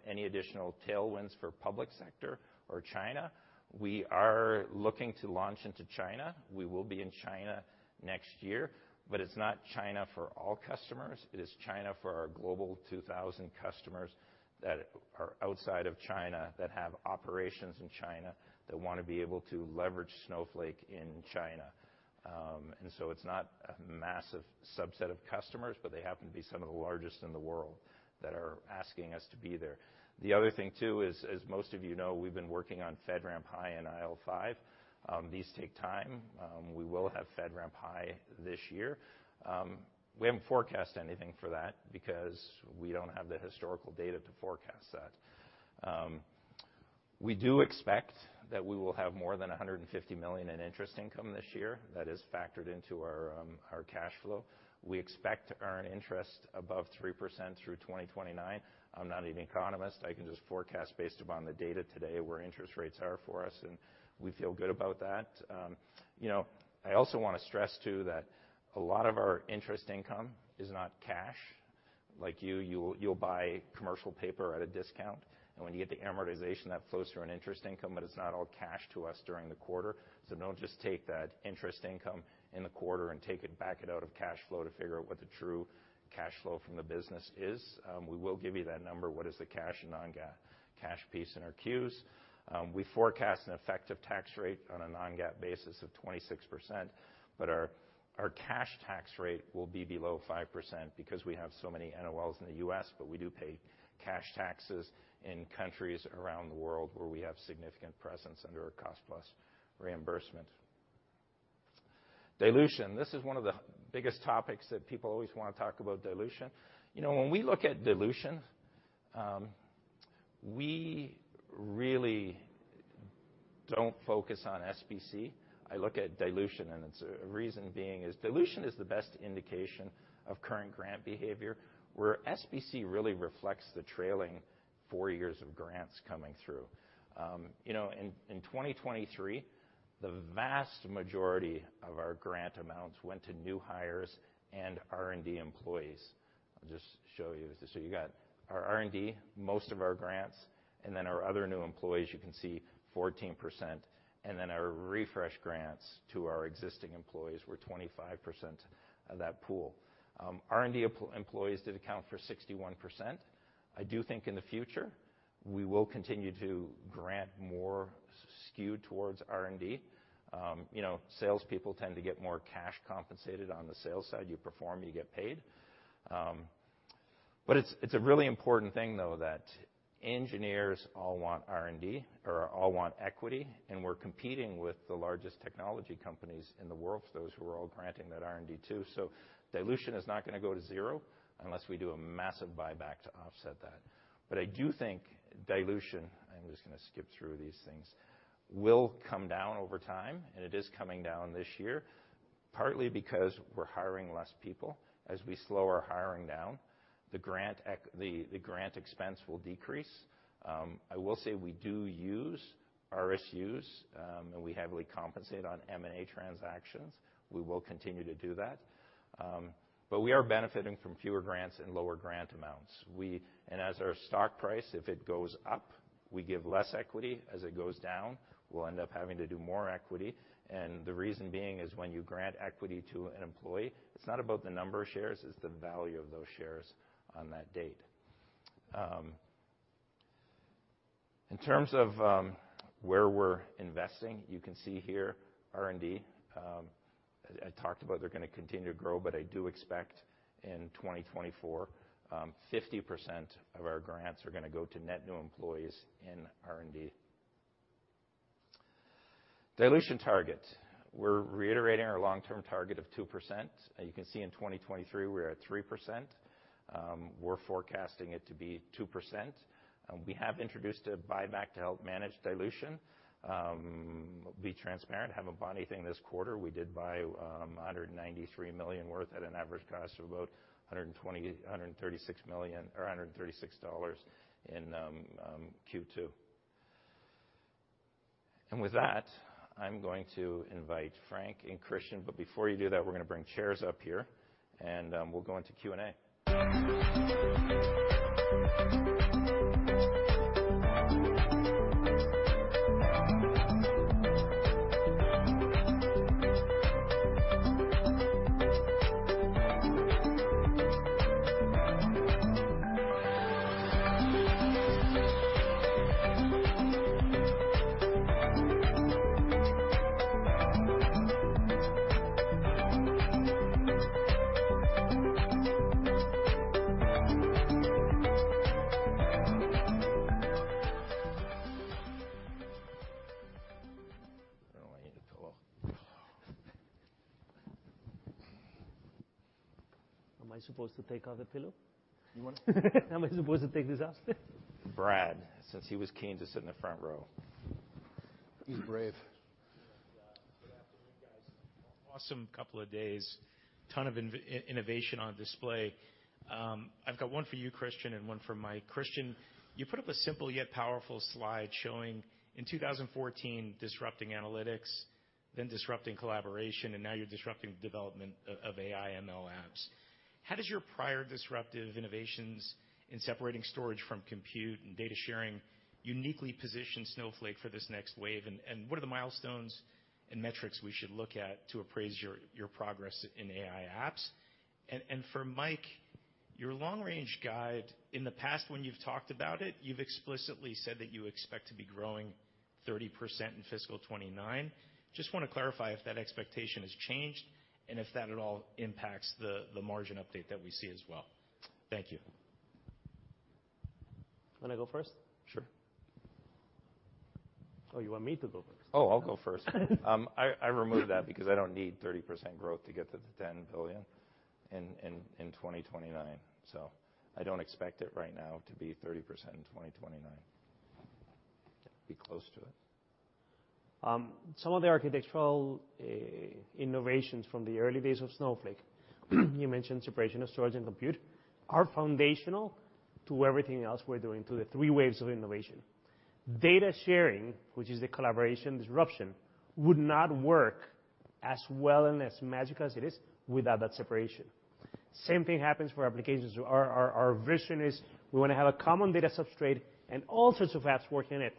I: any additional tailwinds for public sector or China. We are looking to launch into China. We will be in China next year, but it's not China for all customers. It is China for our global 2,000 customers that are outside of China, that have operations in China, that want to be able to leverage Snowflake in China. It's not a massive subset of customers, but they happen to be some of the largest in the world that are asking us to be there. The other thing, too, is, as most of you know, we've been working on FedRAMP High and IL5. These take time. We will have FedRAMP High this year. We haven't forecast anything for that because we don't have the historical data to forecast that. We do expect that we will have more than $150 million in interest income this year. That is factored into our cash flow. We expect to earn interest above 3% through 2029. I'm not an economist. I can just forecast based upon the data today, where interest rates are for us, and we feel good about that. You know, I also want to stress, too, that a lot of our interest income is not cash. Like, you'll buy commercial paper at a discount, and when you get the amortization, that flows through an interest income, but it's not all cash to us during the quarter. Don't just take that interest income in the quarter and back it out of cash flow to figure out what the true cash flow from the business is. We will give you that number, what is the cash and non-GAAP cash piece in our Qs. We forecast an effective tax rate on a non-GAAP basis of 26%, but our cash tax rate will be below 5% because we have so many NOLs in the U.S., but we do pay cash taxes in countries around the world where we have significant presence under a cost-plus reimbursement. Dilution, this is one of the biggest topics that people always want to talk about dilution. You know, when we look at dilution, we really don't focus on SBC. I look at dilution, and it's reason being is dilution is the best indication of current grant behavior where SBC really reflects the trailing four years of grants coming through. You know, in 2023, the vast majority of our grant amounts went to new hires and R&D employees. I'll just show you. You got our R&D, most of our grants, and then our other new employees, you can see 14%, and then our refresh grants to our existing employees were 25% of that pool. R&D employees did account for 61%. I do think in the future, we will continue to grant more skewed towards R&D. You know, salespeople tend to get more cash compensated on the sales side. You perform, you get paid. It's, it's a really important thing, though, that engineers all want R&D or all want equity, and we're competing with the largest technology companies in the world, those who are all granting that R&D, too. Dilution is not gonna go to zero unless we do a massive buyback to offset that. I do think dilution, I'm just gonna skip through these things, will come down over time, and it is coming down this year, partly because we're hiring less people. As we slow our hiring down, the grant expense will decrease. I will say we do use RSUs, and we heavily compensate on M&A transactions. We will continue to do that. We are benefiting from fewer grants and lower grant amounts. As our stock price, if it goes up, we give less equity. As it goes down, we'll end up having to do more equity, and the reason being is when you grant equity to an employee, it's not about the number of shares, it's the value of those shares on that date. In terms of, where we're investing, you can see here, R&D. I talked about they're gonna continue to grow, but I do expect in 2024, 50% of our grants are gonna go to net new employees in R&D. Dilution target. We're reiterating our long-term target of 2%. You can see in 2023, we're at 3%. We're forecasting it to be 2%, and we have introduced a buyback to help manage dilution. Be transparent, have a Bonnie thing this quarter. We did buy $193 million worth at an average cost of about 120, $136 million or $136 in Q2. With that, I'm going to invite Frank and Christian, but before you do that we're gonna bring chairs up here, and we'll go into Q&A. I need a pillow.
E: Am I supposed to take out the pillow? Am I supposed to take this out?
I: Brad, since he was keen to sit in the front row. He's brave.
J: Good afternoon, guys. Awesome couple of days. Ton of innovation on display. I've got one for you, Christian, and one for Mike. Christian, you put up a simple yet powerful slide showing in 2014, disrupting analytics, then disrupting collaboration, and now you're disrupting development of AI ML apps. How does your prior disruptive innovations in separating storage from compute and data sharing uniquely position Snowflake for this next wave, and what are the milestones and metrics we should look at to appraise your progress in AI apps? For Mike, your long-range guide, in the past, when you've talked about it, you've explicitly said that you expect to be growing 30% in fiscal 2029. Just wanna clarify if that expectation has changed and if that at all impacts the margin update that we see as well. Thank you.
E: Wanna go first?
I: Sure.
E: Oh, you want me to go first?
I: Oh, I'll go first. I removed that because I don't need 30% growth to get to the $10 billion in 2029. I don't expect it right now to be 30% in 2029. Be close to it.
E: Some of the architectural innovations from the early days of Snowflake, you mentioned separation of storage and compute, are foundational to everything else we're doing, to the three waves of innovation. Data sharing, which is the collaboration disruption, would not work as well and as magical as it is without that separation. Same thing happens for applications. Our vision is we wanna have a common data substrate and all sorts of apps working in it.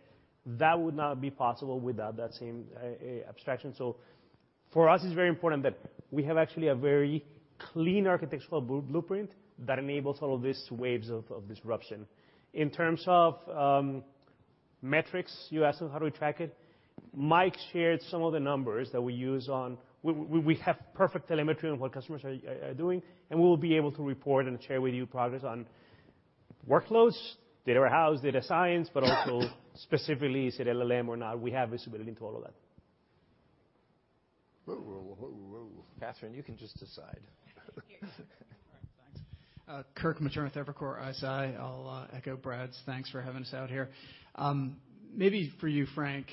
E: That would not be possible without that same abstraction. For us it's very important that we have actually a very clean architectural blueprint that enables all of these waves of disruption. In terms of metrics, you asked us how do we track it. Mike shared some of the numbers that we use on... We have perfect telemetry on what customers are doing. We will be able to report and share with you progress on workloads, data warehouse, data science. Also specifically, is it LLM or not? We have visibility into all of that.
B: Whoa, Catherine, you can just decide.
K: All right, thanks. Kirk Materne with Evercore ISI. I'll echo Brad's thanks for having us out here. Maybe for you, Frank,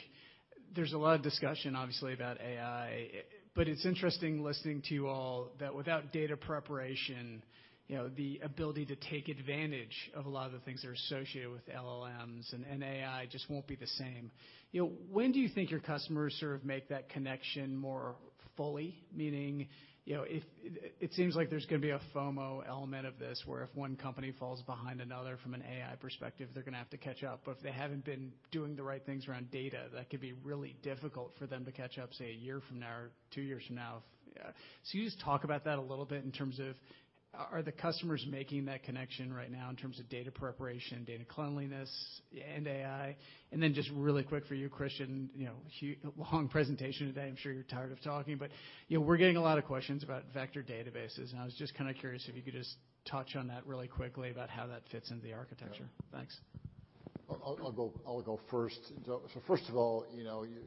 K: there's a lot of discussion, obviously, about AI, but it's interesting listening to you all that without data preparation, you know, the ability to take advantage of a lot of the things that are associated with LLM and AI just won't be the same. You know, when do you think your customers sort of make that connection more fully? Meaning, you know, it seems like there's gonna be a FOMO element of this, where if one company falls behind another from an AI perspective, they're gonna have to catch up. If they haven't been doing the right things around data, that could be really difficult for them to catch up, say, 1 year from now or 2 years from now. Can you just talk about that a little bit in terms of are the customers making that connection right now in terms of data preparation, data cleanliness, and AI? Just really quick for you, Christian, you know, long presentation today, I'm sure you're tired of talking, but, you know, we're getting a lot of questions about vector databases, and I was just kinda curious if you could just touch on that really quickly about how that fits into the architecture.
C: Yeah.
K: Thanks.
C: I'll go first. First of all, you know, you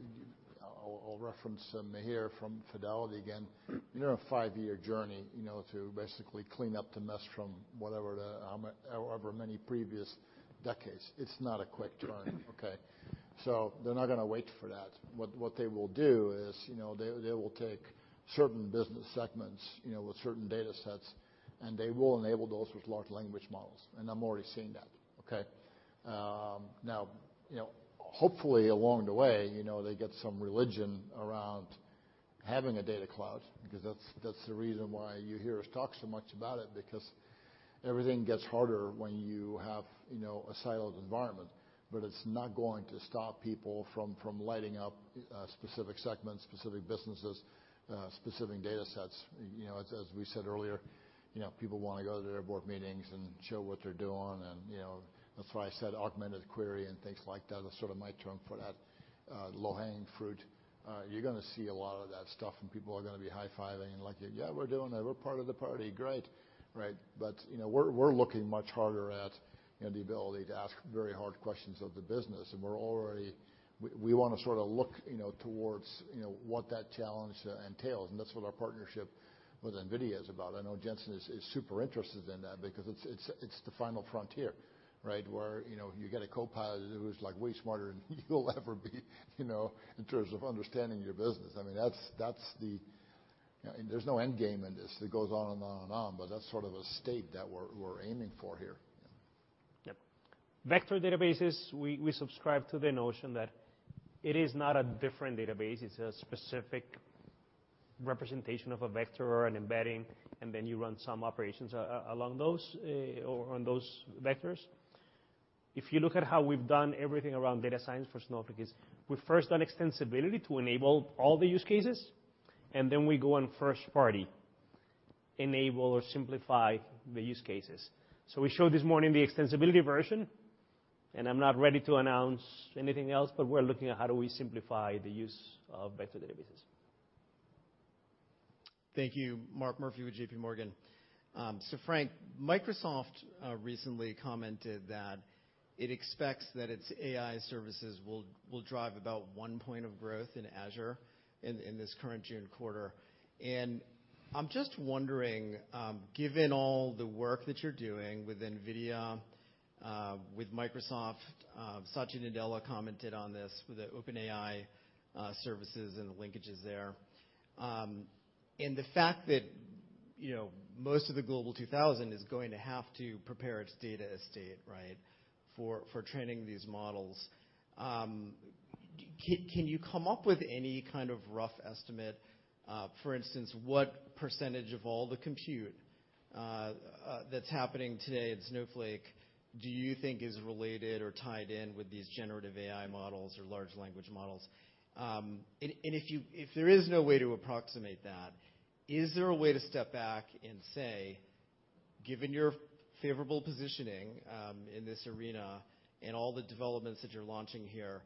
C: reference here from Fidelity again, you're on a five-year journey, you know, to basically clean up the mess from whatever the however many previous decades. It's not a quick journey, okay? They're not gonna wait for that. What they will do is, you know, they will take certain business segments, you know, with certain data sets, and they will enable those with large language models, and I'm already seeing that, okay? Now, you know, hopefully, along the way, you know, they get some religion around having a Data Cloud, because that's the reason why you hear us talk so much about it, because everything gets harder when you have, you know, a siloed environment. It's not going to stop people from lighting up, specific segments, specific businesses, specific data sets. You know, as we said earlier, you know, people wanna go to their board meetings and show what they're doing and, you know. That's why I said augmented query and things like that is sort of my term for that, low-hanging fruit. You're gonna see a lot of that stuff, and people are gonna be high-fiving and like, "Yeah, we're doing it. We're part of the party." Great, right? You know, we're looking much harder at, you know, the ability to ask very hard questions of the business, and we're already, we wanna sorta look, you know, towards, you know, what that challenge entails, and that's what our partnership with NVIDIA is about. I know Jensen is super interested in that because it's the final frontier, right? Where, you know, you get a copilot who's, like, way smarter than you'll ever be, you know, in terms of understanding your business. I mean, that's the. There's no end game in this. It goes on and on and on, but that's sort of a state that we're aiming for here.
E: Yep. Vector databases, we subscribe to the notion that it is not a different database. It's a specific representation of a vector or an embedding, and then you run some operations along those or on those vectors. If you look at how we've done everything around data science for Snowflake is we first done extensibility to enable all the use cases, and then we go on first party, enable or simplify the use cases. We showed this morning the extensibility version, and I'm not ready to announce anything else, but we're looking at how do we simplify the use of vector databases.
L: Thank you. Mark Murphy with JPMorgan. Frank, Microsoft recently commented that it expects that its AI services will drive about 1 point of growth in Azure in this current June quarter. I'm just wondering, given all the work that you're doing with NVIDIA, with Microsoft, Satya Nadella commented on this, with the OpenAI services and the linkages there, and the fact that, you know, most of the Forbes Global 2000 is going to have to prepare its data estate, right, for training these models, can you come up with any kind of rough estimate? For instance, what % of all the compute that's happening today at Snowflake do you think is related or tied in with these generative AI models or large language models? If there is no way to approximate that, is there a way to step back and say, given your favorable positioning, in this arena and all the developments that you're launching here,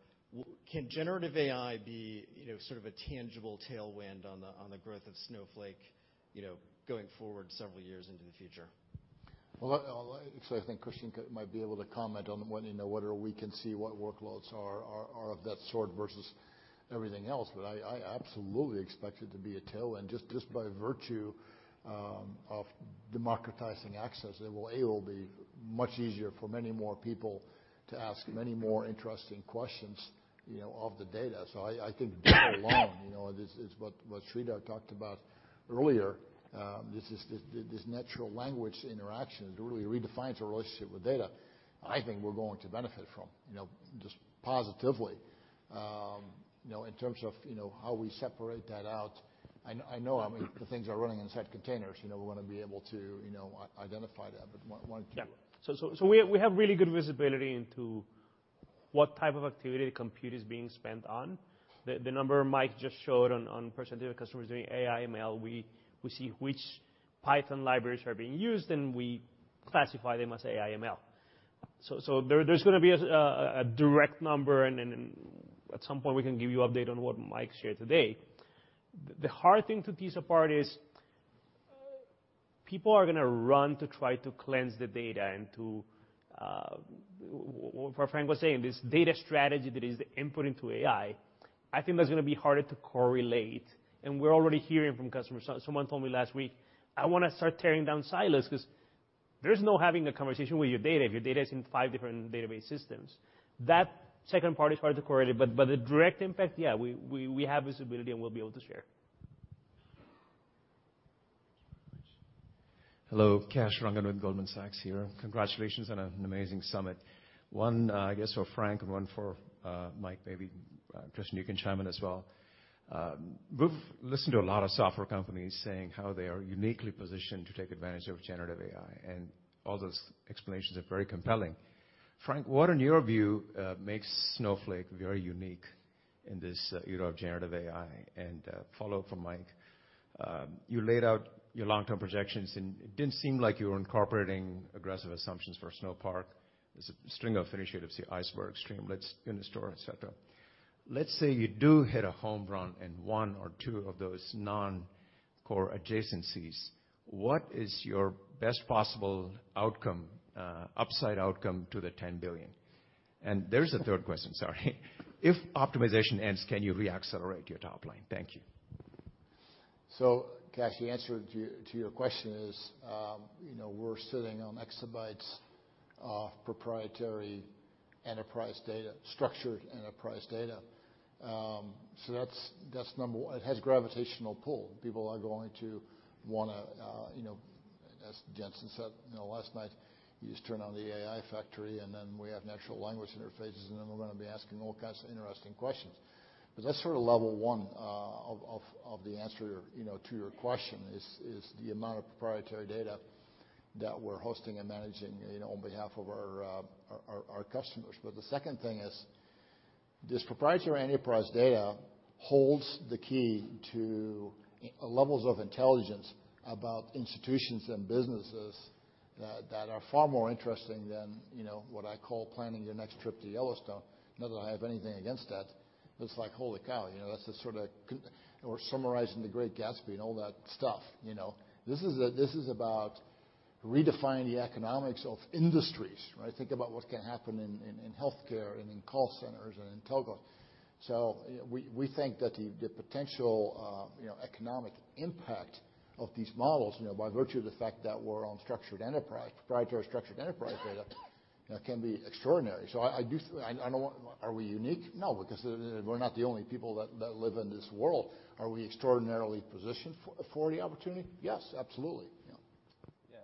L: can generative AI be, you know, sort of a tangible tailwind on the, on the growth of Snowflake, you know, going forward several years into the future?
C: I think Christian might be able to comment on whether, you know, whether we can see what workloads are of that sort versus everything else, but I absolutely expect it to be a tailwind. Just by virtue of democratizing access, it will be much easier for many more people to ask many more interesting questions, you know, of the data. I think that alone, you know, it's what Sridhar talked about earlier, this natural language interaction really redefines our relationship with data. I think we're going to benefit from, you know, just positively. You know, in terms of, you know, how we separate that out, I know, I mean, the things are running inside containers. You know, we wanna be able to, you know, identify that, but why don't you -
E: We have really good visibility into what type of activity the compute is being spent on. The number Mike just showed on % of customers doing AI, ML, we see which Python libraries are being used, and we classify them as AI, ML. There's gonna be a direct number, and then at some point, we can give you update on what Mike shared today. The hard thing to piece apart is, people are gonna run to try to cleanse the data and to. What Frank was saying, this data strategy that is the input into AI, I think that's gonna be harder to correlate, and we're already hearing from customers. Someone told me last week, "I want to start tearing down silos," because there's no having a conversation with your data if your data is in 5 different database systems. That second part is hard to correlate, but the direct impact, yeah, we have visibility, and we'll be able to share.
M: Hello, Kash Rangan with Goldman Sachs here. Congratulations on an amazing summit. One, I guess for Frank and one for Mike, maybe Christian, you can chime in as well. We've listened to a lot of software companies saying how they are uniquely positioned to take advantage of generative AI, and all those explanations are very compelling. Frank, what, in your view, makes Snowflake very unique in this era of generative AI? Follow-up from Mike. You laid out your long-term projections, and it didn't seem like you were incorporating aggressive assumptions for Snowpark. There's a string of initiatives, the Iceberg, Streamlit, in the store, et cetera. Let's say you do hit a home run in one or two of those non-core adjacencies, what is your best possible outcome, upside outcome to the $10 billion? There's a third question, sorry. If optimization ends, can you reaccelerate your top line? Thank you.
C: Kash, the answer to your question is, you know, we're sitting on exabytes of proprietary enterprise data, structured enterprise data. That's number one of the answer, you know, to your question, is the amount of proprietary data that we're hosting and managing, you know, on behalf of our customers. It has gravitational pull. People are going to wanna, you know, as Jensen said, you know, last night, you just turn on the AI factory, and then we have natural language interfaces, and then we're gonna be asking all kinds of interesting questions. That's sort of level one of the answer, you know, to your question, is the amount of proprietary data that we're hosting and managing, you know, on behalf of our customers. The second thing is, this proprietary enterprise data holds the key to levels of intelligence about institutions and businesses that are far more interesting than, you know, what I call planning your next trip to Yellowstone. Not that I have anything against that, but it's like, holy cow, you know, that's the sorta - or summarizing The Great Gatsby and all that stuff, you know. This is a, this is about redefining the economics of industries, right? Think about what can happen in, in healthcare and in call centers and in telco. We think that the potential, you know, economic impact of these models, you know, by virtue of the fact that we're on structured enterprise, proprietary structured enterprise data can be extraordinary. I don't want... Are we unique? No, because we're not the only people that live in this world. Are we extraordinarily positioned for the opportunity? Yes, absolutely, yeah.
I: Yeah,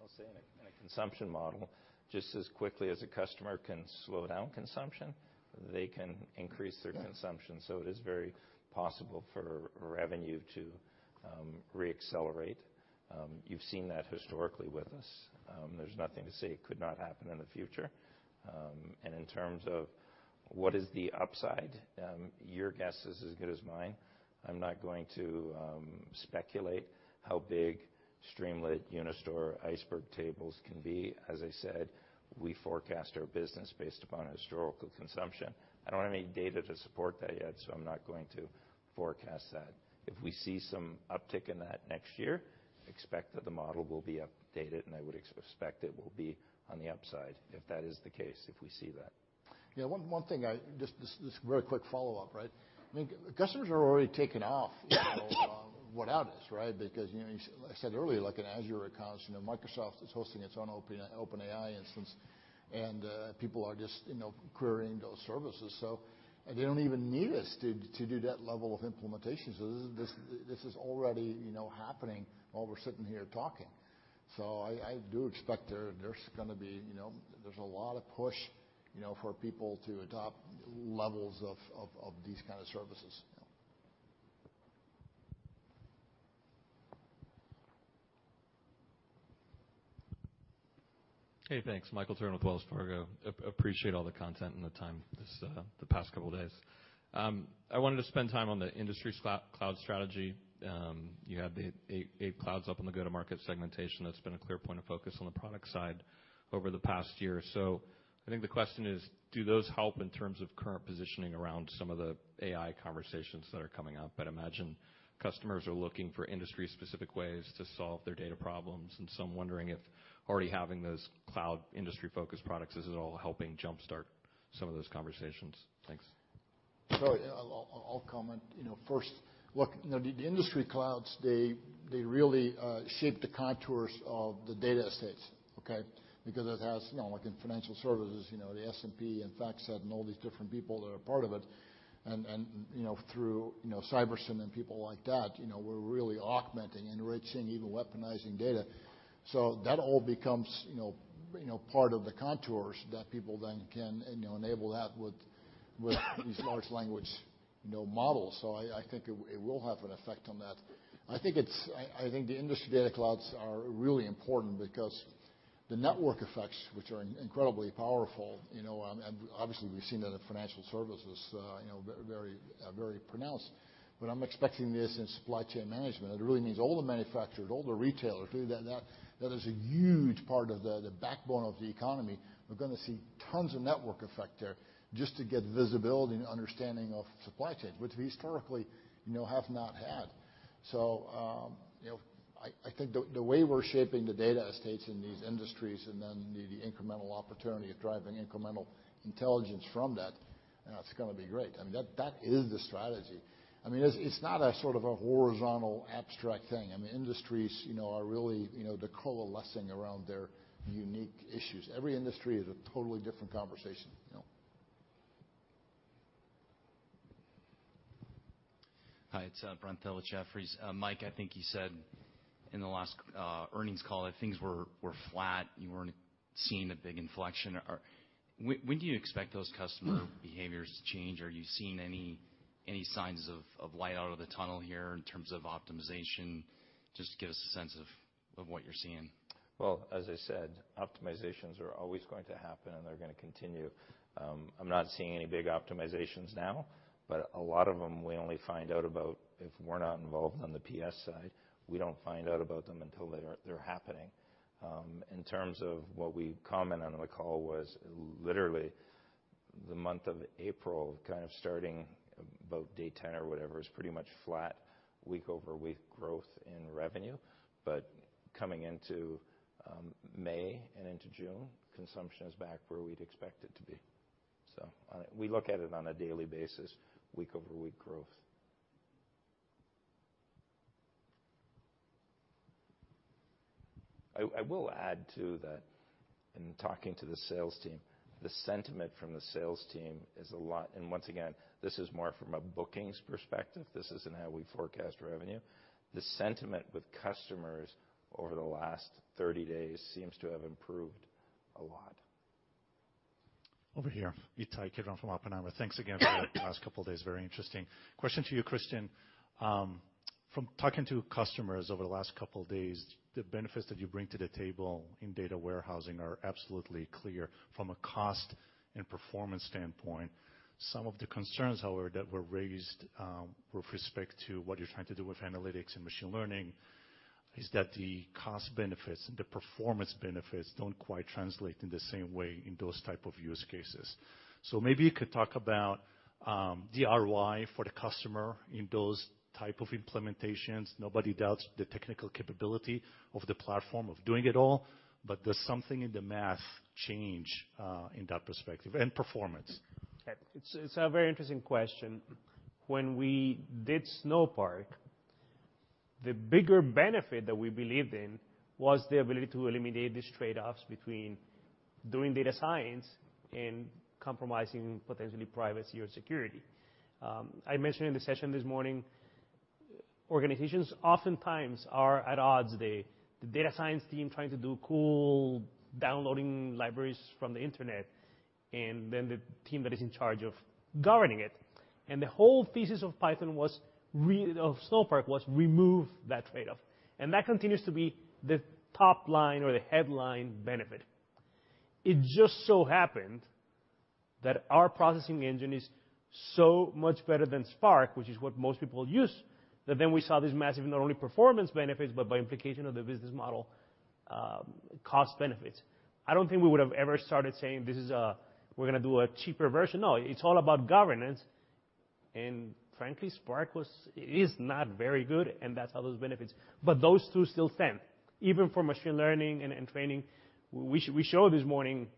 I: I'll say in a consumption model, just as quickly as a customer can slow down consumption, they can increase their consumption. It is very possible for revenue to reaccelerate. You've seen that historically with us. There's nothing to say it could not happen in the future. In terms of what is the upside, your guess is as good as mine. I'm not going to speculate how big Streamlit, Unistore, Iceberg tables can be. As I said, we forecast our business based upon historical consumption. I don't have any data to support that yet, I'm not going to forecast that. If we see some uptick in that next year, expect that the model will be updated, and I would expect it will be on the upside, if that is the case, if we see that.
C: One thing, I mean, Just very quick follow-up, right. Customers are already taking off without us, right. Because, you know, I said earlier, like in Azure accounts, you know, Microsoft is hosting its own OpenAI instance, and people are just, you know, querying those services. They don't even need us to do that level of implementation. This is already, you know, happening while we're sitting here talking. I do expect there's gonna be, you know, there's a lot of push, you know, for people to adopt levels of these kind of services.
M: Yeah.
N: Hey, thanks. Michael Turrin with Wells Fargo. Appreciate all the content and the time this, the past couple days. I wanted to spend time on the industry cloud strategy. You had the eight clouds up on the go-to-market segmentation. That's been a clear point of focus on the product side over the past year. I think the question is: Do those help in terms of current positioning around some of the AI conversations that are coming up? I'd imagine customers are looking for industry-specific ways to solve their data problems, I'm wondering if already having those cloud industry-focused products, is it all helping jump-start some of those conversations? Thanks.
C: I'll comment. You know, first, look, you know, the industry clouds, they really shape the contours of the data estates, okay. Because it has, you know, like in financial services, you know, the S&P and FactSet and all these different people that are part of it, and, you know, through, you know, Cybersyn and people like that, you know, we're really augmenting, enriching, even weaponizing data. That all becomes, you know, part of the contours that people then can, you know, enable that with these large language, you know, models. I think it will have an effect on that. I think the industry data clouds are really important because the network effects, which are incredibly powerful, you know, and obviously we've seen that in financial services, you know, very pronounced. I'm expecting this in supply chain management. It really means all the manufacturers, all the retailers. That is a huge part of the backbone of the economy. We're gonna see tons of network effect there just to get visibility and understanding of supply chains, which we historically, you know, have not had. you know, I think the way we're shaping the data estates in these industries and then the incremental opportunity of driving incremental intelligence from that, it's gonna be great. I mean, that is the strategy. I mean, it's not a sort of a horizontal, abstract thing. I mean industries, you know, are really, you know, they're coalescing around their unique issues. Every industry is a totally different conversation, you know?
O: Hi, it's Brent Thill at Jefferies. Mike, I think you said in the last earnings call that things were flat, you weren't seeing a big inflection. When do you expect those customer behaviors to change? Are you seeing any signs of light out of the tunnel here in terms of optimization? Just give us a sense of what you're seeing.
I: Well, as I said, optimizations are always going to happen, and they're gonna continue. I'm not seeing any big optimizations now, but a lot of them we only find out about if we're not involved on the PS side, we don't find out about them until they're happening. In terms of what we comment on the call was literally the month of April, kind of starting about day 10 or whatever, is pretty much flat week-over-week growth in revenue. Coming into May and into June, consumption is back where we'd expect it to be. We look at it on a daily basis, week-over-week growth. I will add, too, that in talking to the sales team, the sentiment from the sales team is a lot and once again, this is more from a bookings perspective. This isn't how we forecast revenue. The sentiment with customers over the last 30 days seems to have improved a lot.
P: Over here. Ittai Kidron from Oppenheimer. Thanks again for the past couple of days, very interesting. Question to you, Christian. From talking to customers over the last couple of days, the benefits that you bring to the table in data warehousing are absolutely clear from a cost and performance standpoint. Some of the concerns, however, that were raised with respect to what you're trying to do with analytics and machine learning, is that the cost benefits and the performance benefits don't quite translate in the same way in those type of use cases. Maybe you could talk about the ROI for the customer in those type of implementations. Nobody doubts the technical capability of the platform of doing it all, but does something in the math change in that perspective, and performance?
E: It's a very interesting question. When we did Snowpark, the bigger benefit that we believed in was the ability to eliminate these trade-offs between doing data science and compromising potentially privacy or security. I mentioned in the session this morning, organizations oftentimes are at odds. The data science team trying to do cool downloading libraries from the internet, and then the team that is in charge of governing it. The whole thesis of Python was of Snowpark, was remove that trade-off, and that continues to be the top line or the headline benefit. It just so happened that our processing engine is so much better than Spark, which is what most people use, that then we saw this massive, not only performance benefits, but by implication of the business model, cost benefits. I don't think we would have ever started saying, "This is we're gonna do a cheaper version." No, it's all about governance, and frankly, Spark is not very good, and that's how those benefits. Those two still stand. Even for machine learning and training, we showed this morning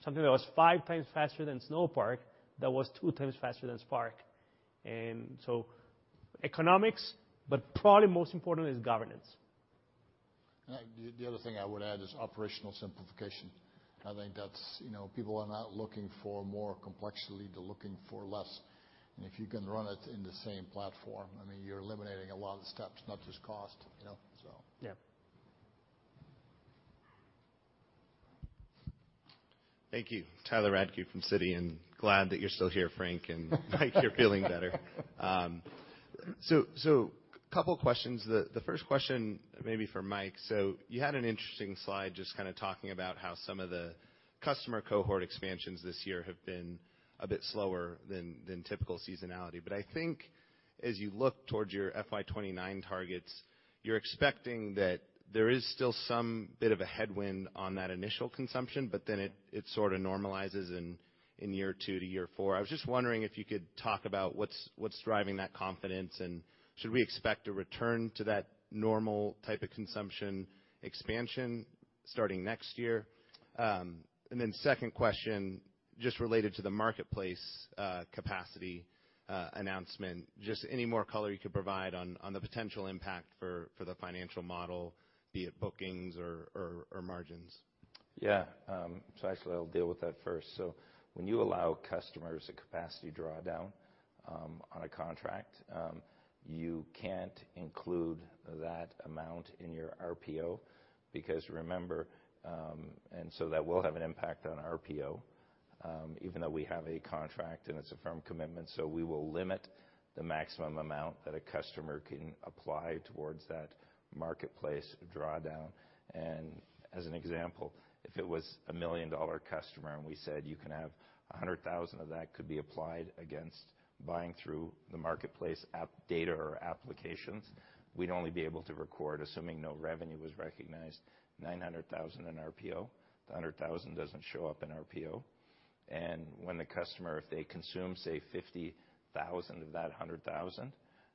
E: something that was 5 times faster than Snowpark, that was 2 times faster than Spark. Economics, but probably most important is governance.
C: The other thing I would add is operational simplification. I think that's, you know, people are not looking for more complexity, they're looking for less. If you can run it in the same platform, I mean, you're eliminating a lot of the steps, not just cost, you know.
E: Yeah.
Q: Thank you. Glad that you're still here, Frank. Mike, you're feeling better. Couple questions. The first question may be for Mike. You had an interesting slide, just kind of talking about how some of the customer cohort expansions this year have been a bit slower than typical seasonality. I think as you look towards your FY 29 targets, you're expecting that there is still some bit of a headwind on that initial consumption, but then it sort of normalizes in year two to year four. I was just wondering if you could talk about what's driving that confidence, and should we expect a return to that normal type of consumption expansion starting next year? Second question, just related to the marketplace, capacity, announcement, just any more color you could provide on the potential impact for the financial model, be it bookings or margins?
I: Actually, I'll deal with that first. When you allow customers a capacity drawdown on a contract, you can't include that amount in your RPO because remember. That will have an impact on RPO, even though we have a contract and it's a firm commitment. We will limit the maximum amount that a customer can apply towards that marketplace drawdown. As an example, if it was a $1 million customer, and we said, "You can have $100,000 of that could be applied against buying through the marketplace app data or applications," we'd only be able to record, assuming no revenue was recognized, $900,000 in RPO. The $100,000 doesn't show up in RPO. When the customer, if they consume, say, $50,000 of that $100,000,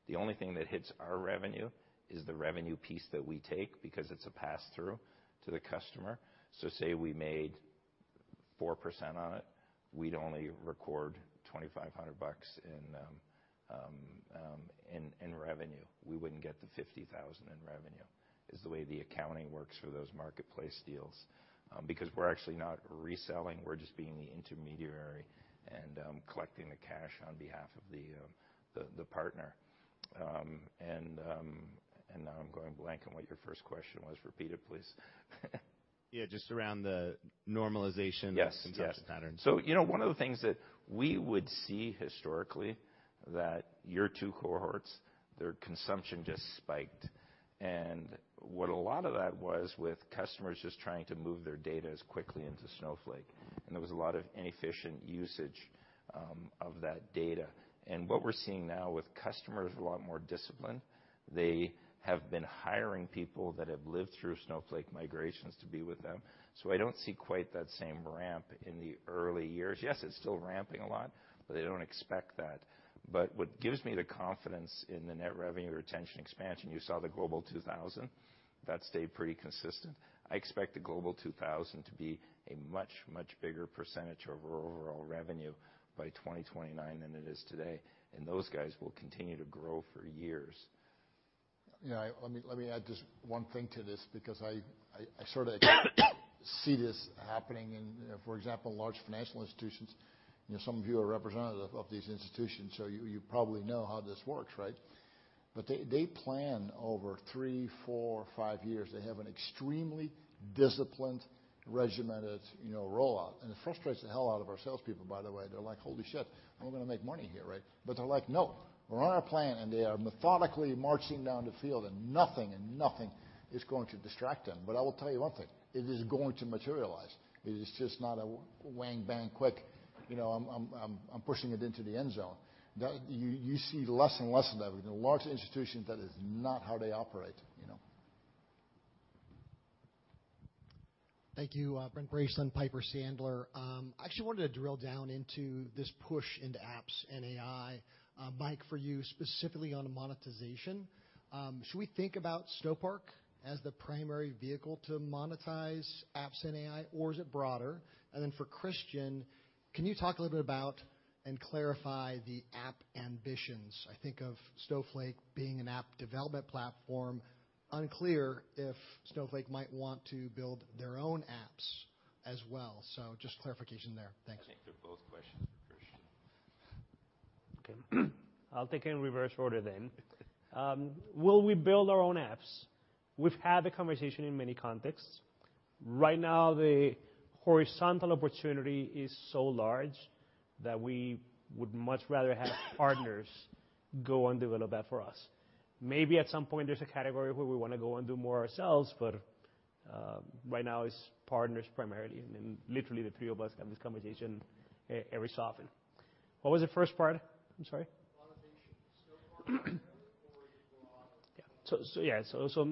I: the only thing that hits our revenue is the revenue piece that we take, because it's a pass-through to the customer. Say we made 4% on it, we'd only record $2,500 in revenue. We wouldn't get the $50,000 in revenue. Is the way the accounting works for those marketplace deals, because we're actually not reselling, we're just being the intermediary, and collecting the cash on behalf of the partner. Now I'm going blank on what your first question was. Repeat it, please.
Q: Yeah, just around the normalization consumption patterns.
I: You know, one of the things that we would see historically, that your two cohorts, their consumption just spiked. What a lot of that was with customers just trying to move their data as quickly into Snowflake, and there was a lot of inefficient usage of that data. What we're seeing now with customers, a lot more disciplined, they have been hiring people that have lived through Snowflake migrations to be with them. I don't see quite that same ramp in the early years. Yes, it's still ramping a lot, but they don't expect that. What gives me the confidence in the net revenue retention expansion, you saw the Global 2000, that stayed pretty consistent. I expect the Forbes Global 2000 to be a much, much bigger % of our overall revenue by 2029 than it is today. Those guys will continue to grow for years.
C: You know, let me add just one thing to this, because I sort of see this happening in, for example, large financial institutions. You know, some of you are representative of these institutions, so you probably know how this works, right? They plan over three, four, five years. They have an extremely disciplined, regimented, you know, rollout. It frustrates the hell out of our salespeople, by the way. They're like: Holy shit, how am I gonna make money here, right? They're like: "No, we're on our plan, and they are methodically marching down the field, and nothing is going to distract them." I will tell you one thing, it is going to materialize. It is just not a wang bang quick. You know, I'm pushing it into the end zone. You see less and less of that with large institutions, that is not how they operate, you know?
R: Thank you. Brent Bracelin, Piper Sandler. I actually wanted to drill down into this push into apps and AI. Mike, for you, specifically on monetization, should we think about Snowpark as the primary vehicle to monetize apps and AI, or is it broader? For Christian, can you talk a little bit about and clarify the app ambitions? I think of Snowflake being an app development platform, unclear if Snowflake might want to build their own apps as well. Just clarification there. Thank you.
I: I think they're both questions for Christian.
E: Okay. I'll take it in reverse order then. Will we build our own apps? We've had the conversation in many contexts. Right now, the horizontal opportunity is so large that we would much rather have partners go and develop that for us. Maybe at some point, there's a category where we wanna go and do more ourselves, but right now it's partners primarily, and literally the three of us have this conversation every so often. What was the first part? I'm sorry.
R: Monetization.
E: Yeah.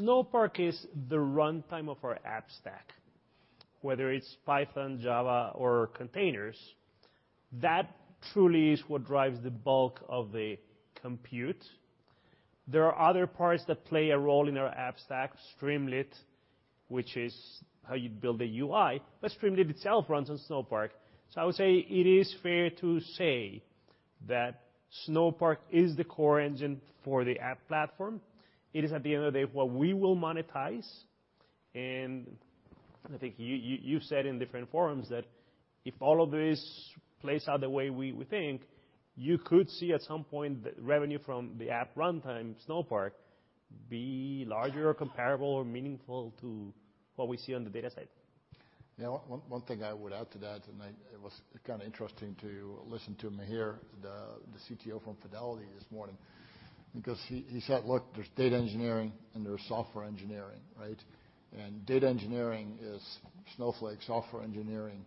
E: Snowpark is the runtime of our app stack, whether it's Python, Java, or containers. That truly is what drives the bulk of the compute. There are other parts that play a role in our app stack, Streamlit, which is how you build a UI, but Streamlit itself runs on Snowpark. I would say it is fair to say that Snowpark is the core engine for the app platform. It is, at the end of the day, what we will monetize, and I think you said in different forums, that if all of this plays out the way we think, you could see at some point, the revenue from the app runtime, Snowpark, be larger or comparable or meaningful to what we see on the data side.
C: One thing I would add to that. It was kinda interesting to listen to Mihir, the CTO from Fidelity, this morning, because he said: "Look, there's data engineering, and there's software engineering, right? Data engineering is Snowflake. Software engineering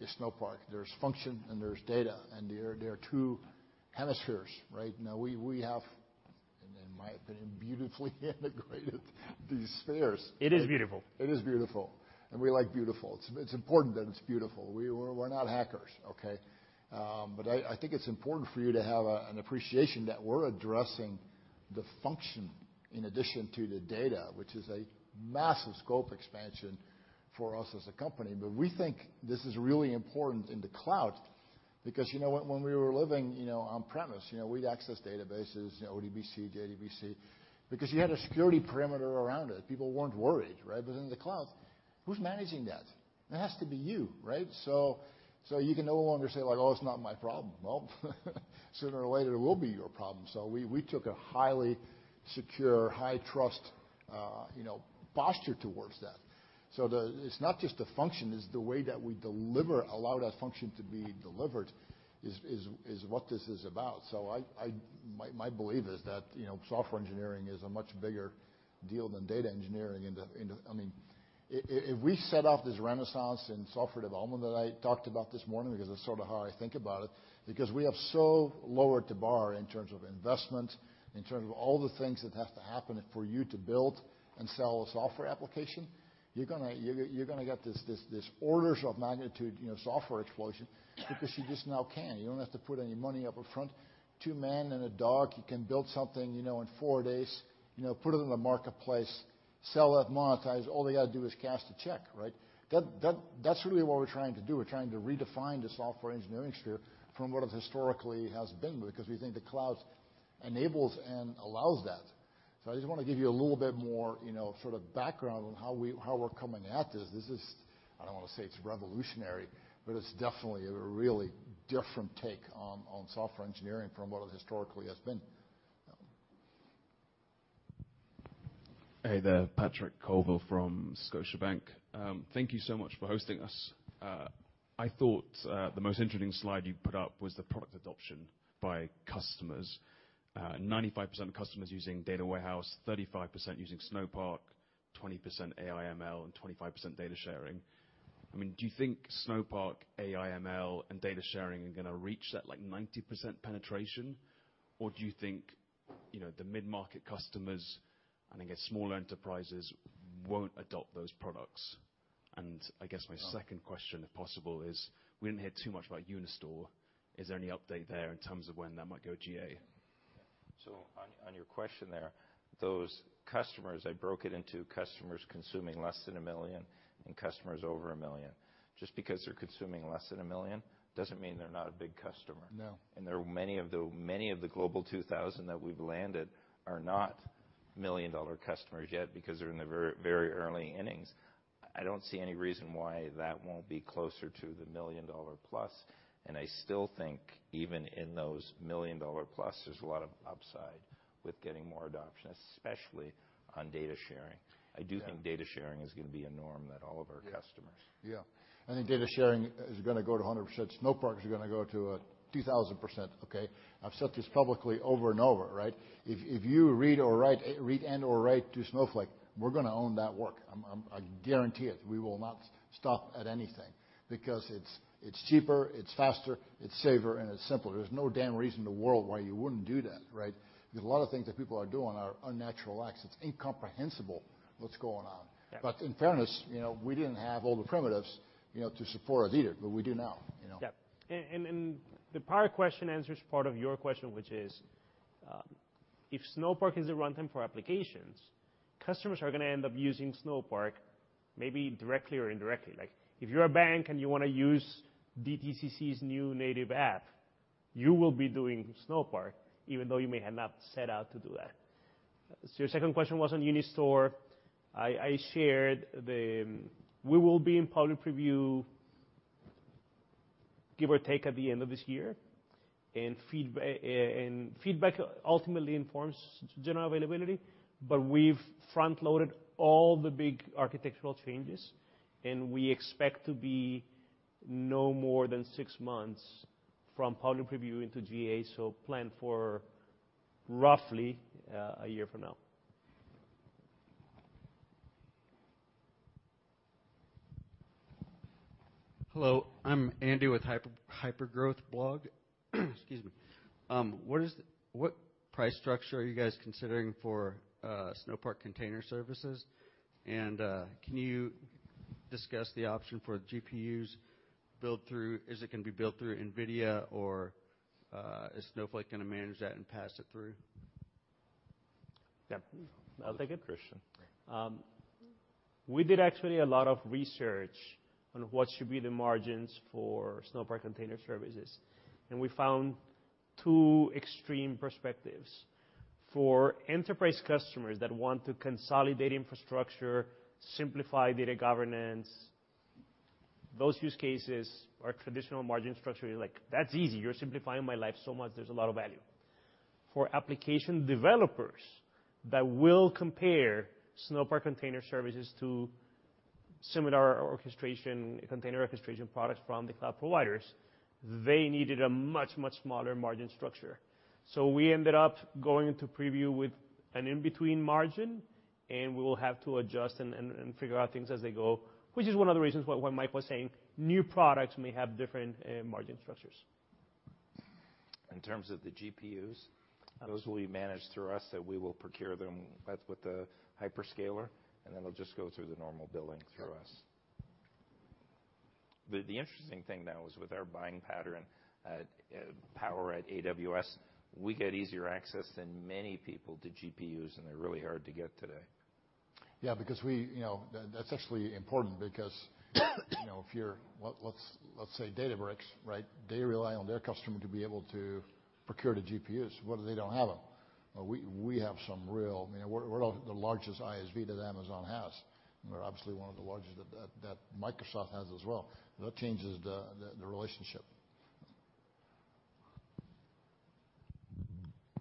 C: is Snowpark. There's function, and there's data, and there are two hemispheres, right?" We have, in my opinion, beautifully integrated these spheres.
E: It is beautiful.
C: It is beautiful, and we like beautiful. It's important that it's beautiful. We're not hackers, okay? I think it's important for you to have an appreciation that we're addressing the function in addition to the data, which is a massive scope expansion for us as a company. We think this is really important in the cloud because, you know, when we were living, you know, on premise, you know, we'd access databases, you know, ODBC, JDBC, because you had a security perimeter around it. People weren't worried, right? In the cloud, who's managing that? It has to be you, right? You can no longer say like, "Oh, it's not my problem." Well, sooner or later, it will be your problem. We took a highly secure, high-trust, you know, posture towards that. The... It's not just the function, it's the way that we deliver, allow that function to be delivered is what this is about. My belief is that, you know, software engineering is a much bigger deal than data engineering in the. I mean, if we set off this renaissance in software development that I talked about this morning, because that's sort of how I think about it, because we have so lowered the bar in terms of investment, in terms of all the things that have to happen for you to build and sell a software application, you're gonna get this orders of magnitude, you know, software explosion because you just now can. You don't have to put any money up upfront. Two men and a dog, you can build something, you know, in four days, you know, put it in the marketplace, sell it, monetize. All they gotta do is cash the check, right? That's really what we're trying to do. We're trying to redefine the software engineering sphere from what it historically has been, because we think the cloud enables and allows that. I just want to give you a little bit more, you know, sort of background on how we, how we're coming at this. This is, I don't want to say it's revolutionary but it's definitely a really different take on software engineering from what it historically has been.
S: Hey there, Patrick Colville from Scotiabank. Thank you so much for hosting us. I thought the most interesting slide you put up was the product adoption by customers. 95% of customers using data warehouse, 35% using Snowpark, 20% AI/ML, and 25% data sharing. I mean, do you think Snowpark, AI/ML, and data sharing are gonna reach that, like, 90% penetration? Or do you think, you know, the mid-market customers, and I guess smaller enterprises, won't adopt those products? I guess my second question if possible, is we didn't hear too much about Unistore. Is there any update there in terms of when that might go GA?
I: On your question there, those customers, I broke it into customers consuming less than $1 million and customers over $1 million. Just because they're consuming less than $1 million doesn't mean they're not a big customer.
C: No.
I: There are many of the Forbes Global 2000 that we've landed are not million-dollar customers yet because they're in the very, very early innings. I don't see any reason why that won't be closer to the million-dollar-plus, and I still think even in those million-dollar-plus, there's a lot of upside with getting more adoption, especially on data sharing.
C: Yeah.
I: I do think data sharing is gonna be a norm that all of our customers.
C: Yeah. Yeah, I think data sharing is gonna go to 100%. Snowpark is gonna go to 2,000%, okay? I've said this publicly over and over, right? If you read or write, read and/or write to Snowflake, we're gonna own that work. I guarantee it. We will not stop at anything because it's cheaper, it's faster, it's safer and it's simpler. There's no damn reason in the world why you wouldn't do that, right? Because a lot of things that people are doing are unnatural acts. It's incomprehensible what's going on.
I: Yeah.
C: In fairness, you know, we didn't have all the primitives, you know, to support a leader, but we do now, you know?
E: Yeah. The prior question answers part of your question, which is if Snowpark is a runtime for applications, customers are gonna end up using Snowpark, maybe directly or indirectly. Like, if you're a bank and you wanna use DTCC's new native app, you will be doing Snowpark, even though you may have not set out to do that. Your second question was on Unistore. We will be in public preview, give or take, at the end of this year, and feedback ultimately informs general availability, but we've front-loaded all the big architectural changes, and we expect to be no more than six months from public preview into GA, plan for roughly a year from now.
T: Hello, I'm Andy with Hypergrowth Blog. Excuse me. What price structure are you guys considering for Snowpark Container Services? Can you discuss the option for GPUs? Is it gonna be built through NVIDIA, or is Snowflake gonna manage that and pass it through?
E: Yeah. I'll take it.
I: Christian.
E: We did actually a lot of research on what should be the margins for Snowpark Container Services, we found two extreme perspectives. For enterprise customers that want to consolidate infrastructure, simplify data governance, those use cases, our traditional margin structure is like, "That's easy. You're simplifying my life so much. There's a lot of value." For application developers that will compare Snowpark Container Services to similar orchestration, container orchestration products from the cloud providers, they needed a much, much smaller margin structure. We ended up going into preview with an in-between margin, and we will have to adjust and figure out things as they go, which is one of the reasons why Mike was saying new products may have different margin structures.
I: In terms of the GPUs, those will be managed through us, so we will procure them with the hyperscaler, and then they'll just go through the normal billing through us. The interesting thing, though, is with our buying pattern, power at AWS, we get easier access than many people to GPUs, and they're really hard to get today.
C: You know, that's actually important because, you know, if you're, let's say Databricks, right? They rely on their customer to be able to procure the GPUs. What if they don't have them? I mean, we're the largest ISV that Amazon has, and we're obviously one of the largest that Microsoft has as well. That changes the relationship.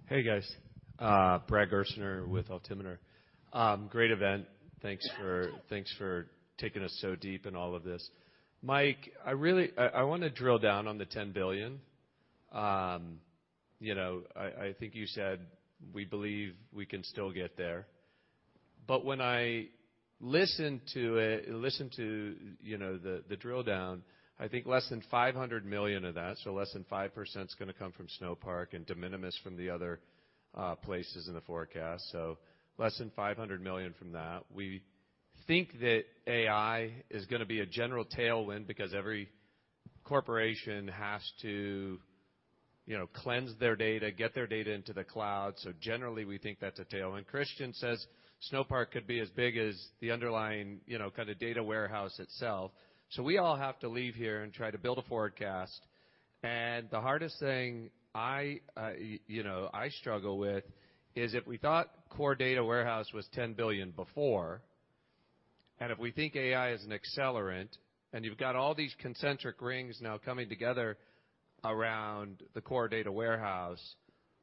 U: Hey, guys. Brad Gerstner with Altimeter. Great event. Thanks for taking us so deep in all of this. Mike, I really wanna drill down on the $10 billion. You know, I think you said, "We believe we can still get there." When I listen to it, listen to, you know, the drill down, I think less than $500 million of that, so less than 5% is gonna come from Snowpark and de minimis from the other places in the forecast, so less than $500 million from that. We think that AI is gonna be a general tailwind because every corporation has to, you know, cleanse their data, get their data into the cloud, so generally, we think that's a tailwind. Christian Kleinerman says Snowpark could be as big as the underlying, you know, kinda data warehouse itself. We all have to leave here and try to build a forecast, and the hardest thing I, you know, I struggle with is if we thought core data warehouse was $10 billion before. And if we think AI is an accelerant, and you've got all these concentric rings now coming together around the core data warehouse,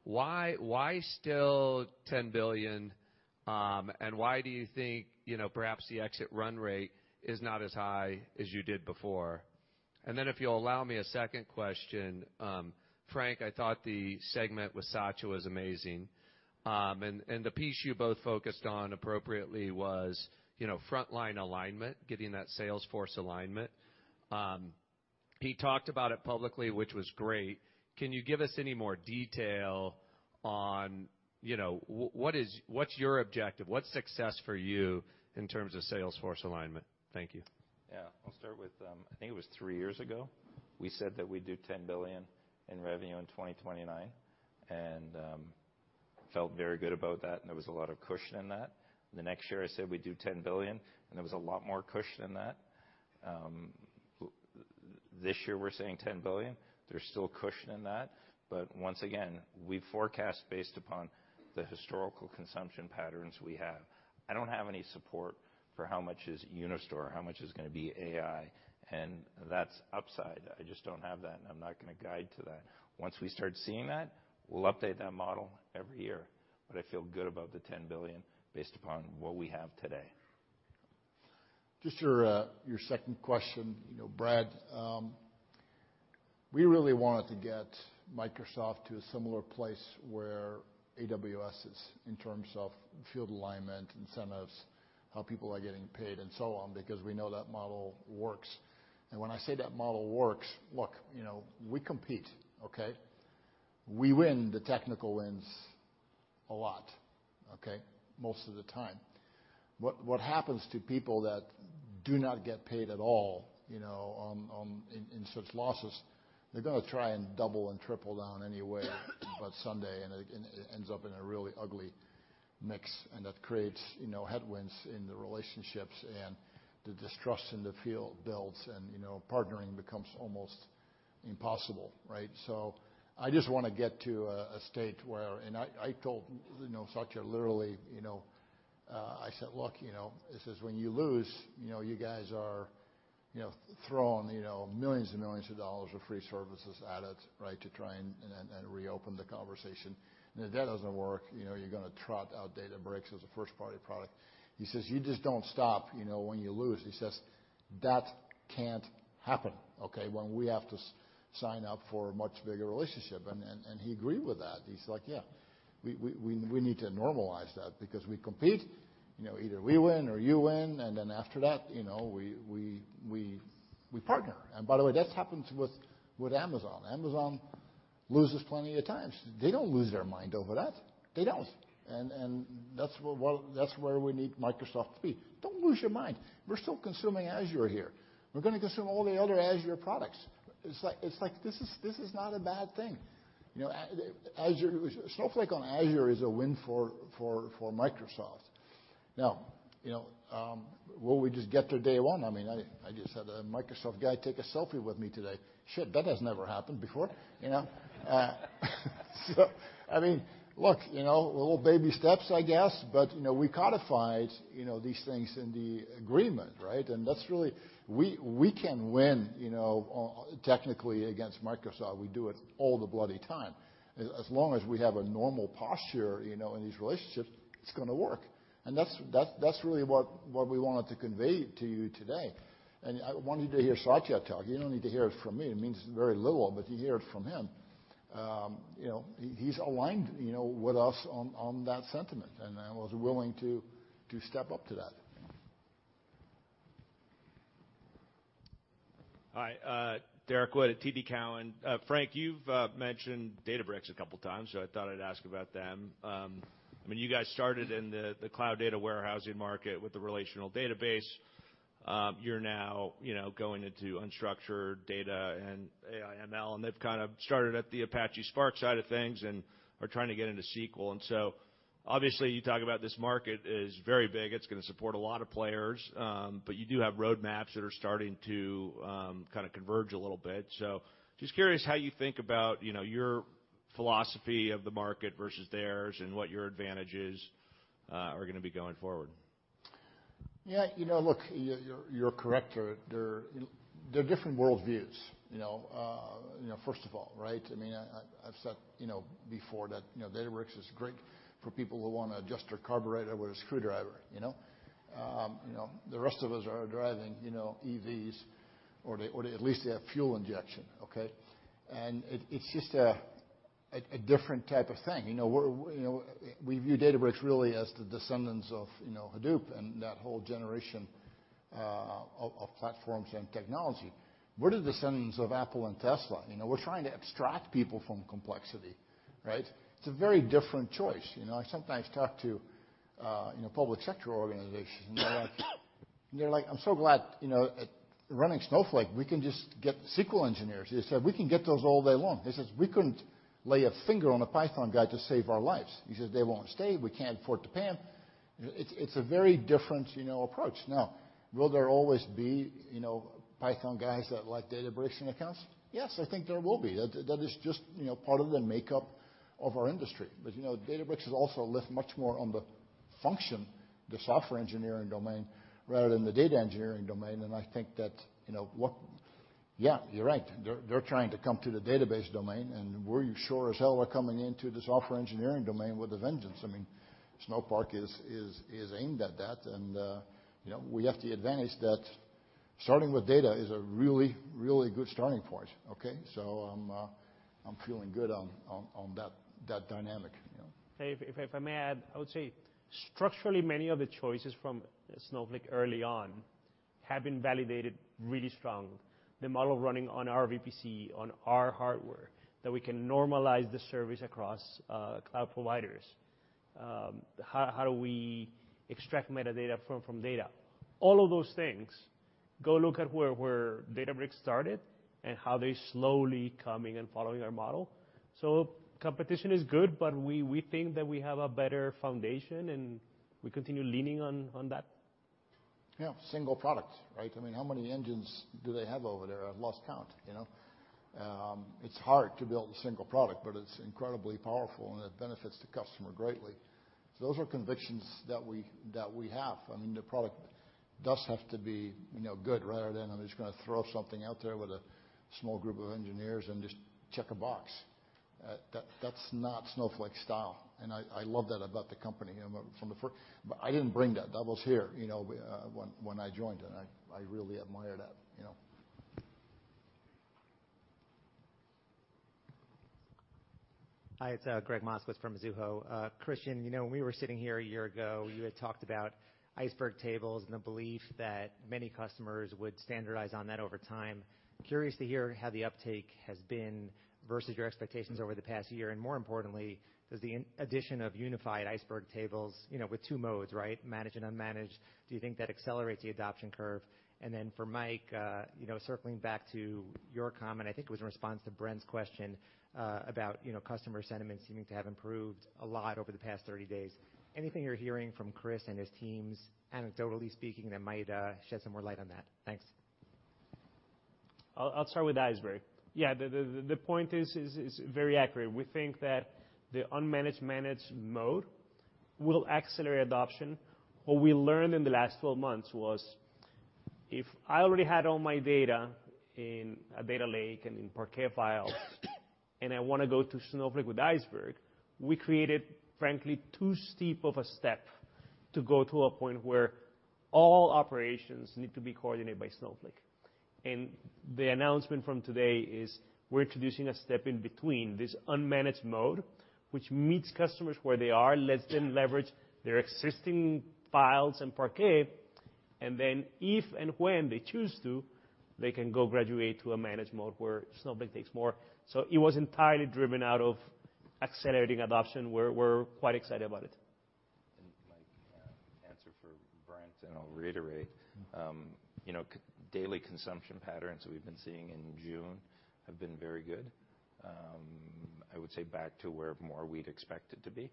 U: why still $10 billion? And why do you think, you know, perhaps the exit run rate is not as high as you did before? If you'll allow me a second question. Frank, I thought the segment with Satya was amazing. And the piece you both focused on appropriately was, you know, frontline alignment, getting that Salesforce alignment. He talked about it publicly, which was great. Can you give us any more detail on, you know, what's your objective? What's success for you in terms of Salesforce alignment? Thank you.
I: I'll start with, I think it was three years ago, we said that we'd do $10 billion in revenue in 2029, and felt very good about that, and there was a lot of cushion in that. The next year, I said we'd do $10 billion, and there was a lot more cushion in that. This year, we're saying $10 billion. There's still cushion in that, but once again, we forecast based upon the historical consumption patterns we have. I don't have any support for how much is Unistore, how much is gonna be AI, and that's upside. I just don't have that, and I'm not gonna guide to that. Once we start seeing that, we'll update that model every year. I feel good about the $10 billion based upon what we have today.
C: Just your second question. You know, Brad, we really wanted to get Microsoft to a similar place where AWS is in terms of field alignment, incentives, how people are getting paid, and so on, because we know that model works. When I say that model works, look, you know, we compete, okay? We win the technical wins a lot, okay? Most of the time. What happens to people that do not get paid at all, you know, on in such losses, they're gonna try and double and triple down any way but someday, and it ends up in a really ugly mix, and that creates, you know, headwinds in the relationships, and the distrust in the field builds and, you know, partnering becomes almost impossible, right? I just want to get to a state where... I told, you know, Satya, literally, you know, I said, "Look, you know," I says, "when you lose, you know, you guys are, you know, thrown, you know, millions and millions of dollars of free services at it, right, to try and reopen the conversation. If that doesn't work, you know, you're gonna trot out Databricks as a first-party product." He says, "You just don't stop, you know, when you lose." He says, "That can't happen, okay, when we have to sign up for a much bigger relationship." He agreed with that. He's like, "Yeah, we need to normalize that because we compete, you know, either we win or you win, and then after that, you know, we partner." By the way, this happens with Amazon. Amazon loses plenty of times. They don't lose their mind over that. They don't. That's well, that's where we need Microsoft to be. Don't lose your mind. We're still consuming Azure here. We're gonna consume all the other Azure products. It's like this is not a bad thing. You know, Azure, Snowflake on Azure is a win for Microsoft. You know, will we just get to day one? I mean, I just had a Microsoft guy take a selfie with me today. Shit, that has never happened before, you know? I mean, look, you know, little baby steps, I guess, but, you know, we codified, you know, these things in the agreement, right? That's really. We can win, you know, technically against Microsoft. We do it all the bloody time. As long as we have a normal posture, you know, in these relationships, it's gonna work. That's really what we wanted to convey to you today. I want you to hear Satya talk. You don't need to hear it from me. It means very little, but you hear it from him. You know, he's aligned, you know, with us on that sentiment, and was willing to step up to that.
V: Hi, Derrick Wood at TD Cowen. Frank, you've mentioned Databricks a couple times, so I thought I'd ask about them. I mean, you guys started in the cloud data warehousing market with the relational database. You're now, you know, going into unstructured data and AI, ML, and they've kind of started at the Apache Spark side of things and are trying to get into SQL. Obviously, you talk about this market is very big. It's gonna support a lot of players. You do have roadmaps that are starting to kind of converge a little bit. Just curious how you think about, you know, your philosophy of the market versus theirs, and what your advantages are gonna be going forward?
C: Yeah, you know, look, you're correct. They're different worldviews, you know, first of all, right? I mean, I've said, you know, before that, you know, Databricks is great for people who wanna adjust their carburetor with a screwdriver, you know? The rest of us are driving, you know, EVs, or they at least they have fuel injection, okay? It's just a different type of thing. You know, we view Databricks really as the descendants of, you know, Hadoop and that whole generation of platforms and technology. We're descendants of Apple and Tesla. You know, we're trying to abstract people from complexity, right? It's a very different choice. You know, I sometimes talk to, you know, public sector organizations, and they're like, "I'm so glad, you know, running Snowflake, we can just get SQL engineers." They said, "We can get those all day long." They says, "We couldn't lay a finger on a Python guy to save our lives." He says, "They won't stay. We can't afford to pay them." It's a very different, you know, approach. Will there always be, you know, Python guys that like Databricks and accounts? Yes, I think there will be. That is just, you know, part of the makeup of our industry. You know, Databricks has also lived much more on the function, the software engineering domain, rather than the data engineering domain, and I think that, you know, yeah, you're right. They're trying to come to the database domain, and we're sure as hell are coming into the software engineering domain with a vengeance. I mean, Snowpark is aimed at that, and, you know, we have the advantage that starting with data is a really, really good starting point, okay? I'm feeling good on that dynamic, you know.
E: If I may add, I would say structurally, many of the choices from Snowflake early on have been validated really strong. The model running on our VPC, on our hardware, that we can normalize the service across cloud providers. How do we extract metadata from data? All of those things, go look at where Databricks started and how they're slowly coming and following our model. Competition is good, but we think that we have a better foundation, and we continue leaning on that.
C: Yeah, single product, right? I mean, how many engines do they have over there? I've lost count, you know. It's hard to build a single product, but it's incredibly powerful, and it benefits the customer greatly. Those are convictions that we have. I mean, the product does have to be, you know, good, rather than I'm just gonna throw something out there with a small group of engineers and just check a box. That's not Snowflake style, and I love that about the company. I didn't bring that. That was here, you know, when I joined, and I really admire that, you know?
W: Hi, it's Greg Moskowitz from Mizuho. Christian, you know, when we were sitting here a year ago, you had talked about Iceberg tables and the belief that many customers would standardize on that over time. Curious to hear how the uptake has been versus your expectations over the past year, and more importantly, does the addition of unified Iceberg tables, you know, with two modes, right? Managed and unmanaged. Do you think that accelerates the adoption curve? Then for Mike, you know, circling back to your comment, I think it was in response to Brent's question, about, you know, customer sentiment seeming to have improved a lot over the past 30 days. Anything you're hearing from Chris and his teams, anecdotally speaking, that might shed some more light on that? Thanks.
E: I'll start with Iceberg. Yeah, the point is very accurate. We think that the unmanaged managed mode will accelerate adoption. What we learned in the last 12 months was if I already had all my data in a data lake and in Parquet files, and I wanna go to Snowflake with Iceberg, we created, frankly, too steep of a step to go to a point where all operations need to be coordinated by Snowflake. The announcement from today is we're introducing a step in between, this unmanaged mode, which meets customers where they are, lets them leverage their existing files in Parquet, and then if and when they choose to, they can go graduate to a managed mode where Snowflake takes more. It was entirely driven out of accelerating adoption. We're quite excited about it.
I: Mike, answer for Brent and I'll reiterate. You know, daily consumption patterns we've been seeing in June have been very good. I would say back to where more we'd expect it to be,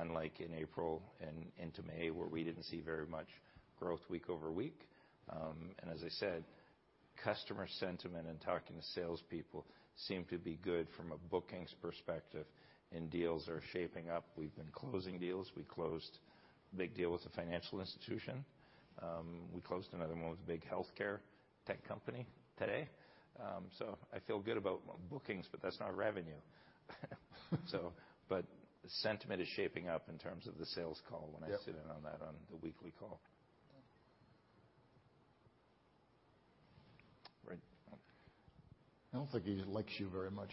I: unlike in April and into May, where we didn't see very much growth week over week. As I said, customer sentiment in talking to salespeople seem to be good from a bookings perspective, and deals are shaping up. We've been closing deals. We closed a big deal with a financial institution. We closed another one with a big healthcare tech company today. I feel good about bookings, but that's not revenue. Sentiment is shaping up in terms of the sales call.
C: Yep.
I: When I sit in on that on the weekly call.
C: Right. I don't think he likes you very much.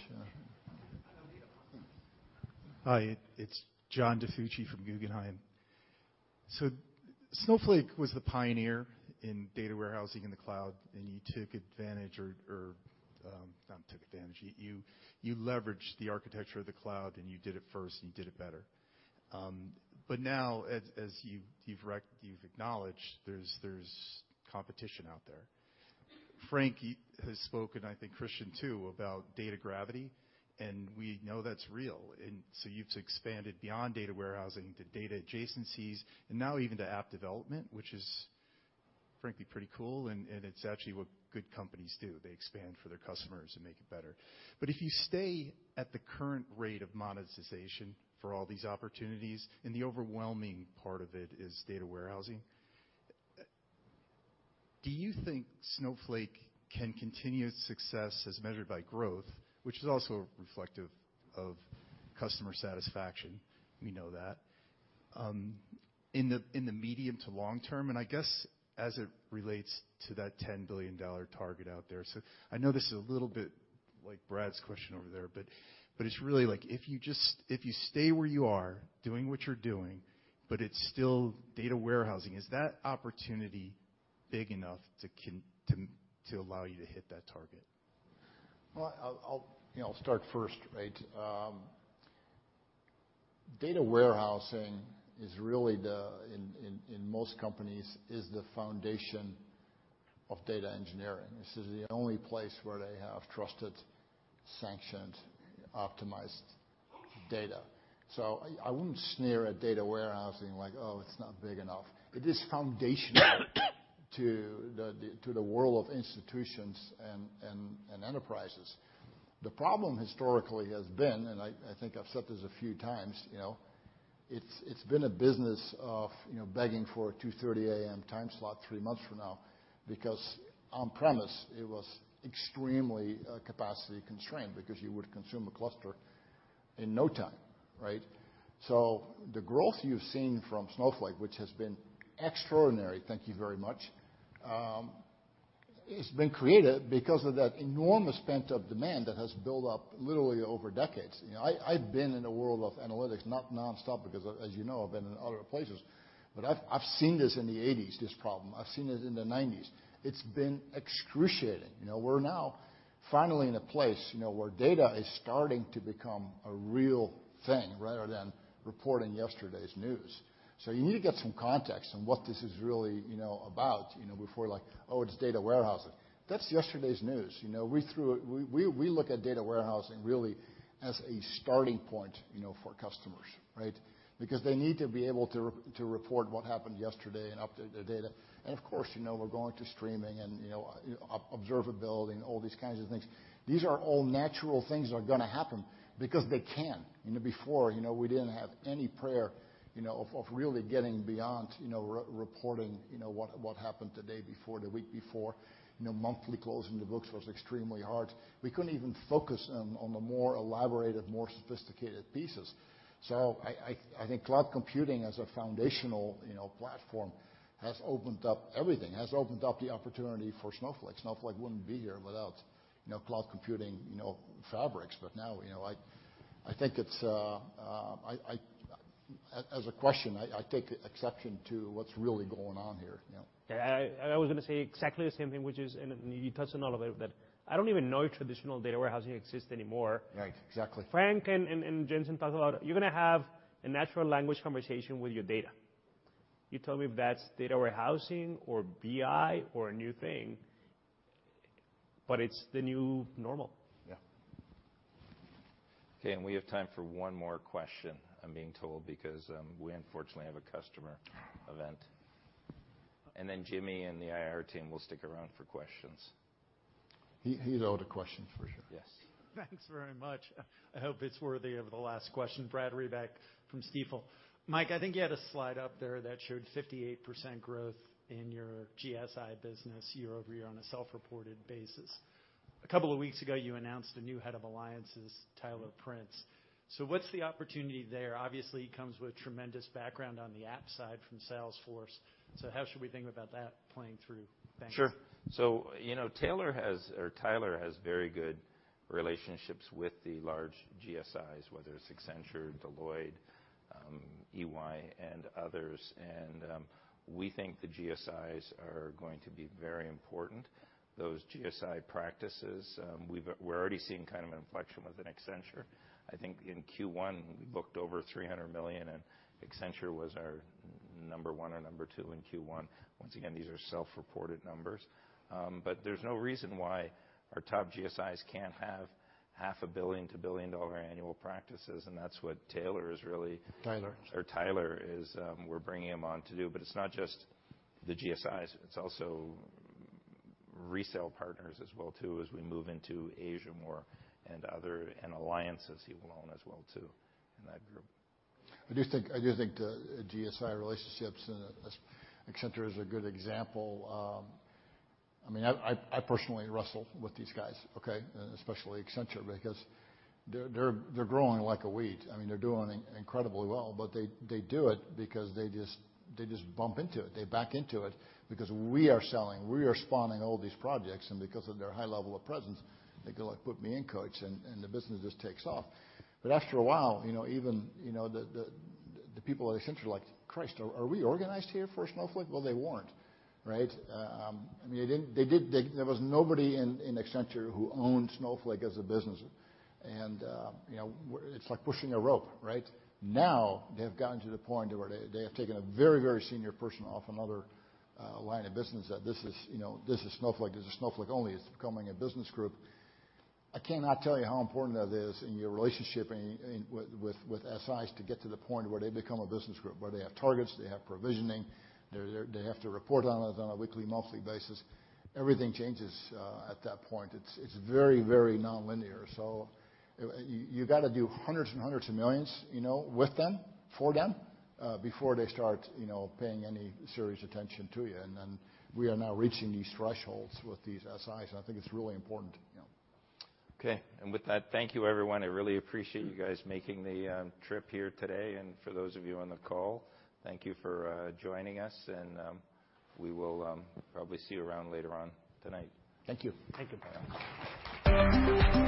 X: Hi, it's John DiFucci from Guggenheim. Snowflake was the pioneer in data warehousing in the cloud, and you took advantage or, not took advantage. You leveraged the architecture of the cloud, and you did it first, and you did it better. Now, as you've acknowledged, there's competition out there. Frank has spoken, I think Christian too, about data gravity, and we know that's real. So you've expanded beyond data warehousing to data adjacencies, and now even to app development, which is, frankly, pretty cool, and it's actually what good companies do. They expand for their customers and make it better. If you stay at the current rate of monetization for all these opportunities, and the overwhelming part of it is data warehousing, do you think Snowflake can continue its success as measured by growth, which is also reflective of customer satisfaction, we know that, in the, in the medium to long term, and I guess as it relates to that $10 billion target out there? I know this is a little bit like Brad's question over there, but it's really like, if you stay where you are, doing what you're doing, but it's still data warehousing, is that opportunity big enough to allow you to hit that target?
C: Well, I'll, you know, I'll start first, right. Data warehousing is really in most companies, is the foundation of data engineering. This is the only place where they have trusted, sanctioned, optimized data. I wouldn't sneer at data warehousing, like, "Oh, it's not big enough." It is foundational to the world of institutions and enterprises. The problem historically has been, I think I've said this a few times, you know, it's been a business of, you know, begging for a 2:30 A.M. time slot 3 months from now, because on-premise, it was extremely capacity constrained, because you would consume a cluster in no time, right? The growth you've seen from Snowflake, which has been extraordinary, thank you very much, it's been created because of that enormous pent-up demand that has built up literally over decades. You know, I've been in a world of analytics, not nonstop, because as you know, I've been in other places, but I've seen this in the eighties, this problem. I've seen it in the nineties. It's been excruciating. You know, we're now finally in a place, you know, where data is starting to become a real thing rather than reporting yesterday's news. You need to get some context on what this is really, you know, about, you know, before like, "Oh, it's data warehousing." That's yesterday's news. You know, we look at data warehousing really as a starting point, you know, for customers, right? They need to be able to report what happened yesterday and update their data. Of course, you know, we're going to streaming and, you know, observability and all these kinds of things. These are all natural things that are gonna happen because they can. You know, before, you know, we didn't have any prayer, you know, of really getting beyond, you know, re-reporting, you know, what happened today, before the week before. You know, monthly closing the books was extremely hard. We couldn't even focus on the more elaborated, more sophisticated pieces. I think cloud computing as a foundational, you know, platform has opened up everything, has opened up the opportunity for Snowflake. Snowflake wouldn't be here without, you know, cloud computing, you know, fabrics. Now, you know, I think it's... I, as a question, I take exception to what's really going on here, you know.
E: Yeah, I was gonna say exactly the same thing, which is, and you touched on all of it, that I don't even know if traditional data warehousing exists anymore.
C: Right. Exactly.
E: Frank and Jensen talked about, you're gonna have a natural language conversation with your data. You tell me if that's data warehousing or BI or a new thing, but it's the new normal.
C: Yeah.
I: Okay, we have time for one more question, I'm being told, because we unfortunately have a customer event. Then Jimmy and the IR team will stick around for questions.
C: He's owed a question, for sure.
I: Yes.
Y: Thanks very much. I hope it's worthy of the last question. Brad Reback from Stifel. Mike, I think you had a slide up there that showed 58% growth in your GSI business year-over-year on a self-reported basis. A couple of weeks ago, you announced a new head of alliances, Tyler Prince. What's the opportunity there? Obviously, he comes with tremendous background on the app side from Salesforce. How should we think about that playing through? Thanks.
I: Sure. You know, Taylor has, or Tyler has very good relationships with the large GSIs, whether it's Accenture, Deloitte, EY, and others. We think the GSIs are going to be very important. Those GSI practices, We're already seeing kind of an inflection with an Accenture. I think in Q1, we booked over $300 million, and Accenture was our number 1 or number 2 in Q1. Once again, these are self-reported numbers. There's no reason why our top GSIs can't have half a billion to $1 billion annual practices, and that's what Taylor is really -
C: Tyler.
I: Tyler, is. We're bringing him on to do. It's not just the GSIs, it's also resale partners as well, too, as we move into Asia more and alliances, he will own as well, too, in that group.
C: I do think the GSI relationships, and as Accenture is a good example, I mean, I personally wrestle with these guys, okay? Especially Accenture, because they're growing like a weed. I mean, they're doing incredibly well, but they do it because they just bump into it. They back into it because we are selling, we are spawning all these projects, and because of their high level of presence, they go like, "Put me in, coach," and the business just takes off. After a while, you know, even, the people at Accenture are like: "Christ, are we organized here for Snowflake?" Well, they weren't, right? I mean, there was nobody in Accenture who owned Snowflake as a business. You know, it's like pushing a rope, right? Now, they have gotten to the point where they have taken a very, very senior person off another line of business, that this is, you know, this is Snowflake. This is Snowflake only. It's becoming a business group. I cannot tell you how important that is in your relationship and with SIs to get to the point where they become a business group, where they have targets, they have provisioning, they have to report on it on a weekly, monthly basis. Everything changes at that point. It's very, very nonlinear. You gotta do hundreds and hundreds of millions, you know, with them, for them, before they start, you know, paying any serious attention to you. We are now reaching these thresholds with these SIs, and I think it's really important, you know?
I: Okay. With that, thank you, everyone. I really appreciate you guys making the trip here today. For those of you on the call, thank you for joining us and we will probably see you around later on tonight.
C: Thank you.
E: Thank you.